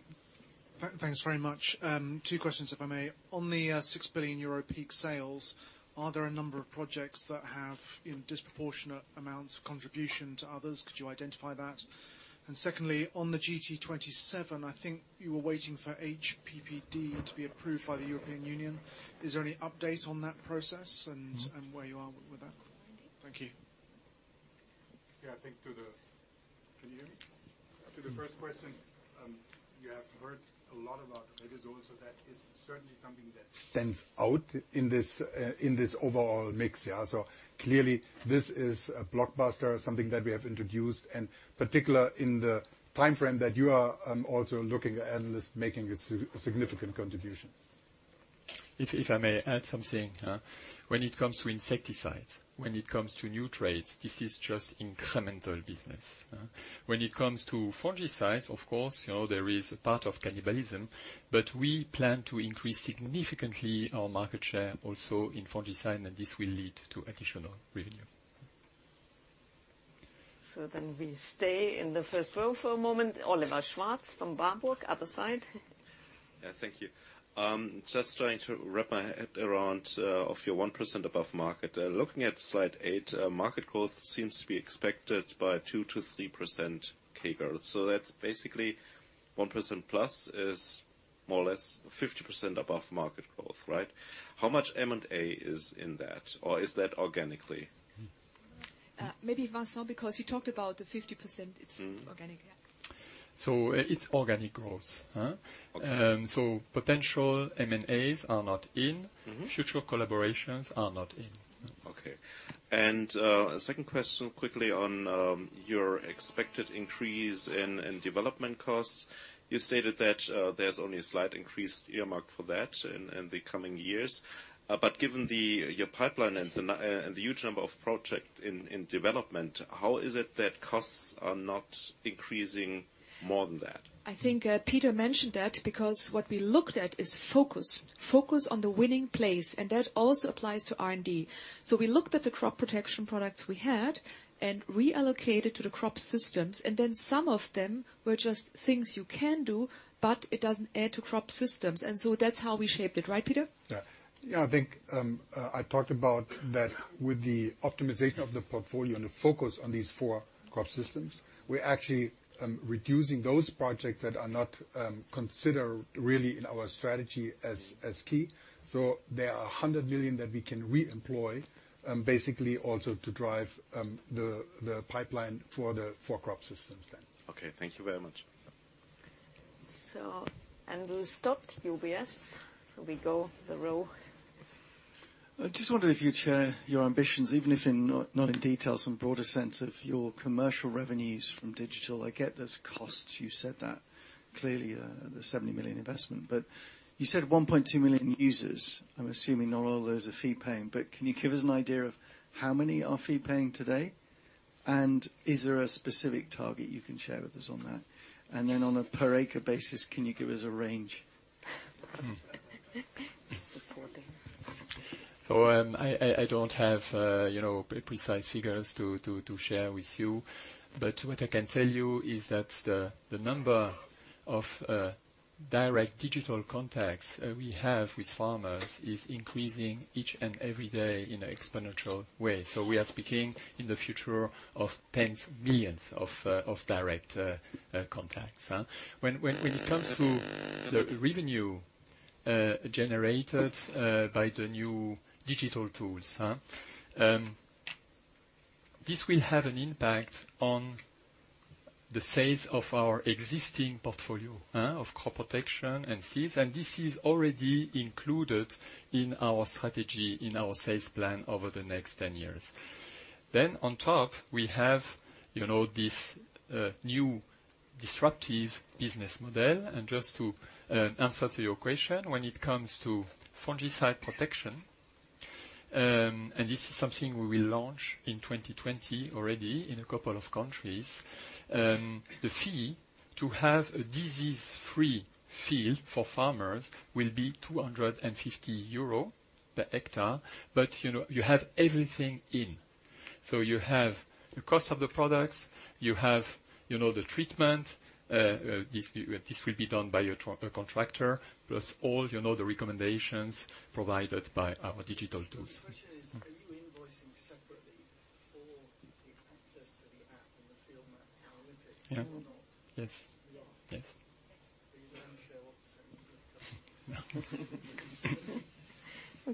Thanks very much. Two questions, if I may. On the 6 billion euro peak sales, are there a number of projects that have disproportionate amounts of contribution to others? Could you identify that? Secondly, on the GT27, I think you were waiting for HPPD to be approved by the European Union. Is there any update on that process and where you are with that? Thank you. Yeah, I think to the first question, you have heard a lot about it. It is also that it's certainly something that stands out in this overall mix. Yeah. Clearly this is a blockbuster, something that we have introduced, and particular in the timeframe that you are also looking at analysts making a significant contribution. If I may add something. When it comes to insecticides, when it comes to new traits, this is just incremental business. When it comes to fungicides, of course, there is a part of cannibalism, but we plan to increase significantly our market share also in fungicide, and this will lead to additional revenue. We stay in the first row for a moment. Oliver Schwarz from Warburg, other side. Yeah, thank you. Just trying to wrap my head around of your 1% above market. Looking at slide eight, market growth seems to be expected by 2%-3% CAGR. That's basically 1% plus is more or less 50% above market growth, right? How much M&A is in that? Is that organically? Maybe Vincent, because you talked about the 50%, it's organic. Yeah. It's organic growth. Okay. Potential M&As are not in. Future collaborations are not in. Okay. Second question quickly on your expected increase in development costs. You stated that there is only a slight increase earmarked for that in the coming years. Given your pipeline and the huge number of project in development, how is it that costs are not increasing more than that? I think Peter mentioned that, because what we looked at is focus. Focus on the winning place, and that also applies to R&D. We looked at the crop protection products we had and reallocated to the crop systems, and then some of them were just things you can do, but it doesn't add to crop systems. That's how we shaped it, right, Peter? Yeah. I think I talked about that with the optimization of the portfolio and the focus on these four crop systems, we're actually reducing those projects that are not considered really in our strategy as key. There are 100 million that we can reemploy, basically also to drive the pipeline for the four crop systems then. Okay. Thank you very much. Andrew Stott UBS, so we go the row. I just wonder if you'd share your ambitions, even if not in detail, some broader sense of your commercial revenues from digital. I get there's costs, you said that clearly, the 70 million investment. You said 1.2 million users. I'm assuming not all of those are fee paying. Can you give us an idea of how many are fee paying today? Is there a specific target you can share with us on that? On a per acre basis, can you give us a range? Supporting. I don't have precise figures to share with you, but what I can tell you is that the number of direct digital contacts we have with farmers is increasing each and every day in an exponential way. We are speaking in the future of tens of millions of direct contacts. When it comes to the revenue generated by the new digital tools, this will have an impact on the sales of our existing portfolio of crop protection and seeds, and this is already included in our strategy, in our sales plan over the next 10 years. On top, we have this new disruptive business model. Just to answer to your question, when it comes to fungicide protection, this is something we will launch in 2020 already in a couple of countries. The fee to have a disease-free field for farmers will be 250 euro per hectare, you have everything in. You have the cost of the products, you have the treatment. This will be done by your contractor, plus all the recommendations provided by our digital tools. The question is, are you invoicing separately for the access to the app and the field map analytics or not? Yes. You are. Yes. Will you then share what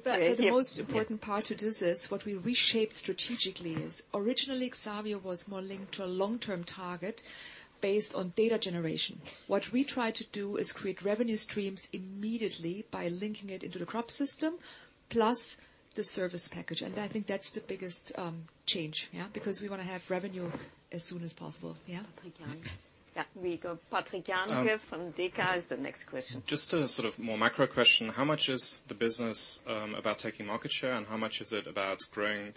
% that is? The most important part to this is what we reshaped strategically is originally xarvio was more linked to a long-term target based on data generation. What we try to do is create revenue streams immediately by linking it into the crop system plus the service package. I think that's the biggest change. We want to have revenue as soon as possible. Yeah? Patrick Jahn. Yeah, we go Patrick Jahn here from Deka, is the next question. Just a sort of more macro question. How much is the business about taking market share, and how much is it about growing? I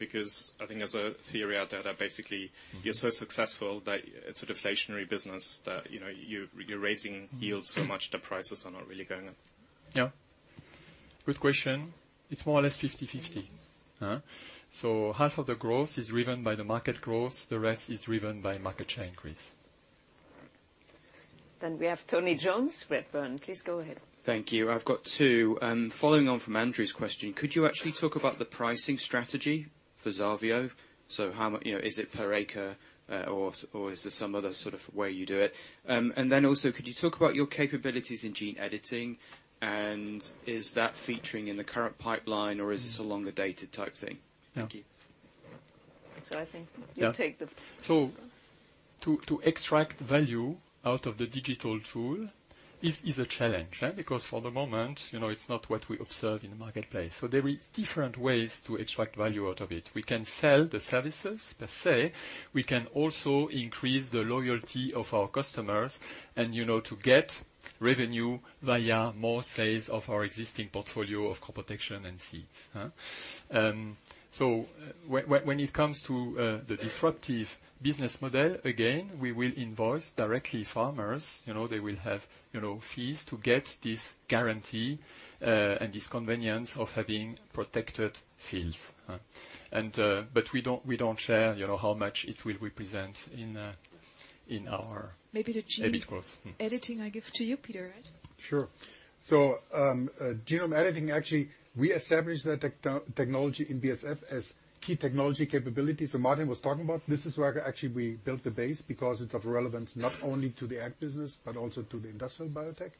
think there's a theory out there that basically you're so successful that it's a deflationary business, that you're raising yields so much the prices are not really going up. Yeah. Good question. It's more or less 50/50. Half of the growth is driven by the market growth, the rest is driven by market share increase. We have Tony Jones, Redburn. Please go ahead. Thank you. I've got two. Following on from Andrew's question, could you actually talk about the pricing strategy for xarvio? Is it per acre or is there some other sort of way you do it? Then also, could you talk about your capabilities in gene editing, and is that featuring in the current pipeline or is this a longer-dated type thing? Yeah. Thank you. I think you take that. To extract value out of the digital tool is a challenge. For the moment, it's not what we observe in the marketplace. There is different ways to extract value out of it. We can sell the services, per se. We can also increase the loyalty of our customers and to get revenue via more sales of our existing portfolio of crop protection and seeds. When it comes to the disruptive business model, again, we will invoice directly farmers. They will have fees to get this guarantee, and this convenience of having protected fields. We don't share how much it will represent in our- Maybe the gene- EBIT growth. editing I give to you, Peter. Right? Sure. Genome editing, actually, we established that technology in BASF as Key Technology Capabilities that Martin was talking about. This is where actually we built the base because it's of relevance not only to the Ag business but also to the industrial biotech.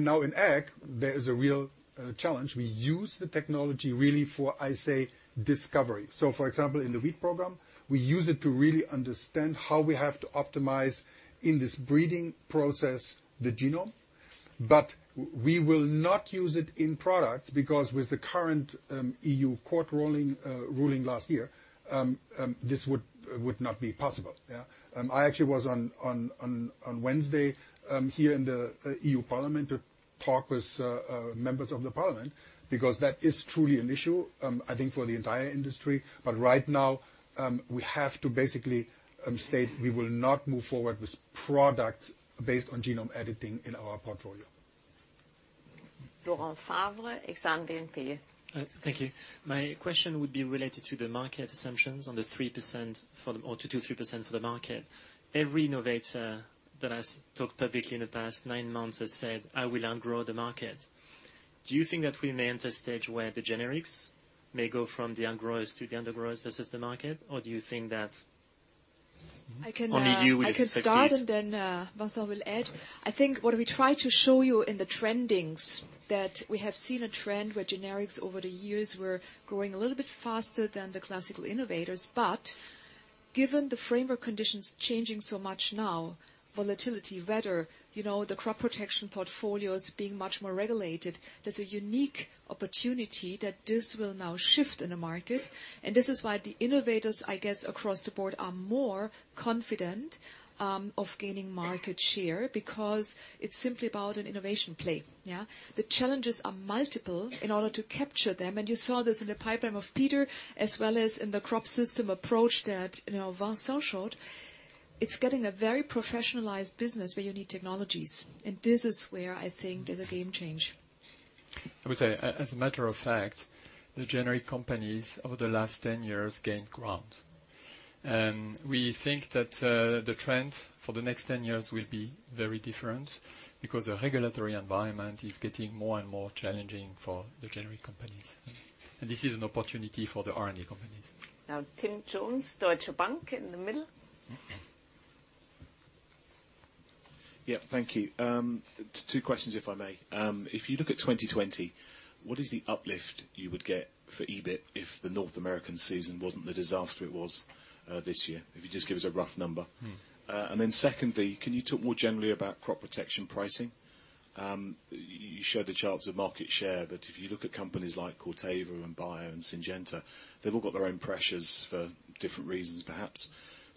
Now in Ag, there is a real challenge. We use the technology really for, I say, discovery. For example, in the wheat program, we use it to really understand how we have to optimize in this breeding process the genome, but we will not use it in products, because with the current EU court ruling last year, this would not be possible. I actually was on Wednesday, here in the European Parliament to talk with members of the parliament because that is truly an issue, I think for the entire industry. Right now, we have to basically state we will not move forward with products based on genome editing in our portfolio. Laurent Favre, Exane BNP. Thank you. My question would be related to the market assumptions on the 3% for the, or 2% to 3% for the market. Every innovator that has talked publicly in the past nine months has said, "I will outgrow the market." Do you think that we may enter a stage where the generics may go from the outgrowers to the undergrowers versus the market? I can- only you will succeed? I can start and then Vincent will add. I think what we try to show you in the trendings that we have seen a trend where generics over the years were growing a little bit faster than the classical innovators. Given the framework conditions changing so much now, volatility, weather, the crop protection portfolios being much more regulated, there's a unique opportunity that this will now shift in the market. This is why the innovators, I guess, across the board are more confident of gaining market share because it's simply about an innovation play. The challenges are multiple in order to capture them, and you saw this in the pipeline of Peter as well as in the crop system approach that Vincent showed. It's getting a very professionalized business where you need technologies, and this is where I think there's a game change. I would say, as a matter of fact, the generic companies over the last 10 years gained ground. We think that the trend for the next 10 years will be very different because the regulatory environment is getting more and more challenging for the generic companies. This is an opportunity for the R&D companies. Tim Jones, Deutsche Bank in the middle. Yeah. Thank you. Two questions, if I may. If you look at 2020, what is the uplift you would get for EBIT if the North American season wasn't the disaster it was this year? If you just give us a rough number. Secondly, can you talk more generally about crop protection pricing? You showed the charts of market share, but if you look at companies like Corteva and Bayer and Syngenta, they've all got their own pressures for different reasons, perhaps.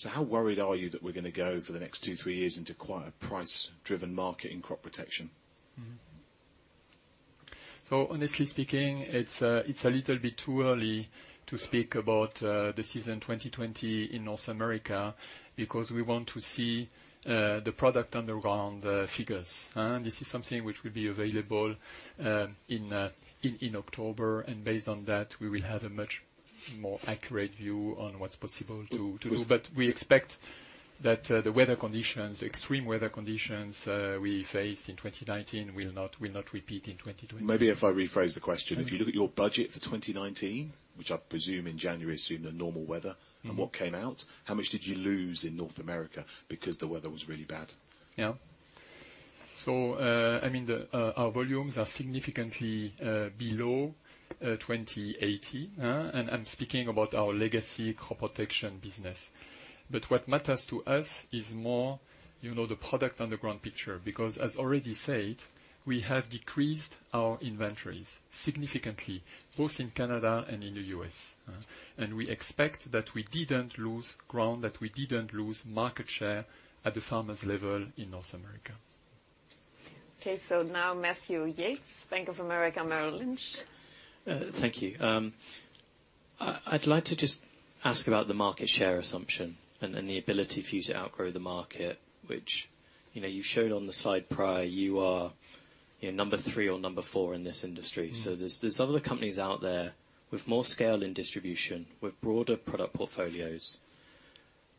How worried are you that we're going to go, for the next two, three years, into quite a price-driven market in crop protection? Honestly speaking, it's a little bit too early to speak about the season 2020 in North America, because we want to see the product on the ground figures. This is something which will be available in October, and based on that, we will have a much more accurate view on what's possible to do. We expect that the weather conditions, extreme weather conditions we faced in 2019 will not repeat in 2020. Maybe if I rephrase the question. Okay. If you look at your budget for 2019, which I presume in January, assumed a normal weather- What came out, how much did you lose in North America because the weather was really bad? Yeah. Our volumes are significantly below 2018. I'm speaking about our legacy crop protection business. What matters to us is more the product on the ground picture, because as already said, we have decreased our inventories significantly, both in Canada and in the U.S. We expect that we didn't lose ground, that we didn't lose market share at the farmer's level in North America. Okay, now Matthew Yates, Bank of America, Merrill Lynch. Thank you. I'd like to just ask about the market share assumption and the ability for you to outgrow the market, which you've shown on the side prior. You are number three or number four in this industry. There's other companies out there with more scale in distribution, with broader product portfolios,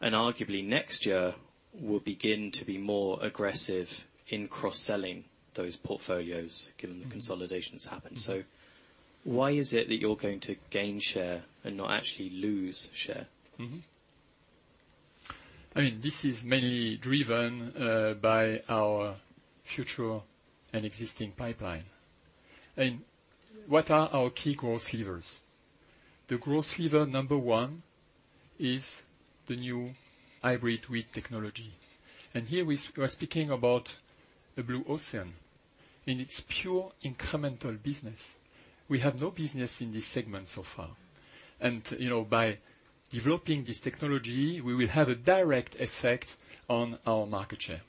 and arguably next year will begin to be more aggressive in cross-selling those portfolios given the consolidations happen. Why is it that you're going to gain share and not actually lose share? This is mainly driven by our future and existing pipeline. What are our key growth levers? The growth lever number 1 is the new hybrid weed technology. Here we are speaking about a blue ocean in its pure incremental business. We have no business in this segment so far. By developing this technology, we will have a direct effect on our market share.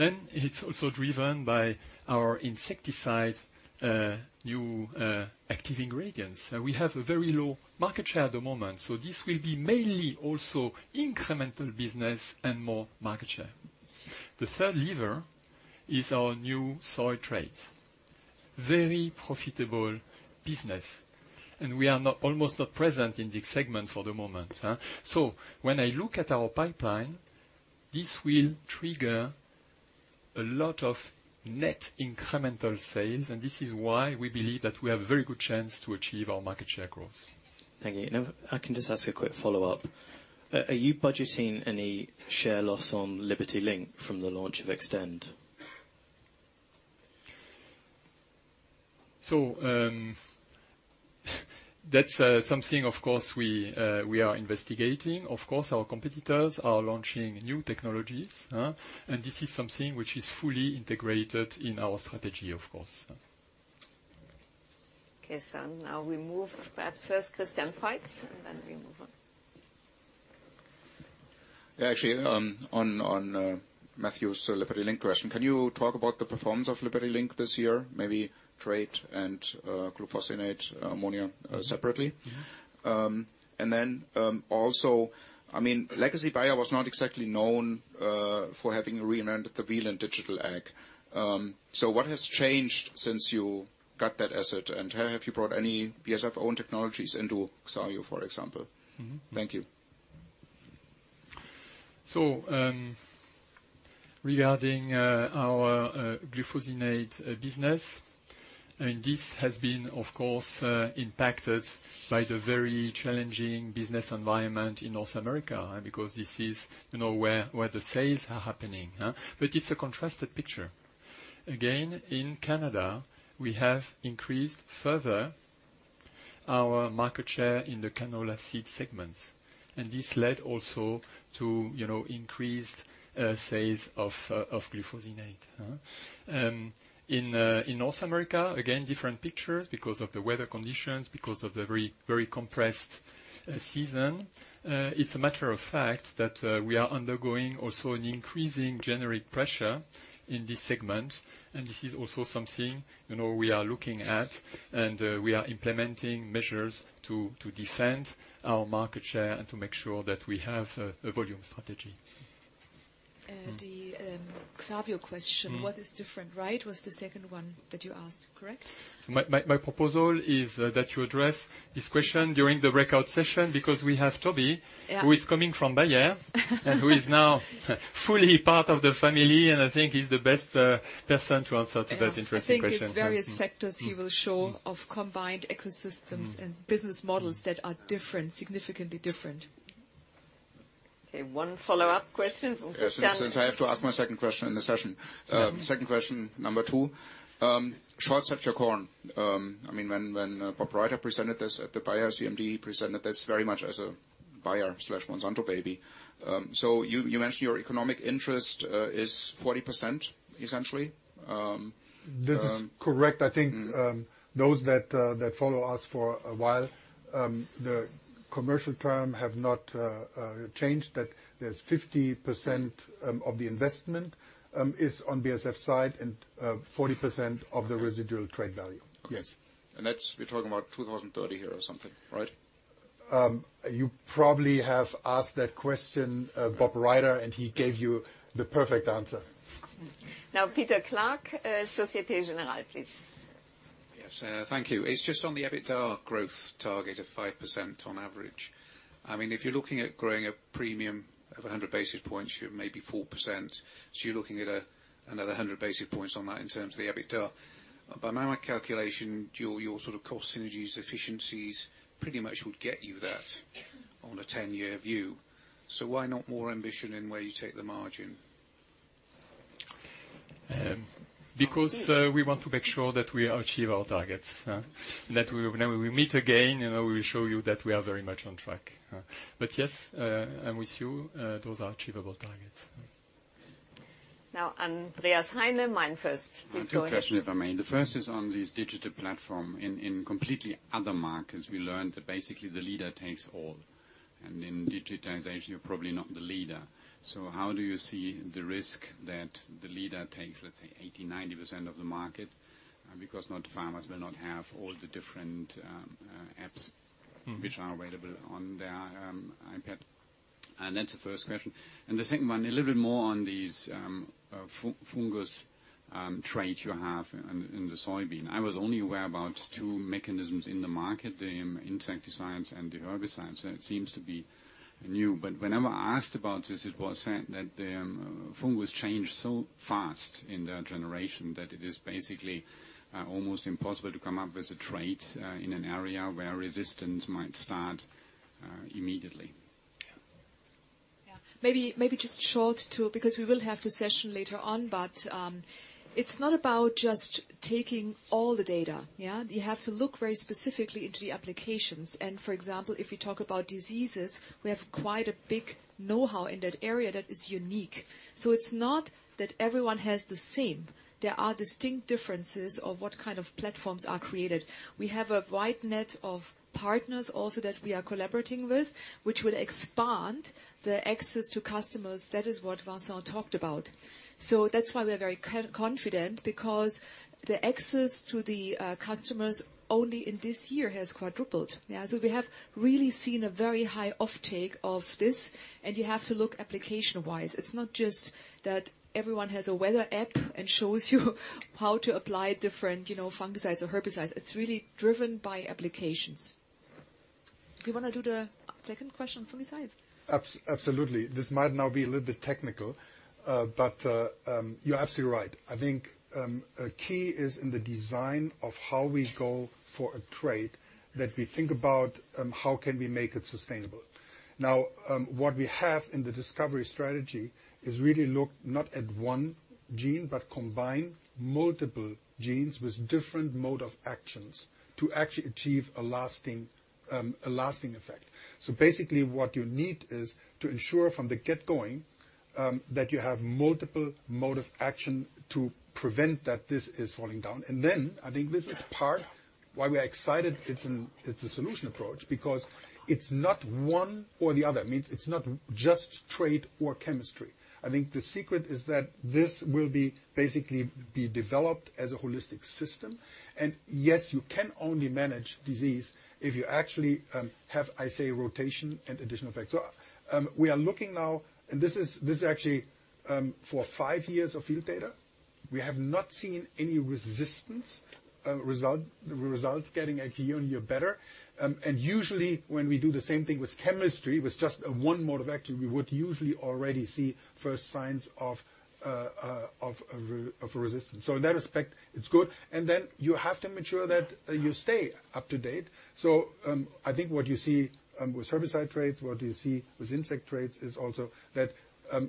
It's also driven by our insecticide active ingredients. We have a very low market share at the moment, so this will be mainly also incremental business and more market share. The third lever is our new soil traits. Very profitable business, and we are almost not present in this segment for the moment. When I look at our pipeline, this will trigger a lot of net incremental sales, and this is why we believe that we have a very good chance to achieve our market share growth. Thank you. Now, I can just ask a quick follow-up. Are you budgeting any share loss on LibertyLink from the launch of XtendFlex? That's something of course we are investigating. Of course, our competitors are launching new technologies. This is something which is fully integrated in our strategy, of course. Okay, now we move, perhaps first Christian Faitz, and then we move on. Yeah, actually, on Matthew's LibertyLink question, can you talk about the performance of LibertyLink this year, maybe trait and glufosinate-ammonium separately? Yeah. Also, legacy Bayer was not exactly known for having reinvented the wheel in digital Ag. What has changed since you got that asset, and have you brought any BASF own technologies into xarvio, for example? Thank you. Regarding our glufosinate business, this has been, of course, impacted by the very challenging business environment in North America, because this is where the sales are happening. It's a contrasted picture. Again, in Canada, we have increased further our market share in the canola seed segments, this led also to increased sales of glufosinate. In North America, again, different picture because of the weather conditions, because of the very compressed season. It's a matter of fact that we are undergoing also an increasing generic pressure in this segment, this is also something we are looking at, and we are implementing measures to defend our market share and to make sure that we have a volume strategy. The xarvio question. What is different, right? Was the second one that you asked, correct? My proposal is that you address this question during the breakout session because we have Toby. Yeah. who is coming from Bayer and who is now fully part of the family, and I think he's the best person to answer to that interesting question. I think it's various factors he will show of combined ecosystems and business models that are different, significantly different. Okay, one follow-up question. Yes, since I have to ask my second question in the session. Second question, number 2. Short touch on corn. When Bob Reiter presented this at the Bayer CMD, he presented this very much as a Bayer/Monsanto baby. You mentioned your economic interest is 40%, essentially? This is correct. I think those that follow us for a while, the commercial term have not changed. There's 50% of the investment is on BASF side and 40% of the residual trade value. Okay. Yes. We're talking about 2030 here or something, right? You probably have asked that question, Bob Reiter, and he gave you the perfect answer. Now, Peter Clark, Societe Generale, please. Yes. Thank you. It's just on the EBITDA growth target of 5% on average. If you're looking at growing a premium of 100 basis points, you're maybe 4%. You're looking at another 100 basis points on that in terms of the EBITDA. By my calculation, your sort of cost synergies, efficiencies pretty much would get you that on a 10-year view. Why not more ambition in where you take the margin? Because we want to make sure that we achieve our targets. That whenever we meet again, we will show you that we are very much on track. Yes, I'm with you. Those are achievable targets. Now, Andreas Heine, MainFirst, please go ahead. Two questions, if I may. The first is on this digital platform. In completely other markets, we learned that basically the leader takes all. In digitization, you're probably not the leader. How do you see the risk that the leader takes, let's say 80%, 90% of the market? Not farmers will not have all the different apps. which are available on their iPad. That's the first question. The second one, a little bit more on these fungus trait you have in the soybean. I was only aware about two mechanisms in the market, the insecticides and the herbicides. That seems to be new. Whenever I asked about this, it was said that the fungus change so fast in their generation that it is basically almost impossible to come up with a trait in an area where resistance might start immediately. Yeah. Maybe just short too, because we will have the session later on, it's not about just taking all the data. Yeah. You have to look very specifically into the applications. For example, if we talk about diseases, we have quite a big know-how in that area that is unique. It's not that everyone has the same. There are distinct differences of what kind of platforms are created. We have a wide net of partners also that we are collaborating with, which will expand the access to customers. That is what Vincent talked about. That's why we are very confident because the access to the customers only in this year has quadrupled. Yeah. We have really seen a very high offtake of this, and you have to look application-wise. It's not just that everyone has a weather app and shows you how to apply different fungicides or herbicides. It's really driven by applications. Do you want to do the second question on fungicides? Absolutely. This might now be a little bit technical, but you're absolutely right. I think a key is in the design of how we go for a trait that we think about how can we make it sustainable. Now, what we have in the discovery strategy is really look not at one gene, but combine multiple genes with different mode of actions to actually achieve a lasting effect. Basically what you need is to ensure from the get-go, that you have multiple mode of action to prevent that this is falling down. Then I think this is part why we are excited it's a solution approach because it's not one or the other. Means it's not just trait or chemistry. I think the secret is that this will be basically be developed as a holistic system. Yes, you can only manage disease if you actually have, I say rotation and additional effects. We are looking now, and this is actually for five years of field data. We have not seen any resistance. Results getting year on year better. Usually when we do the same thing with chemistry, with just one mode of action, we would usually already see first signs of a resistance. In that respect, it's good. Then you have to make sure that you stay up to date. I think what you see with herbicide traits, what you see with insect traits is also that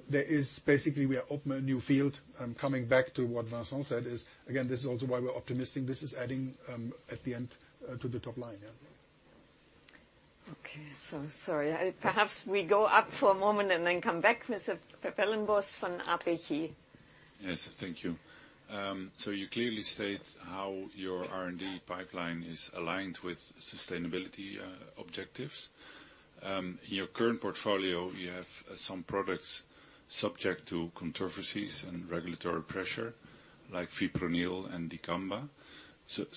there is basically we are open a new field. Coming back to what Vincent said is, again, this is also why we're optimistic. This is adding at the end to the top line. Yeah. Okay. Sorry. Perhaps we go up for a moment and then come back with Peppelenbos from APG. Yes. Thank you. You clearly state how your R&D pipeline is aligned with sustainability objectives. In your current portfolio, you have some products subject to controversies and regulatory pressure like fipronil and dicamba.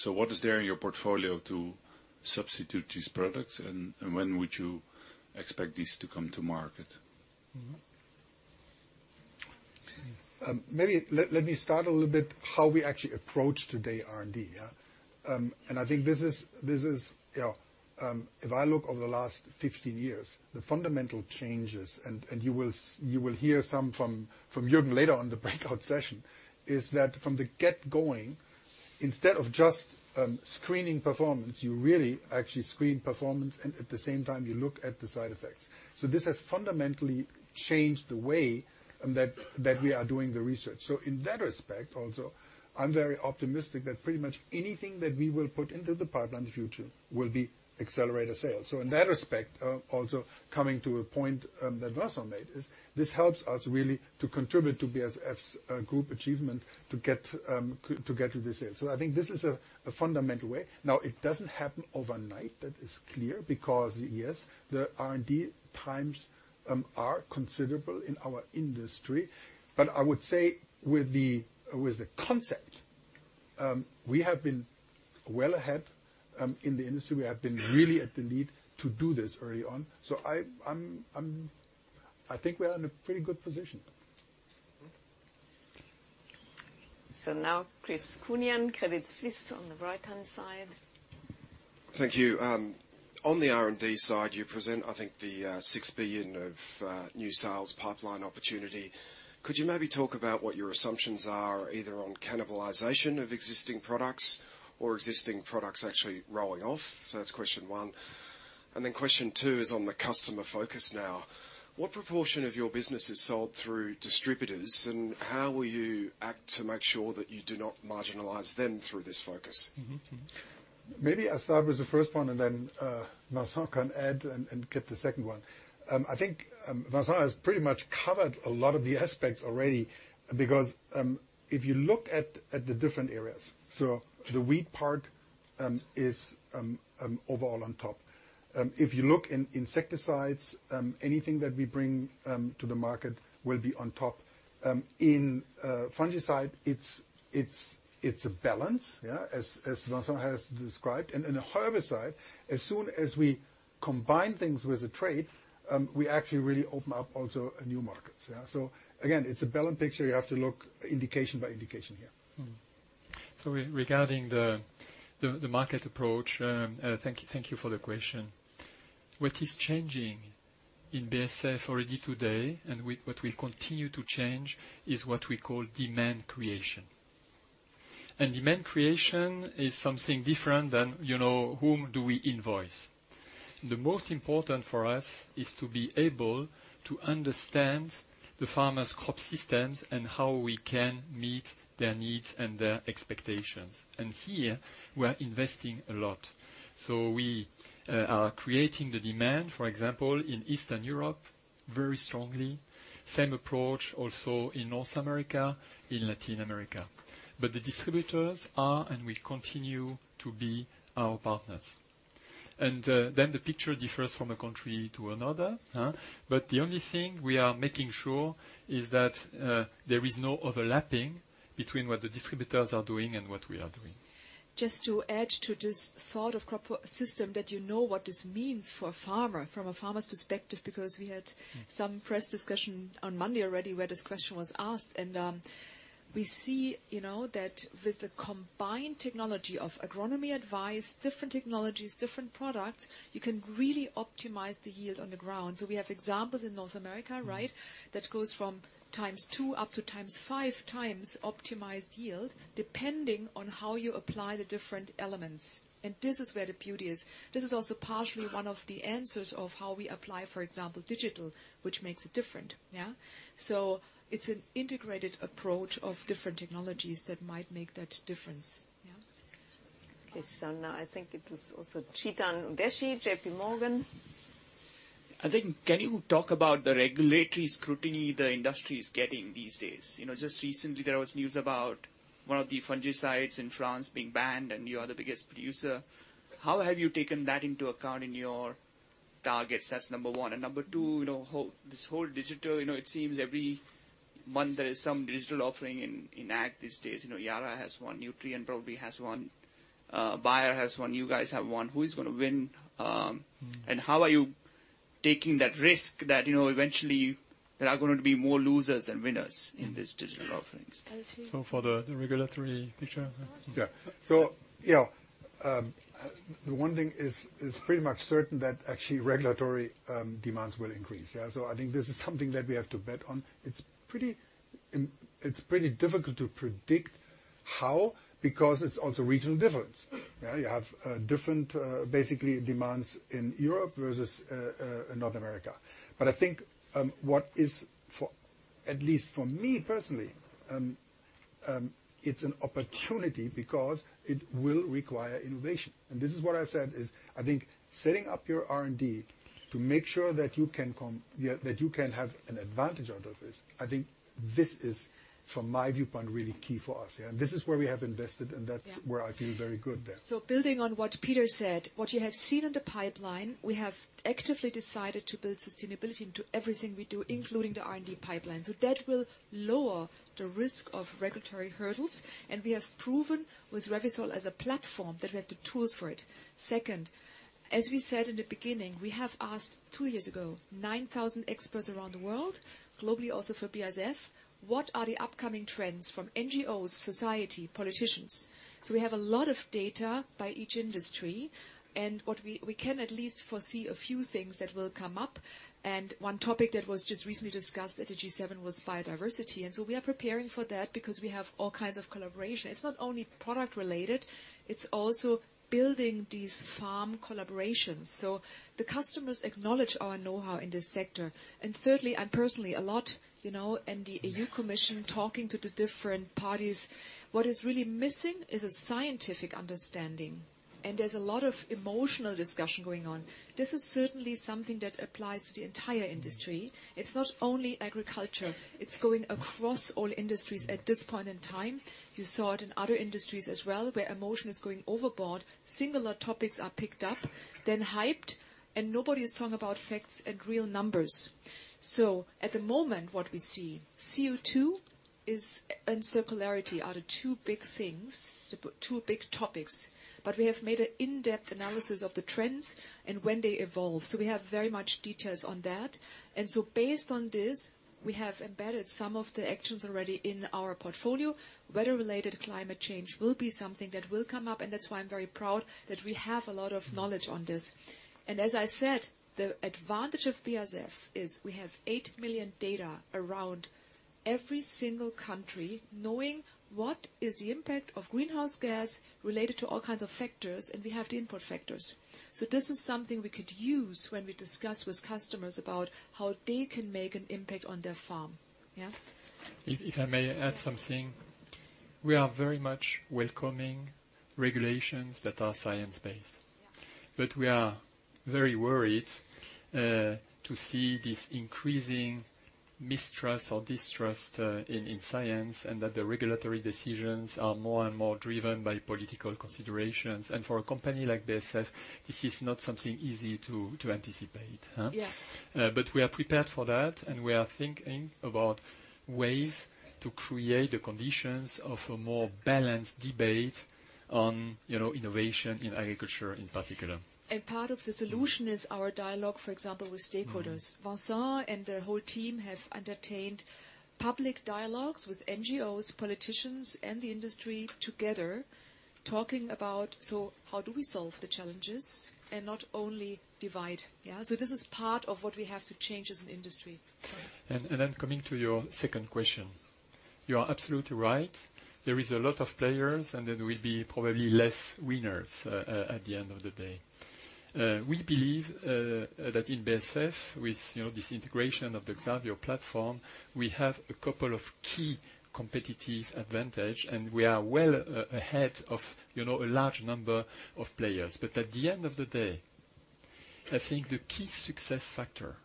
What is there in your portfolio to substitute these products and when would you expect these to come to market? Maybe let me start a little bit how we actually approach today R&D. I think if I look over the last 15 years, the fundamental changes, and you will hear some from Jürgen later on in the breakout session, is that from the get-going, instead of just screening performance, you really actually screen performance, and at the same time, you look at the side effects. In that respect also, I'm very optimistic that pretty much anything that we will put into the pipeline in the future will be accelerated sales. In that respect, also coming to a point that Vincent made is, this helps us really to contribute to BASF's group achievement to get to the sale. I think this is a fundamental way. It doesn't happen overnight, that is clear, because yes, the R&D times are considerable in our industry. I would say with the concept, we have been well ahead in the industry. We have been really at the lead to do this early on. I think we are in a pretty good position. Now Chris Counihan, Credit Suisse on the right-hand side. Thank you. On the R&D side, you present, I think, the 6 billion of new sales pipeline opportunity. Could you maybe talk about what your assumptions are, either on cannibalization of existing products or existing products actually rolling off? That's question one. Question two is on the customer focus now. What proportion of your business is sold through distributors, and how will you act to make sure that you do not marginalize them through this focus? Maybe I'll start with the first one, and then Vincent can add and get the second one. I think Vincent has pretty much covered a lot of the aspects already because, if you look at the different areas. The wheat part is overall on top. If you look in insecticides, anything that we bring to the market will be on top. In fungicide, it's a balance, yeah, as Vincent has described. In herbicide, as soon as we combine things with the trait, we actually really open up also new markets. Again, it's a balanced picture. You have to look indication by indication here. Regarding the market approach, thank you for the question. What is changing in BASF already today, and what we continue to change is what we call demand creation. Demand creation is something different than whom do we invoice. The most important for us is to be able to understand the farmers' crop systems and how we can meet their needs and their expectations. Here, we are investing a lot. We are creating the demand, for example, in Eastern Europe very strongly. Same approach also in North America, in Latin America. The distributors are and will continue to be our partners. The picture differs from a country to another. The only thing we are making sure is that there is no overlapping between what the distributors are doing and what we are doing. Just to add to this thought of crop system, that you know what this means for a farmer from a farmer's perspective, because we had some press discussion on Monday already where this question was asked. We see that with the combined technology of agronomy advice, different technologies, different products, you can really optimize the yield on the ground. We have examples in North America, right? That goes from times two up to times five optimized yield, depending on how you apply the different elements. This is where the beauty is. This is also partially one of the answers of how we apply, for example, digital, which makes it different. Yeah. It's an integrated approach of different technologies that might make that difference. Yeah. Now I think it was also Chetan Udeshi, J.P. Morgan. I think, can you talk about the regulatory scrutiny the industry is getting these days? Just recently there was news about one of the fungicides in France being banned, and you are the biggest producer. How have you taken that into account in your targets? That's number one. Number two, this whole digital, it seems every month there is some digital offering in Ag these days. Yara has one, Nutrien probably has one. Bayer has one. You guys have one. Who is going to win? How are you taking that risk that eventually there are going to be more losers than winners in these digital offerings? [Chetan]. For the regulatory picture. Yeah. The one thing is pretty much certain that actually regulatory demands will increase. Yeah. I think this is something that we have to bet on. It's pretty difficult to predict how, because it's also regional difference. Yeah, you have different basically demands in Europe versus North America. I think what is, at least for me personally, it's an opportunity because it will require innovation. This is what I said is, I think setting up your R&D to make sure that you can have an advantage out of this, I think this is, from my viewpoint, really key for us. Yeah, this is where we have invested, and that's where I feel very good there. Building on what Peter said, what you have seen in the pipeline, we have actively decided to build sustainability into everything we do, including the R&D pipeline. That will lower the risk of regulatory hurdles. We have proven with Revysol as a platform that we have the tools for it. Second, as we said in the beginning, we have asked two years ago, 9,000 experts around the world, globally also for BASF, what are the upcoming trends from NGOs, society, politicians? We have a lot of data by each industry, and we can at least foresee a few things that will come up. One topic that was just recently discussed at the G7 was biodiversity. We are preparing for that because we have all kinds of collaboration. It's not only product-related, it's also building these farm collaborations. The customers acknowledge our know-how in this sector. Thirdly, I personally, a lot, and the European Commission talking to the different parties, what is really missing is a scientific understanding. There's a lot of emotional discussion going on. This is certainly something that applies to the entire industry. It's not only agriculture, it's going across all industries at this point in time. You saw it in other industries as well, where emotion is going overboard. Singular topics are picked up, then hyped, and nobody is talking about facts and real numbers. At the moment, what we see, CO2 and circularity are the two big things, the two big topics. We have made an in-depth analysis of the trends and when they evolve. We have very much details on that. Based on this, we have embedded some of the actions already in our portfolio. Weather-related climate change will be something that will come up, and that's why I'm very proud that we have a lot of knowledge on this. As I said, the advantage of BASF is we have 8 million data around every single country, knowing what is the impact of greenhouse gas related to all kinds of factors, and we have the input factors. This is something we could use when we discuss with customers about how they can make an impact on their farm. If I may add something. We are very much welcoming regulations that are science-based. Yeah. We are very worried to see this increasing mistrust or distrust in science, and that the regulatory decisions are more and more driven by political considerations. For a company like BASF, this is not something easy to anticipate. Yeah. We are prepared for that, and we are thinking about ways to create the conditions of a more balanced debate on innovation in agriculture in particular. A part of the solution is our dialogue, for example, with stakeholders. Vincent and the whole team have entertained public dialogues with NGOs, politicians, and the industry together, talking about how do we solve the challenges and not only divide. Yeah. This is part of what we have to change as an industry. Coming to your second question. You are absolutely right. There is a lot of players, and there will be probably less winners, at the end of the day. We believe that in BASF, with this integration of the xarvio platform, we have a couple of key competitive advantage, and we are well ahead of a large number of players. At the end of the day, I think the key success factor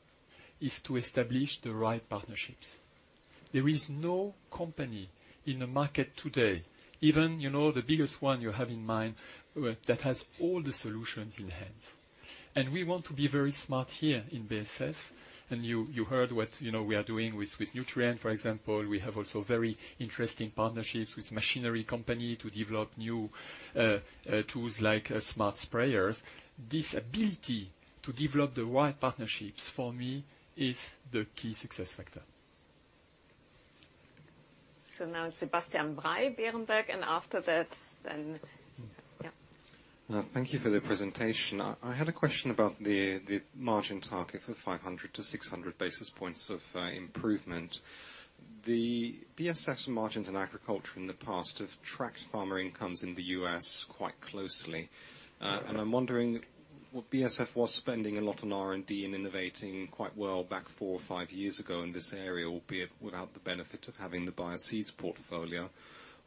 is to establish the right partnerships. There is no company in the market today, even the biggest one you have in mind, that has all the solutions in hand. We want to be very smart here in BASF. You heard what we are doing with Nutrien, for example. We have also very interesting partnerships with machinery company to develop new tools like smart sprayers. This ability to develop the right partnerships, for me, is the key success factor. Now Sebastian Bray, Berenberg, and after that, then Yeah. Thank you for the presentation. I had a question about the margin target for 500 to 600 basis points of improvement. The BASF margins in agriculture in the past have tracked farmer incomes in the U.S. quite closely. I'm wondering what BASF was spending a lot on R&D and innovating quite well back four or five years ago in this area, albeit without the benefit of having the Bayer seeds portfolio.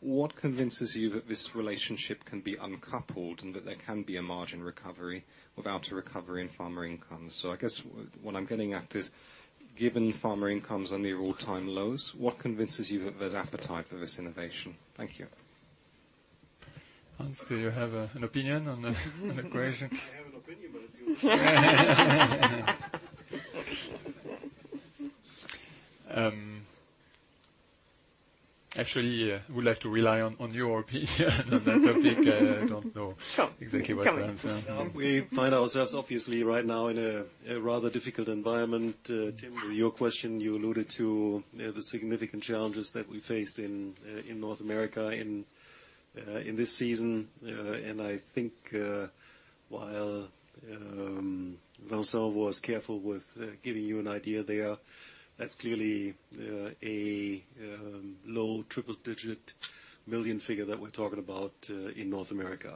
What convinces you that this relationship can be uncoupled and that there can be a margin recovery without a recovery in farmer income? I guess what I'm getting at is, given farmer incomes are near all-time lows, what convinces you that there's appetite for this innovation? Thank you. Hans, do you have an opinion on the equation? I have an opinion, but it's yours. Actually, would like to rely on your opinion on that topic. I don't know exactly what to answer. Sure. You can answer. We find ourselves obviously right now in a rather difficult environment. Tim, your question, you alluded to the significant challenges that we faced in North America in this season. I think, while Vincent was careful with giving you an idea there, that's clearly a EUR low triple-digit million figure that we're talking about in North America.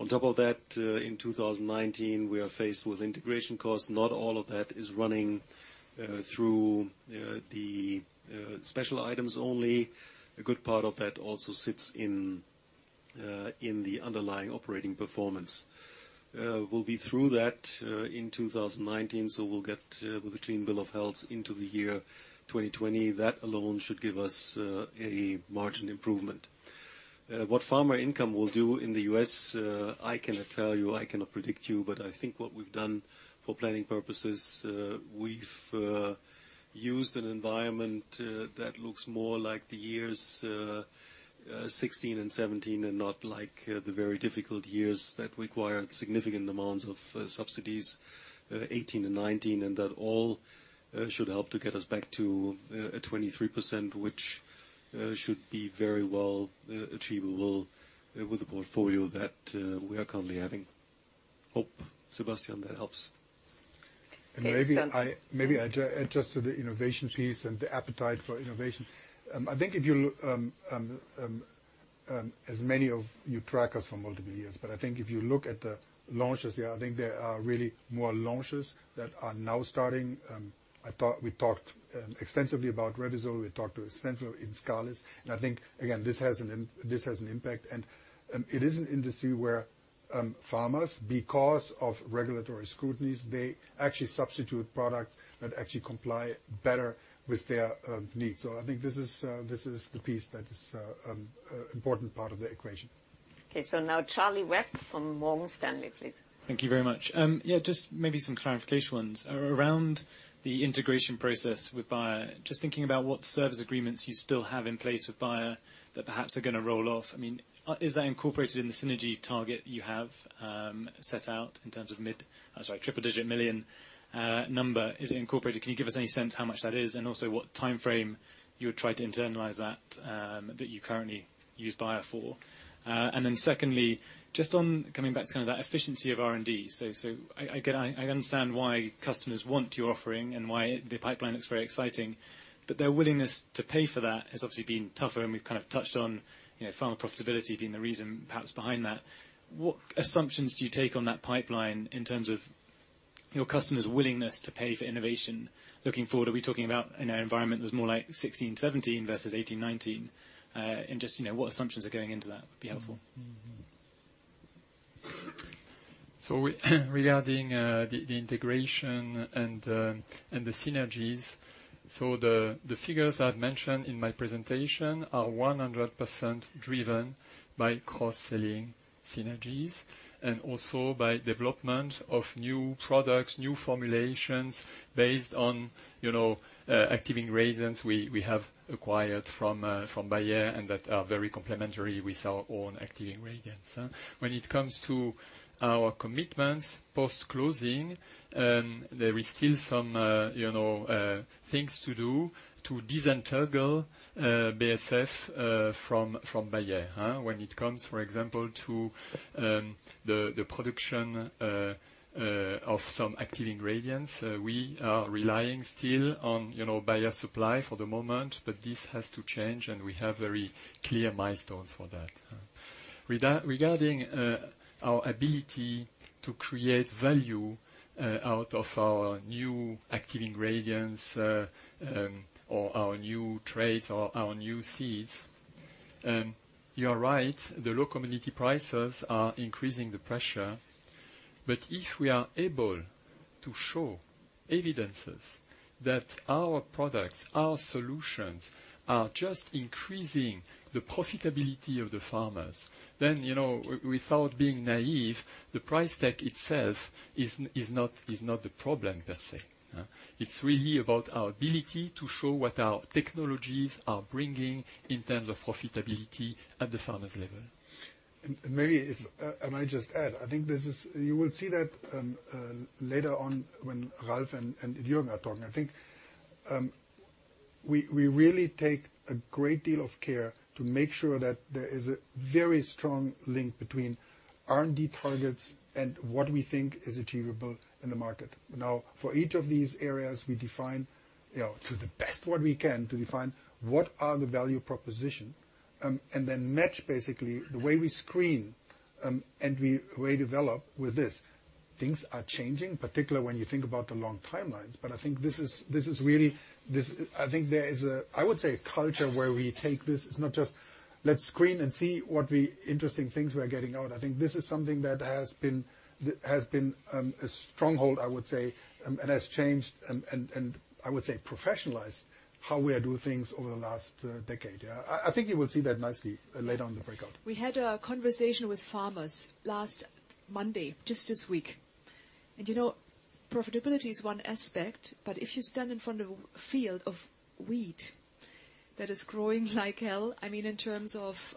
On top of that, in 2019, we are faced with integration costs. Not all of that is running through the special items only. A good part of that also sits in the underlying operating performance. We'll be through that in 2019, we'll get with a clean bill of health into the year 2020. That alone should give us a margin improvement. What farmer income will do in the U.S., I cannot tell you, I cannot predict you, but I think what we've done for planning purposes, we've used an environment that looks more like the years 2016 and 2017 and not like the very difficult years that required significant amounts of subsidies, 2018 and 2019. That all should help to get us back to a 23%, which Should be very well achievable with the portfolio that we are currently having. Hope, Sebastian, that helps. Maybe I add just to the innovation piece and the appetite for innovation. I think as many of you track us for multiple years, but I think if you look at the launches, I think there are really more launches that are now starting. We talked extensively about Revysol, we talked extensively about Inscalis, and I think, again, this has an impact. It is an industry where farmers, because of regulatory scrutinies, they actually substitute products that actually comply better with their needs. I think this is the piece that is an important part of the equation. Okay, now Charles Webb from Morgan Stanley, please. Thank you very much. Just maybe some clarification ones. Around the integration process with Bayer, thinking about what service agreements you still have in place with Bayer that perhaps are going to roll off. Is that incorporated in the synergy target you have set out in terms of triple-digit million number? Is it incorporated? Can you give us any sense how much that is, and also what time frame you would try to internalize that you currently use Bayer for? Secondly, coming back to kind of that efficiency of R&D. I understand why customers want your offering and why the pipeline looks very exciting, but their willingness to pay for that has obviously been tougher, and we've kind of touched on farmer profitability being the reason perhaps behind that. What assumptions do you take on that pipeline in terms of your customers' willingness to pay for innovation looking forward? Are we talking about an environment that's more like 2016, 2017 versus 2018, 2019? Just what assumptions are going into that would be helpful. Regarding the integration and the synergies. The figures I've mentioned in my presentation are 100% driven by cross-selling synergies and also by development of new products, new formulations based on active ingredients we have acquired from Bayer and that are very complementary with our own active ingredients. When it comes to our commitments post-closing, there is still some things to do to disentangle BASF from Bayer. When it comes, for example, to the production of some active ingredients, we are relying still on Bayer supply for the moment, but this has to change, and we have very clear milestones for that. Regarding our ability to create value out of our new active ingredients or our new traits or our new seeds, you are right. The low commodity prices are increasing the pressure. If we are able to show evidences that our products, our solutions, are just increasing the profitability of the farmers, then, without being naïve, the price tag itself is not the problem, per se. It's really about our ability to show what our technologies are bringing in terms of profitability at the farmers' level. Maybe, if I might just add, I think you will see that later on when Ralf and Jürgen are talking. I think we really take a great deal of care to make sure that there is a very strong link between R&D targets and what we think is achievable in the market. For each of these areas, we define to the best what we can to define what are the value proposition, and then match basically the way we screen and we redevelop with this. Things are changing, particularly when you think about the long timelines. I think there is, I would say, a culture where we take this. It's not just let's screen and see what interesting things we are getting out. I think this is something that has been a stronghold, I would say, and has changed and, I would say, professionalized how we are doing things over the last decade. I think you will see that nicely later on in the breakout. We had a conversation with farmers last Monday, just this week. Profitability is one aspect, but if you stand in front of a field of wheat that is growing like hell, in terms of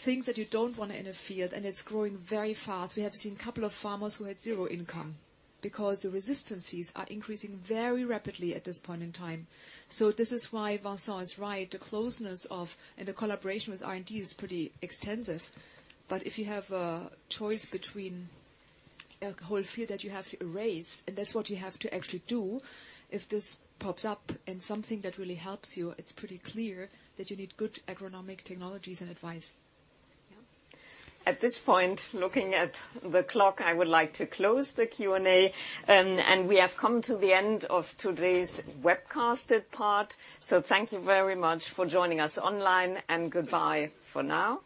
things that you don't want in a field, and it's growing very fast. We have seen a couple of farmers who had zero income because the resistances are increasing very rapidly at this point in time. This is why Vincent is right. The closeness of and the collaboration with R&D is pretty extensive. If you have a choice between a whole field that you have to erase, and that's what you have to actually do if this pops up, and something that really helps you, it's pretty clear that you need good agronomic technologies and advice. At this point, looking at the clock, I would like to close the Q&A. We have come to the end of today's webcasted part. Thank you very much for joining us online, and goodbye for now.